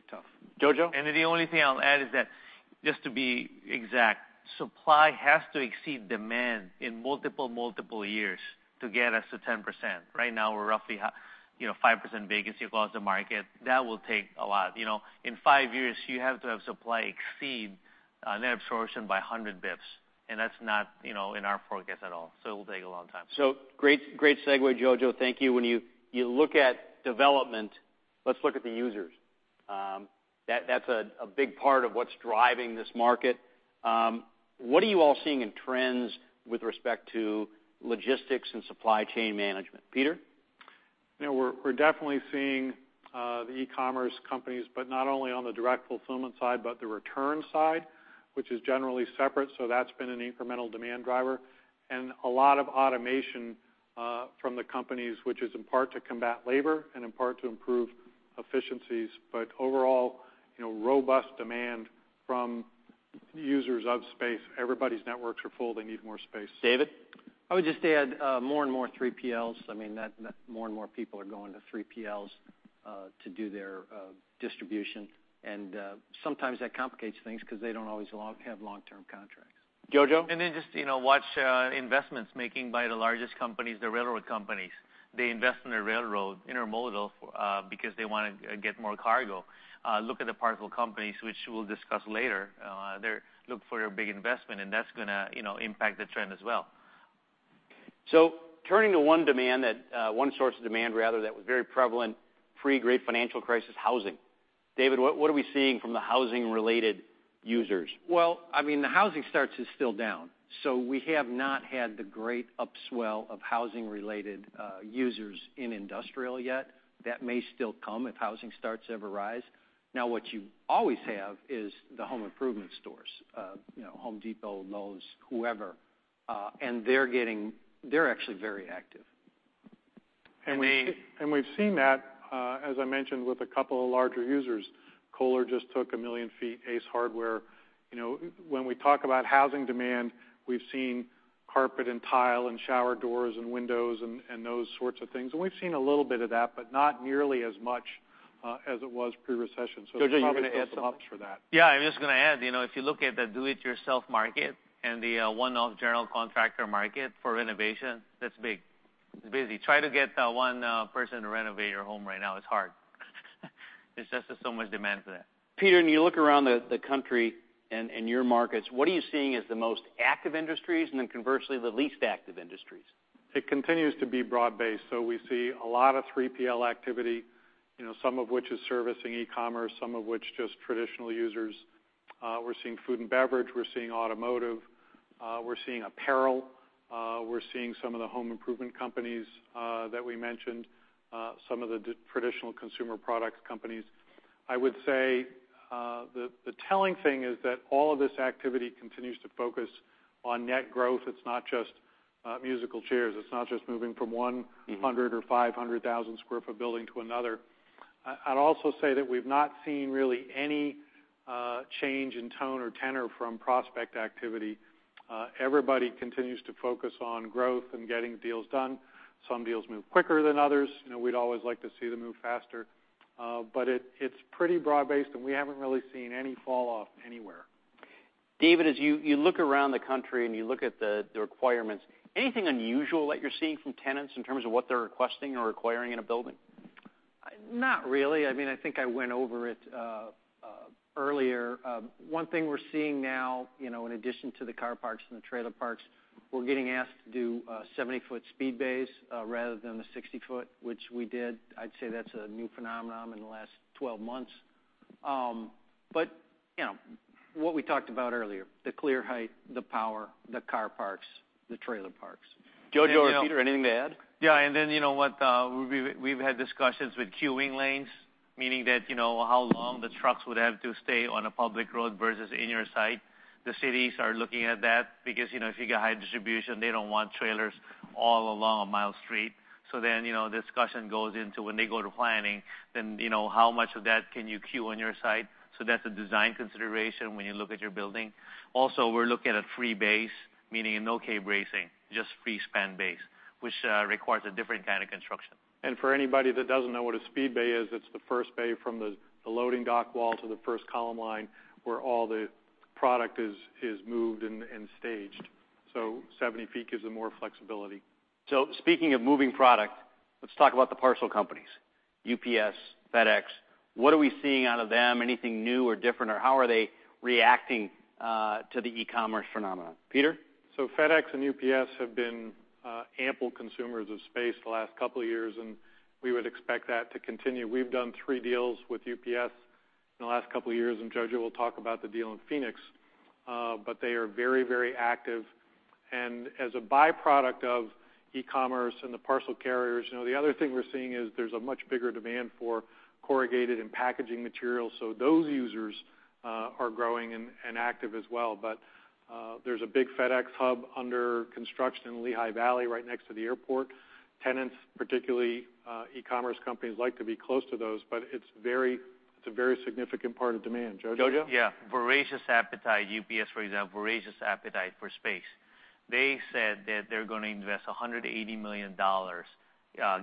tough. Jojo? The only thing I'll add is that just to be exact, supply has to exceed demand in multiple years to get us to 10%. Right now, we're roughly 5% vacancy across the market. That will take a lot. In five years, you have to have supply exceed net absorption by 100 basis points, and that's not in our forecast at all. It'll take a long time. Great segue, Jojo. Thank you. When you look at development, let's look at the users. That's a big part of what's driving this market. What are you all seeing in trends with respect to logistics and supply chain management? Peter? We're definitely seeing the e-commerce companies, but not only on the direct fulfillment side, but the return side, which is generally separate. That's been an incremental demand driver. A lot of automation from the companies, which is in part to combat labor and in part to improve efficiencies. Overall, robust demand from users of space. Everybody's networks are full. They need more space. David? I would just add more and more 3PLs. More and more people are going to 3PLs to do their distribution. Sometimes that complicates things because they don't always have long-term contracts. Jojo? Just watch investments making by the largest companies, the railroad companies. They invest in the railroad intermodal because they want to get more cargo. Look at the parcel companies, which we'll discuss later. Look for a big investment, and that's going to impact the trend as well. Turning to one source of demand rather that was very prevalent pre-Great Financial Crisis, housing. David, what are we seeing from the housing-related users? Well, the housing starts are still down, we have not had the great upswell of housing-related users in industrial yet. That may still come if housing starts ever rise. What you always have is the home improvement stores, Home Depot, Lowe's, whoever, and they're actually very active. We've seen that, as I mentioned, with a couple of larger users. Kohler just took 1 million feet. Ace Hardware. When we talk about housing demand, we've seen carpet and tile and shower doors and windows and those sorts of things. We've seen a little bit of that, but not nearly as much as it was pre-recession. There's probably going to be some ups for that. I'm just going to add, if you look at the do-it-yourself market and the one-off general contractor market for renovation, that's big. It's busy. Try to get one person to renovate your home right now. It's hard. There's just so much demand for that. Peter, when you look around the country and in your markets, what are you seeing as the most active industries and then conversely, the least active industries? It continues to be broad-based. We see a lot of 3PL activity, some of which is servicing e-commerce, some of which just traditional users. We're seeing food and beverage. We're seeing automotive. We're seeing apparel. We're seeing some of the home improvement companies that we mentioned, some of the traditional consumer products companies. I would say the telling thing is that all of this activity continues to focus on net growth. It's not just musical chairs. It's not just moving from 100 or 500,000 square foot building to another. I'd also say that we've not seen really any change in tone or tenor from prospect activity. Everybody continues to focus on growth and getting deals done. Some deals move quicker than others. We'd always like to see them move faster. It's pretty broad-based, and we haven't really seen any falloff anywhere. David, as you look around the country and you look at the requirements, anything unusual that you're seeing from tenants in terms of what they're requesting or requiring in a building? Not really. I think I went over it earlier. One thing we're seeing now, in addition to the car parks and the trailer parks, we're getting asked to do 70-foot speed bays rather than the 60-foot, which we did. I'd say that's a new phenomenon in the last 12 months. What we talked about earlier, the clear height, the power, the car parks, the trailer parks. Jojo or Peter, anything to add? We've had discussions with queuing lanes, meaning that how long the trucks would have to stay on a public road versus in your site. The cities are looking at that because if you get high distribution, they don't want trailers all along a mile of street. Discussion goes into when they go to planning, then how much of that can you queue on your site. That's a design consideration when you look at your building. Also, we're looking at free base, meaning no K-bracing, just free span base, which requires a different kind of construction. For anybody that doesn't know what a speed bay is, it's the first bay from the loading dock wall to the first column line where all the product is moved and staged. 70 feet gives them more flexibility. Speaking of moving product, let's talk about the parcel companies, UPS, FedEx. What are we seeing out of them? Anything new or different, or how are they reacting to the e-commerce phenomenon? Peter? FedEx and UPS have been ample consumers of space the last couple of years, and we would expect that to continue. We've done three deals with UPS in the last couple of years, and Jojo will talk about the deal in Phoenix. They are very active. As a byproduct of e-commerce and the parcel carriers, the other thing we're seeing is there's a much bigger demand for corrugated and packaging material. Those users are growing and active as well. There's a big FedEx hub under construction in Lehigh Valley right next to the airport. Tenants, particularly e-commerce companies, like to be close to those, but it's a very significant part of demand. Jojo? Jojo. Yeah. Voracious appetite. UPS, for example, voracious appetite for space. They said that they're going to invest $180 million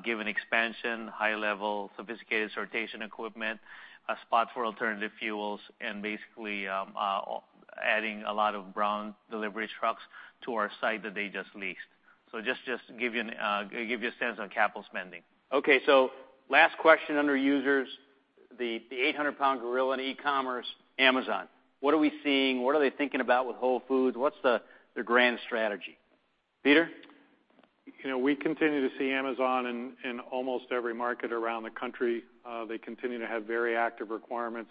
giving expansion, high-level sophisticated sortation equipment, a spot for alternative fuels, and basically adding a lot of brown delivery trucks to our site that they just leased. Just to give you a sense on capital spending. Okay, last question under users, the 800-pound gorilla in e-commerce, Amazon. What are we seeing? What are they thinking about with Whole Foods? What's their grand strategy? Peter? We continue to see Amazon in almost every market around the country. They continue to have very active requirements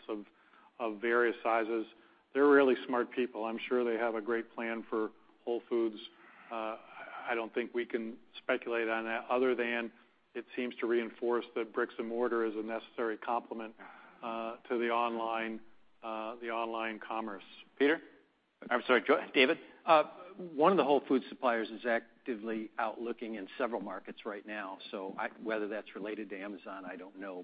of various sizes. They're really smart people. I'm sure they have a great plan for Whole Foods. I don't think we can speculate on that other than it seems to reinforce that bricks and mortar is a necessary complement to the online commerce. Peter? I'm sorry, David. One of the Whole Foods suppliers is actively out looking in several markets right now. Whether that's related to Amazon, I don't know.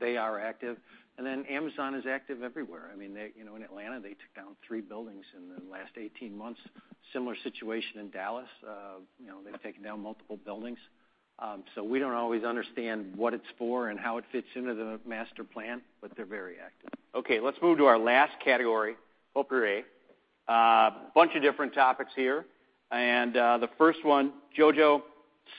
They are active. Amazon is active everywhere. In Atlanta, they took down three buildings in the last 18 months. Similar situation in Dallas. They've taken down multiple buildings. We don't always understand what it's for and how it fits into the master plan, but they're very active. Okay, let's move to our last category, A. Bunch of different topics here. The first one, Jojo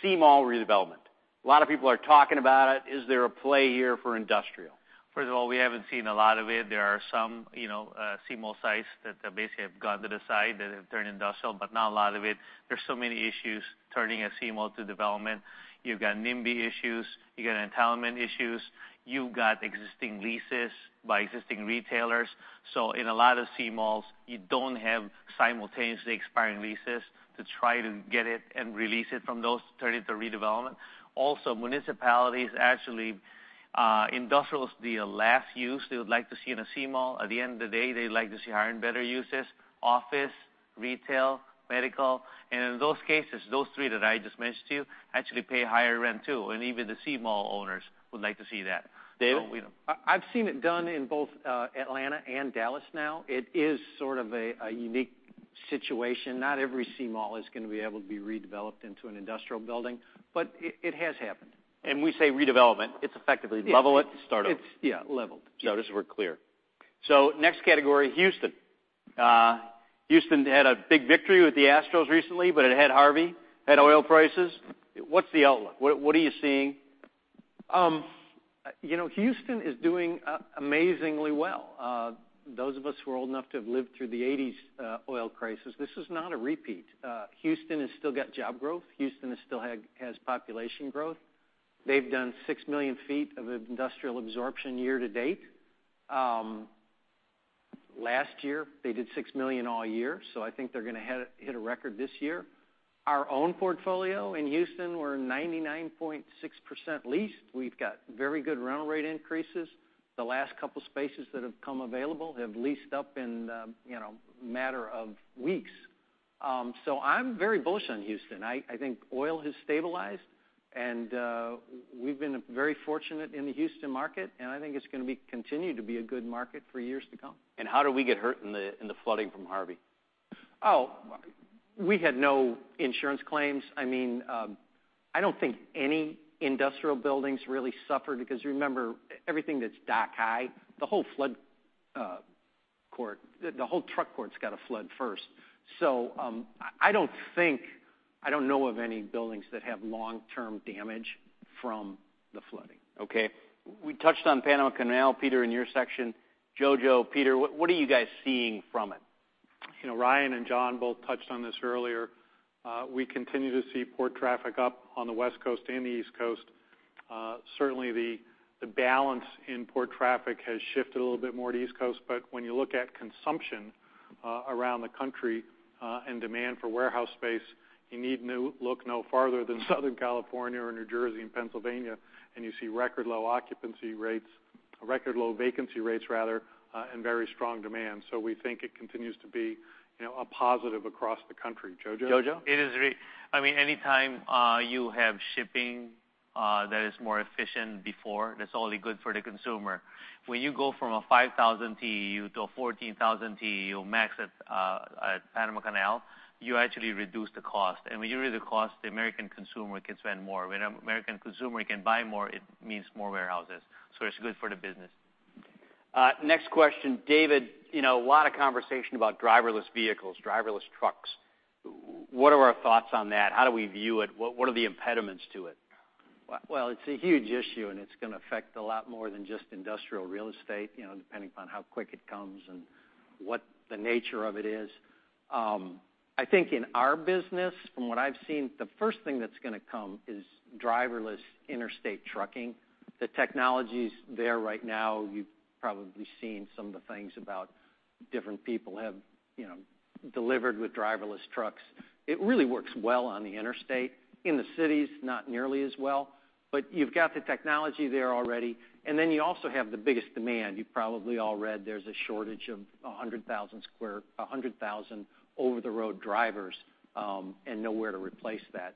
C-mall redevelopment. A lot of people are talking about it. Is there a play here for industrial? First of all, we haven't seen a lot of it. There are some C-mall sites that basically have gone to the side, that have turned industrial, but not a lot of it. There's so many issues turning a C-mall to development. You've got NIMBY issues, you got entitlement issues. You've got existing leases by existing retailers. In a lot of C-malls, you don't have simultaneously expiring leases to try to get it and release it from those to turn into redevelopment. Also, municipalities, actually, industrial's the last use they would like to see in a C-mall. At the end of the day, they like to see higher and better uses. Office, retail, medical. In those cases, those three that I just mentioned to you, actually pay higher rent, too. Even the C-mall owners would like to see that. David? I've seen it done in both Atlanta and Dallas now. It is sort of a unique situation. Not every C-mall is going to be able to be redeveloped into an industrial building, but it has happened. We say redevelopment, it's effectively level it and start over. It's, yeah, leveled. Just so we're clear. Next category, Houston. Houston had a big victory with the Astros recently, but it had Harvey, had oil prices. What's the outlook? What are you seeing? Houston is doing amazingly well. Those of us who are old enough to have lived through the '80s oil crisis, this is not a repeat. Houston has still got job growth. Houston still has population growth. They've done 6 million feet of industrial absorption year to date. Last year, they did 6 million all year. I think they're going to hit a record this year. Our own portfolio in Houston, we're 99.6% leased. We've got very good rental rate increases. The last couple spaces that have come available have leased up in a matter of weeks. I'm very bullish on Houston. I think oil has stabilized, and we've been very fortunate in the Houston market, and I think it's going to continue to be a good market for years to come. How did we get hurt in the flooding from Harvey? We had no insurance claims. I don't think any industrial buildings really suffered because you remember everything that's dock high, the whole truck court's got to flood first. I don't know of any buildings that have long-term damage from the flooding. Okay. We touched on Panama Canal, Peter, in your section. Jojo, Peter, what are you guys seeing from it? Ryan and John both touched on this earlier. We continue to see port traffic up on the West Coast and the East Coast. Certainly, the balance in port traffic has shifted a little bit more to the East Coast. When you look at consumption around the country, and demand for warehouse space, you need look no farther than Southern California or New Jersey and Pennsylvania, you see record low vacancy rates and very strong demand. We think it continues to be a positive across the country. Jojo? Jojo? Any time you have shipping that is more efficient before, that's only good for the consumer. When you go from a 5,000 TEU to a 14,000 TEU max at Panama Canal, you actually reduce the cost. When you reduce the cost, the American consumer can spend more. When an American consumer can buy more, it means more warehouses. It's good for the business. Next question, David, a lot of conversation about driverless vehicles, driverless trucks. What are our thoughts on that? How do we view it? What are the impediments to it? Well, it's a huge issue, and it's going to affect a lot more than just industrial real estate, depending upon how quick it comes and what the nature of it is. I think in our business, from what I've seen, the first thing that's going to come is driverless interstate trucking. The technology's there right now. You've probably seen some of the things about different people have delivered with driverless trucks. It really works well on the interstate. In the cities, not nearly as well. You've got the technology there already, and then you also have the biggest demand. You've probably all read there's a shortage of 100,000 over-the-road drivers, and nowhere to replace that.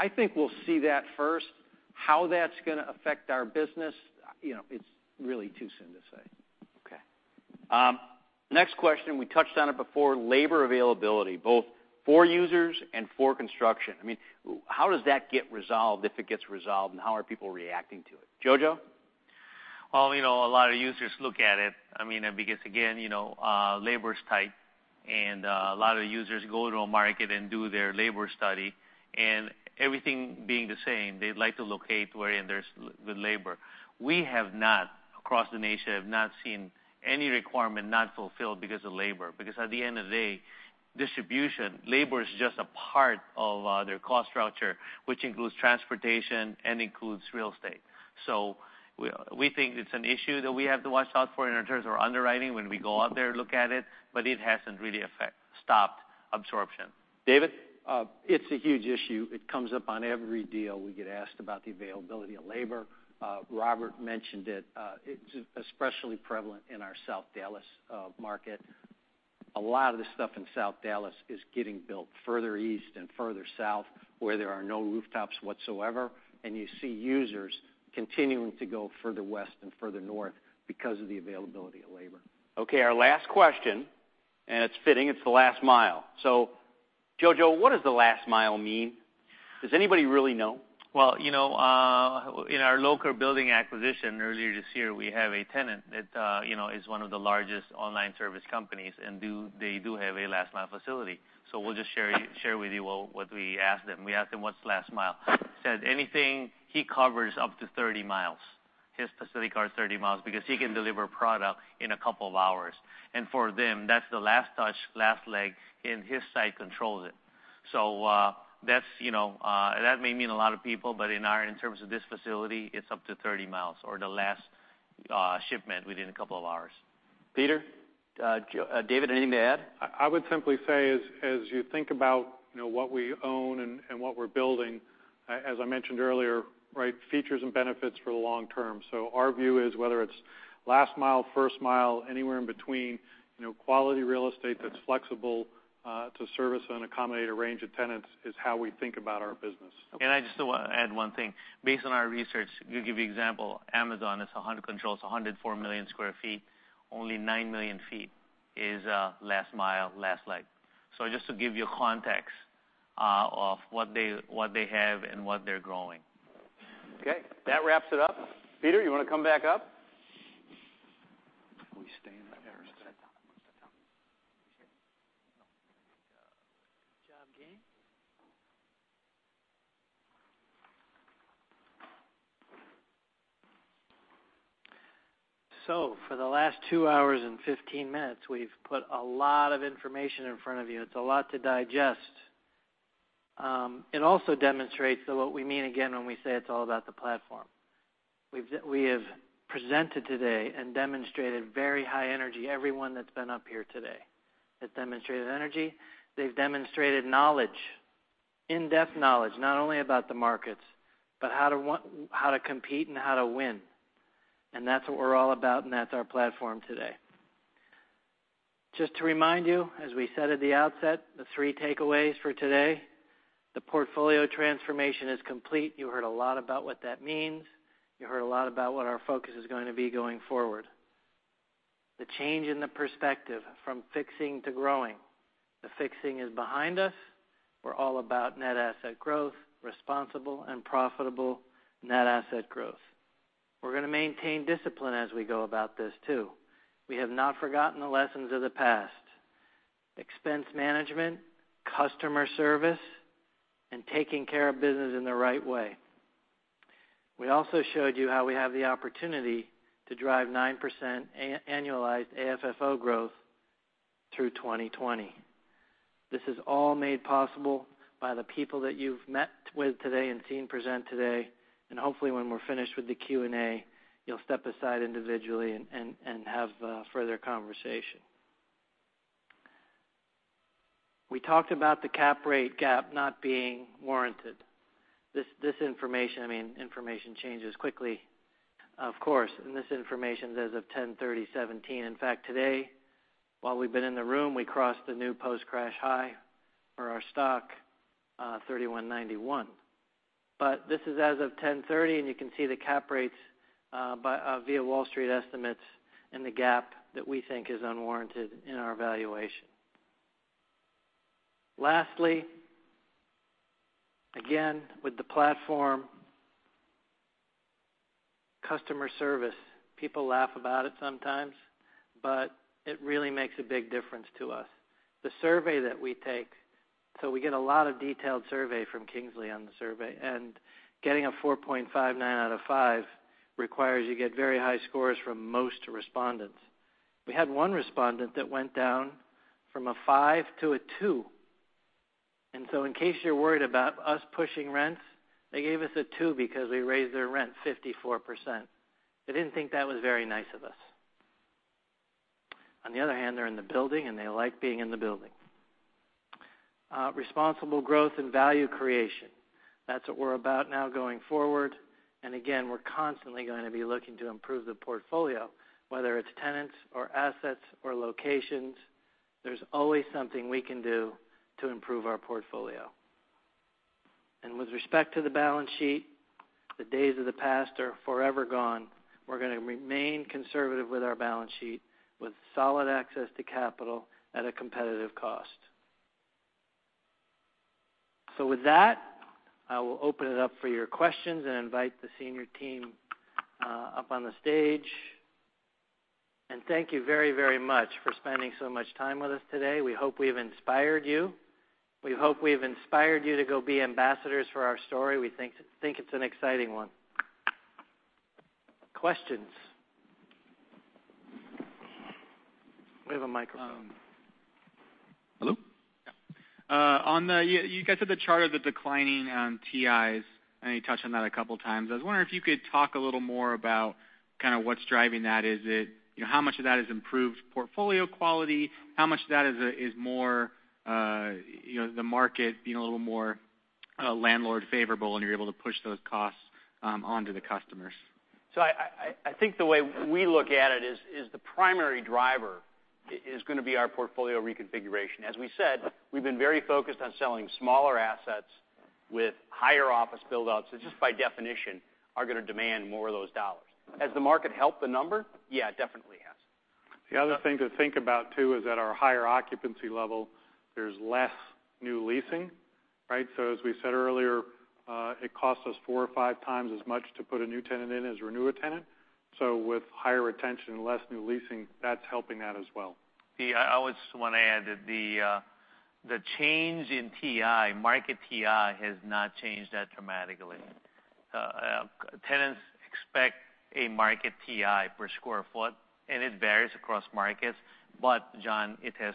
I think we'll see that first. How that's going to affect our business, it's really too soon to say. Okay. Next question, we touched on it before, labor availability, both for users and for construction. How does that get resolved, if it gets resolved, and how are people reacting to it? Jojo? A lot of users look at it. Again, labor is tight, and a lot of the users go to a market and do their labor study. Everything being the same, they'd like to locate where there's good labor. We have not, across the nation, have not seen any requirement not fulfilled because of labor. At the end of the day, distribution, labor is just a part of their cost structure, which includes transportation and includes real estate. We think it's an issue that we have to watch out for in terms of our underwriting when we go out there and look at it, but it hasn't really stopped absorption. David? It's a huge issue. It comes up on every deal. We get asked about the availability of labor. Robert mentioned it. It's especially prevalent in our South Dallas market. A lot of the stuff in South Dallas is getting built further east and further south, where there are no rooftops whatsoever, and you see users continuing to go further west and further north because of the availability of labor. Our last question, it's fitting, it's the last mile. Jojo, what does the last mile mean? Does anybody really know? In our local building acquisition earlier this year, we have a tenant that is one of the largest online service companies, they do have a last mile facility. We'll just share with you what we asked them. We asked them what's last mile? He said anything he covers up to 30 miles. His [specific asset] is 30 miles because he can deliver product in a couple of hours. For them, that's the last touch, last leg, and his site controls it. That may mean a lot of people, but in terms of this facility, it's up to 30 miles or the last shipment within a couple of hours. Peter, David, anything to add? I would simply say is, as you think about what we own and what we're building, as I mentioned earlier, features and benefits for the long term. Our view is whether it's last mile, first mile, anywhere in between, quality real estate that's flexible to service and accommodate a range of tenants is how we think about our business. I just want to add one thing. Based on our research, to give you example, Amazon controls 104 million square feet. Only 9 million feet is last mile, last leg. Just to give you context of what they have and what they're growing. Okay. That wraps it up. Peter, you want to come back up? Can we stay in there a second? Good job, gang. For the last 2 hours and 15 minutes, we've put a lot of information in front of you. It's a lot to digest. It also demonstrates that what we mean, again, when we say it's all about the platform. We have presented today and demonstrated very high energy, everyone that's been up here today. They've demonstrated energy. They've demonstrated knowledge, in-depth knowledge, not only about the markets, but how to compete and how to win. That's what we're all about, and that's our platform today. Just to remind you, as we said at the outset, the three takeaways for today, the portfolio transformation is complete. You heard a lot about what that means. You heard a lot about what our focus is going to be going forward. The change in the perspective from fixing to growing. The fixing is behind us. We're all about net asset growth, responsible and profitable net asset growth. We're going to maintain discipline as we go about this, too. We have not forgotten the lessons of the past. Expense management, customer service, and taking care of business in the right way. We also showed you how we have the opportunity to drive 9% annualized AFFO growth through 2020. This is all made possible by the people that you've met with today and seen present today. Hopefully, when we're finished with the Q&A, you'll step aside individually and have a further conversation. We talked about the cap rate gap not being warranted. This information, I mean, information changes quickly, of course. This information is as of 10/30/2017. In fact, today, while we've been in the room, we crossed the new post-crash high for our stock, $31.91. This is as of 10/30/2017, you can see the cap rates via Wall Street estimates and the gap that we think is unwarranted in our valuation. Lastly, again, with the platform, customer service. People laugh about it sometimes, but it really makes a big difference to us. The survey that we take, we get a lot of detailed survey from Kingsley Associates on the survey, and getting a 4.59 out of five requires you get very high scores from most respondents. We had one respondent that went down from a five to a two. In case you're worried about us pushing rents, they gave us a two because we raised their rent 54%. They didn't think that was very nice of us. On the other hand, they're in the building, and they like being in the building. Responsible growth and value creation. That's what we're about now going forward. Again, we're constantly going to be looking to improve the portfolio, whether it's tenants or assets or locations. There's always something we can do to improve our portfolio. With respect to the balance sheet, the days of the past are forever gone. We're going to remain conservative with our balance sheet with solid access to capital at a competitive cost. With that, I will open it up for your questions and invite the senior team up on the stage. Thank you very much for spending so much time with us today. We hope we've inspired you. We hope we've inspired you to go be ambassadors for our story. We think it's an exciting one. Questions? We have a microphone. Hello? You guys have the chart of the declining TIs, and you touched on that a couple of times. I was wondering if you could talk a little more about what's driving that. How much of that is improved portfolio quality? How much of that is more the market being a little more landlord favorable, and you're able to push those costs onto the customers? I think the way we look at it is the primary driver is going to be our portfolio reconfiguration. As we said, we've been very focused on selling smaller assets with higher office build-outs, which just by definition, are going to demand more of those dollars. Has the market helped the number? Yeah, it definitely has. The other thing to think about too is that our higher occupancy level, there's less new leasing. As we said earlier, it costs us four or five times as much to put a new tenant in as renew a tenant. With higher retention and less new leasing, that's helping that as well. I always want to add that The change in TI, market TI, has not changed that dramatically. Tenants expect a market TI per square foot, and it varies across markets. John, it has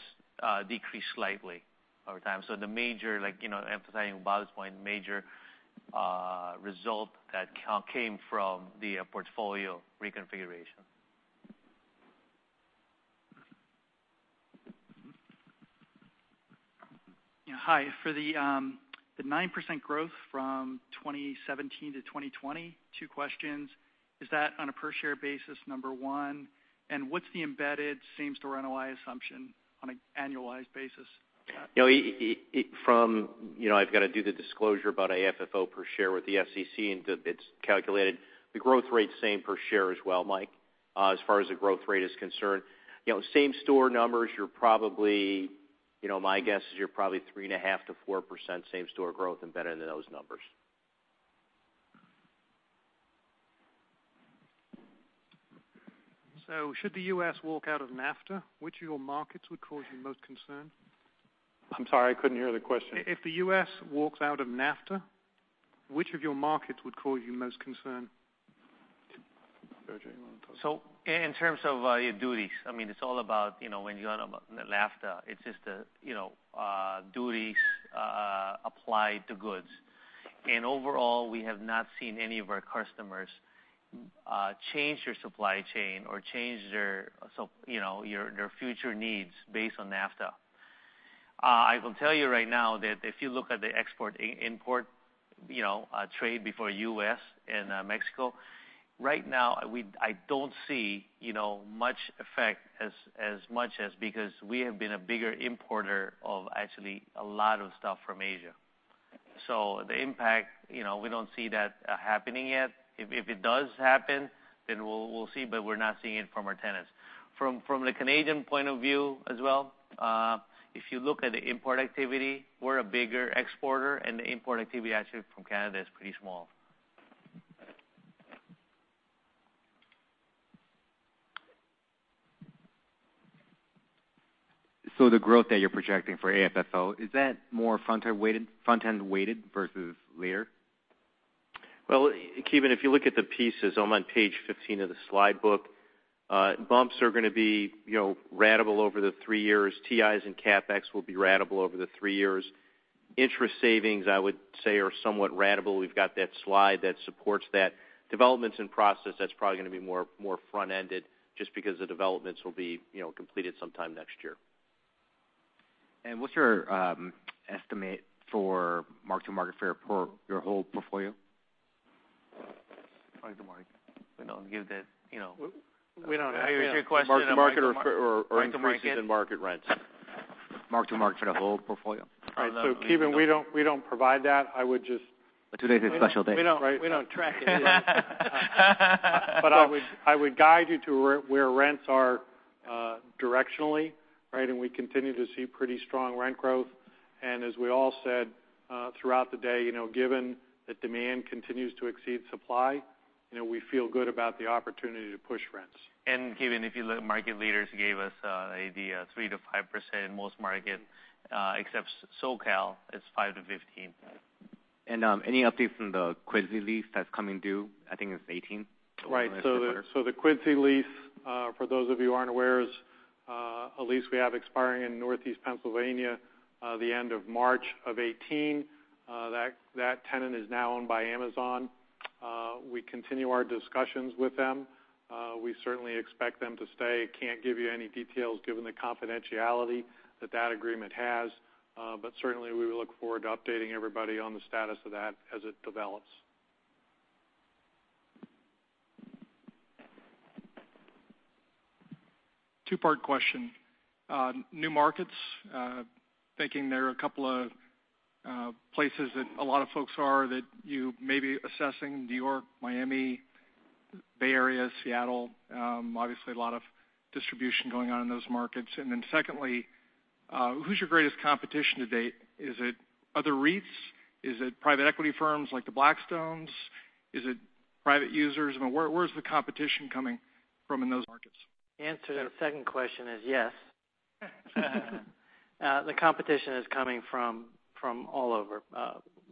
decreased slightly over time. Emphasizing Bob's point, major result that came from the portfolio reconfiguration. Hi. For the 9% growth from 2017 to 2020, two questions. Is that on a per share basis, number one, and what's the embedded same store NOI assumption on an annualized basis? I've got to do the disclosure about AFFO per share with the SEC. It's calculated. The growth rate's same per share as well, Mike, as far as the growth rate is concerned. Same store numbers, my guess is you're probably 3.5%-4% same store growth embedded in those numbers. Should the U.S. walk out of NAFTA, which of your markets would cause you most concern? I'm sorry, I couldn't hear the question. If the U.S. walks out of NAFTA, which of your markets would cause you most concern? Virgil, you want to talk? In terms of your duties, it's all about when you go on about NAFTA, it's just duties applied to goods. Overall, we have not seen any of our customers change their supply chain or change their future needs based on NAFTA. I will tell you right now that if you look at the export-import trade before U.S. and Mexico, right now, I don't see much effect as much as because we have been a bigger importer of actually a lot of stuff from Asia. The impact, we don't see that happening yet. If it does happen, then we'll see, but we're not seeing it from our tenants. From the Canadian point of view as well, if you look at the import activity, we're a bigger exporter, the import activity actually from Canada is pretty small. The growth that you're projecting for AFFO, is that more front-end weighted versus later? Well, Kevin, if you look at the pieces, I'm on page 15 of the slide book. Bumps are going to be ratable over the three years. TIs and CapEx will be ratable over the three years. Interest savings, I would say, are somewhat ratable. We've got that slide that supports that. Developments in process, that's probably going to be more front-ended, just because the developments will be completed sometime next year. What's your estimate for mark-to-market fair for your whole portfolio? Mark-to-market. Give that- We don't have your question. Mark to market or increases in market rents. Mark to market for the whole portfolio. Kevin, we don't provide that. Today's a special day. We don't track it. I would guide you to where rents are directionally. We continue to see pretty strong rent growth. As we all said throughout the day, given that demand continues to exceed supply, we feel good about the opportunity to push rents. Kevin, if you look at market leaders gave us an idea, 3%-5% in most markets. Except SoCal, it's 5%-15%. Any updates from the Quincy lease that's coming due? I think it's 2018. Right. The Quincy lease, for those of you who aren't aware, is a lease we have expiring in Northeast Pennsylvania the end of March of 2018. That tenant is now owned by Amazon. We continue our discussions with them. We certainly expect them to stay. Can't give you any details given the confidentiality that that agreement has. Certainly, we look forward to updating everybody on the status of that as it develops. Two-part question. New markets, thinking there are a couple of places that a lot of folks are that you may be assessing, New York, Miami, Bay Area, Seattle. Obviously, a lot of distribution going on in those markets. Secondly, who's your greatest competition to date? Is it other REITs? Is it private equity firms like Blackstone? Is it private users? Where's the competition coming from in those markets? The answer to the second question is yes. The competition is coming from all over.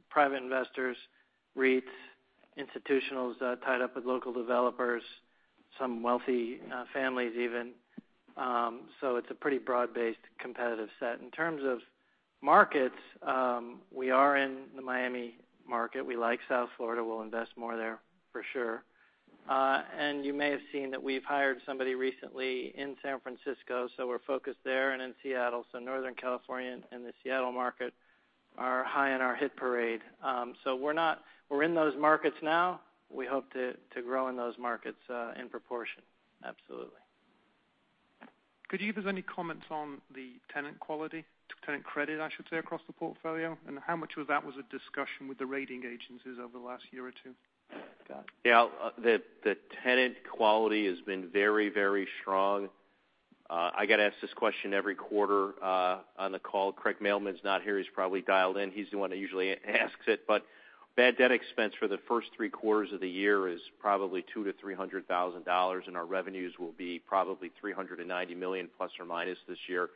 Private investors, REITs, institutionals tied up with local developers, some wealthy families even. It's a pretty broad-based competitive set. In terms of markets, we are in the Miami market. We like South Florida. We'll invest more there for sure. You may have seen that we've hired somebody recently in San Francisco, so we're focused there and in Seattle. Northern California and the Seattle market are high in our hit parade. We're in those markets now. We hope to grow in those markets in proportion. Absolutely. Could you give us any comments on the tenant quality, tenant credit, I should say, across the portfolio? How much of that was a discussion with the rating agencies over the last year or two? Yeah. The tenant quality has been very, very strong. I get asked this question every quarter on the call. Craig Mailman's not here. He's probably dialed in. He's the one that usually asks it. Bad debt expense for the first 3 quarters of the year is probably $200,000-$300,000, and our revenues will be probably $390 million ± this year.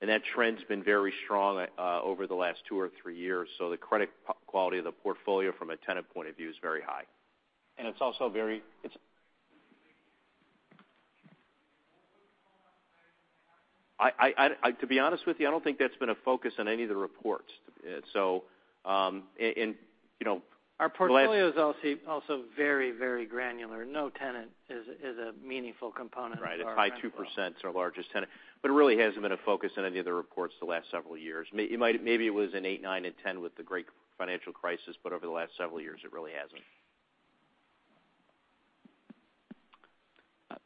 That trend's been very strong over the last 2 or 3 years. The credit quality of the portfolio from a tenant point of view is very high. It's also very. To be honest with you, I don't think that's been a focus on any of the reports. Our portfolio is also very, very granular. No tenant is a meaningful component of our. Right. It's high 2%, is our largest tenant. It really hasn't been a focus on any of the reports the last several years. Maybe it was in eight, nine, and 10 with the great financial crisis, over the last several years, it really hasn't.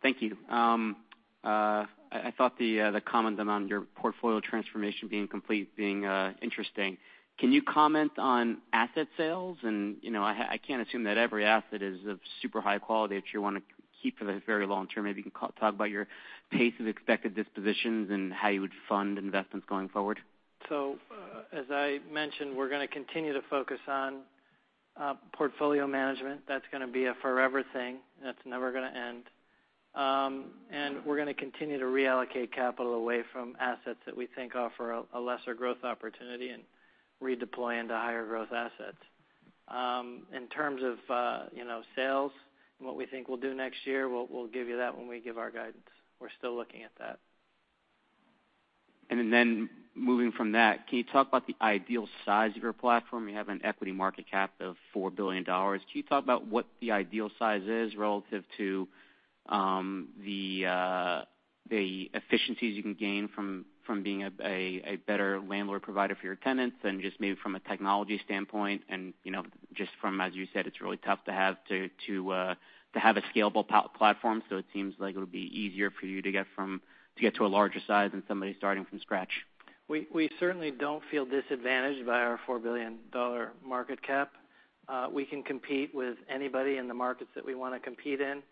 Thank you. I thought the comment on your portfolio transformation being complete, being interesting. Can you comment on asset sales? I can't assume that every asset is of super high quality that you want to keep for the very long term. Maybe you can talk about your pace of expected dispositions and how you would fund investments going forward. As I mentioned, we're going to continue to focus on portfolio management. That's going to be a forever thing. That's never going to end. We're going to continue to reallocate capital away from assets that we think offer a lesser growth opportunity and redeploy into higher growth assets. In terms of sales and what we think we'll do next year, we'll give you that when we give our guidance. We're still looking at that. Moving from that, can you talk about the ideal size of your platform? You have an equity market cap of $4 billion. Can you talk about what the ideal size is relative to the efficiencies you can gain from being a better landlord provider for your tenants than just maybe from a technology standpoint and just from, as you said, it's really tough to have a scalable platform, it seems like it'll be easier for you to get to a larger size than somebody starting from scratch. We certainly don't feel disadvantaged by our $4 billion market cap. We can compete with anybody in the markets that we want to compete in.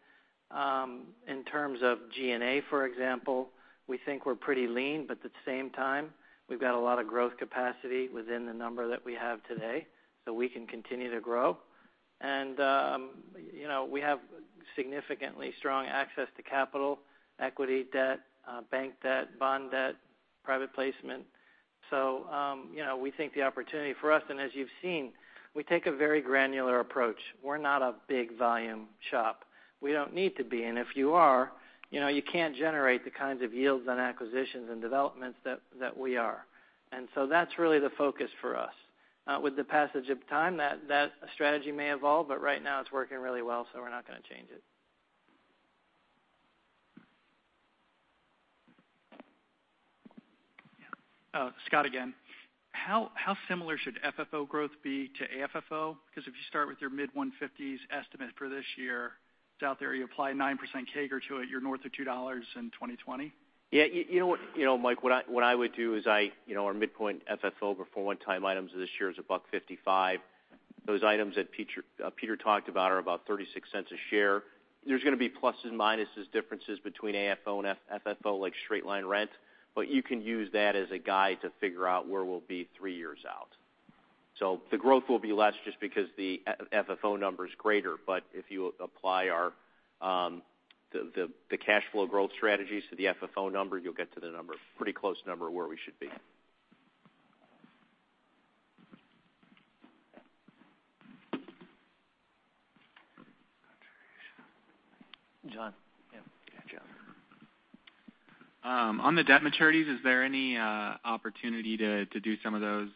In terms of G&A, for example, we think we're pretty lean, but at the same time, we've got a lot of growth capacity within the number that we have today, so we can continue to grow. We have significantly strong access to capital, equity, debt, bank debt, bond debt, private placement. We think the opportunity for us, and as you've seen, we take a very granular approach. We're not a big volume shop. We don't need to be. If you are, you can't generate the kinds of yields on acquisitions and developments that we are. That's really the focus for us. With the passage of time, that strategy may evolve, but right now it's working really well, so we're not going to change it. Yeah. Scott, again. How similar should FFO growth be to AFFO? If you start with your mid-150s estimate for this year, it's out there, you apply 9% CAGR to it, you're north of $2 in 2020? Yeah. Mike, what I would do is our midpoint FFO before one-time items this year is $1.55. Those items that Peter talked about are about $0.36 a share. There's going to be plus and minuses differences between AFFO and FFO, like straight line rent. You can use that as a guide to figure out where we'll be three years out. The growth will be less just because the FFO number's greater. If you apply the cash flow growth strategies to the FFO number, you'll get to the pretty close number of where we should be. John. Yeah. Yeah, John. On the debt maturities, is there any opportunity to do some of those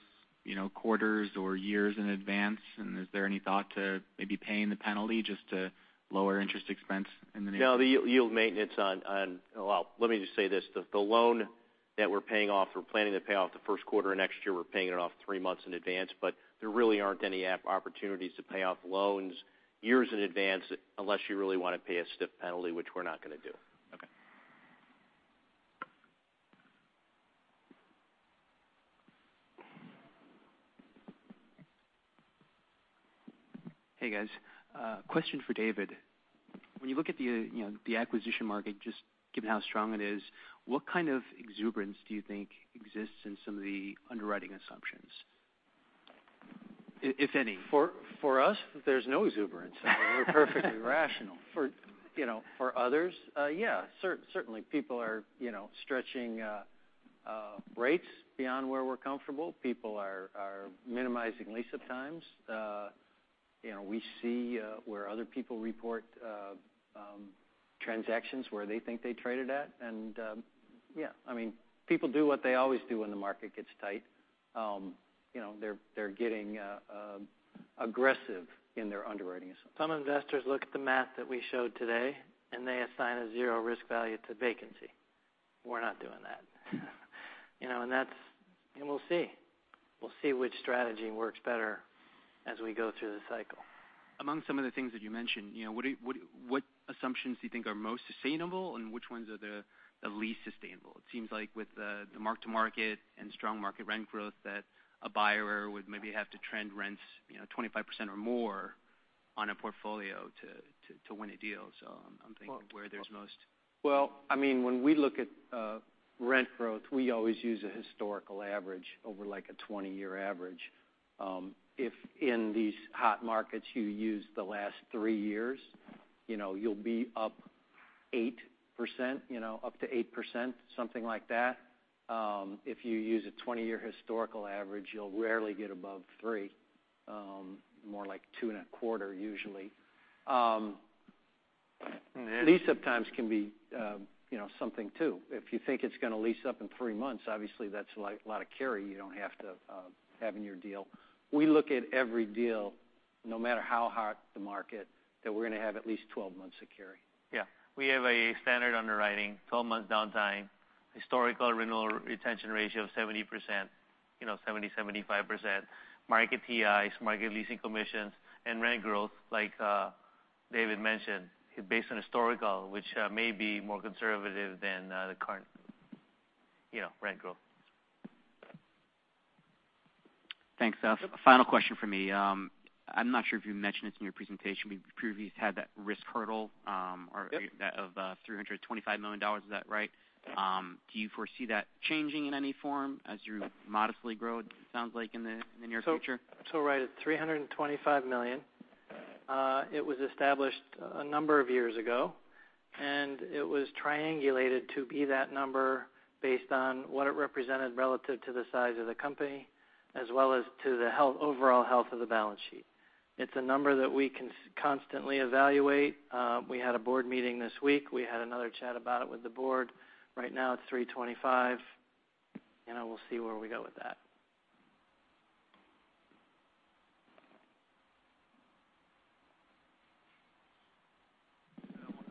quarters or years in advance? Is there any thought to maybe paying the penalty just to lower interest expense in the near term? No, the yield maintenance on Well, let me just say this, the loan that we're paying off, we're planning to pay off the first quarter of next year. We're paying it off three months in advance, there really aren't any opportunities to pay off loans years in advance unless you really want to pay a stiff penalty, which we're not going to do. Okay. Hey, guys. Question for David. When you look at the acquisition market, just given how strong it is, what kind of exuberance do you think exists in some of the underwriting assumptions, if any? For us, there's no exuberance. We're perfectly rational. For others, yeah. Certainly. People are stretching rates beyond where we're comfortable. People are minimizing lease-up times. We see where other people report transactions, where they think they traded at, and yeah. People do what they always do when the market gets tight. They're getting aggressive in their underwriting assumptions. Some investors look at the math that we showed today, they assign a zero risk value to vacancy. We're not doing that. We'll see. We'll see which strategy works better as we go through the cycle. Among some of the things that you mentioned, what assumptions do you think are most sustainable, and which ones are the least sustainable? It seems like with the mark-to-market and strong market rent growth that a buyer would maybe have to trend rents 25% or more on a portfolio to win a deal. I'm thinking of where there's most. Well, when we look at rent growth, we always use a historical average over a 20-year average. If in these hot markets you use the last three years, you will be up to 8%, something like that. If you use a 20-year historical average, you will rarely get above three, more like two and a quarter usually. Lease-up times can be something, too. If you think it is going to lease up in three months, obviously that is a lot of carry you do not have to have in your deal. We look at every deal, no matter how hot the market, that we are going to have at least 12 months of carry. Yeah. We have a standard underwriting, 12 months downtime, historical renewal retention ratio of 70, 75%, market TIs, market leasing commissions, and rent growth, like David mentioned, based on historical, which may be more conservative than the current rent growth. Thanks. A final question from me. I am not sure if you mentioned this in your presentation, you previously had that risk hurdle- Yep of $325 million. Is that right? Yeah. Do you foresee that changing in any form as you modestly grow, it sounds like, in the near future? Right at $325 million. It was established a number of years ago, it was triangulated to be that number based on what it represented relative to the size of the company, as well as to the overall health of the balance sheet. It's a number that we constantly evaluate. We had a board meeting this week. We had another chat about it with the board. Right now it's $325, we'll see where we go with that.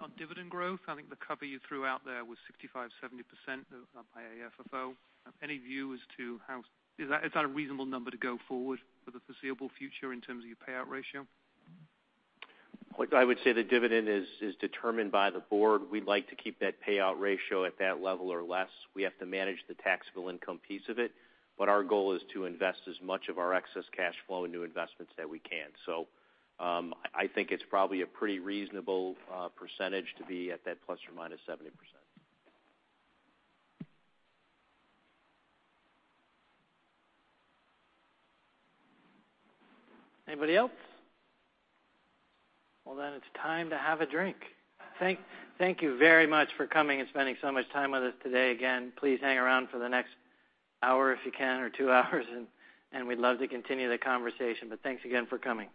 On dividend growth, I think the copy you threw out there was 65%-70% by AFFO. Is that a reasonable number to go forward for the foreseeable future in terms of your payout ratio? Look, I would say the dividend is determined by the board. We'd like to keep that payout ratio at that level or less. We have to manage the taxable income piece of it. Our goal is to invest as much of our excess cash flow into investments that we can. I think it's probably a pretty reasonable percentage to be at that ±70%. Anybody else? Well, it's time to have a drink. Thank you very much for coming and spending so much time with us today. Again, please hang around for the next hour if you can, or two hours, and we'd love to continue the conversation. Thanks again for coming.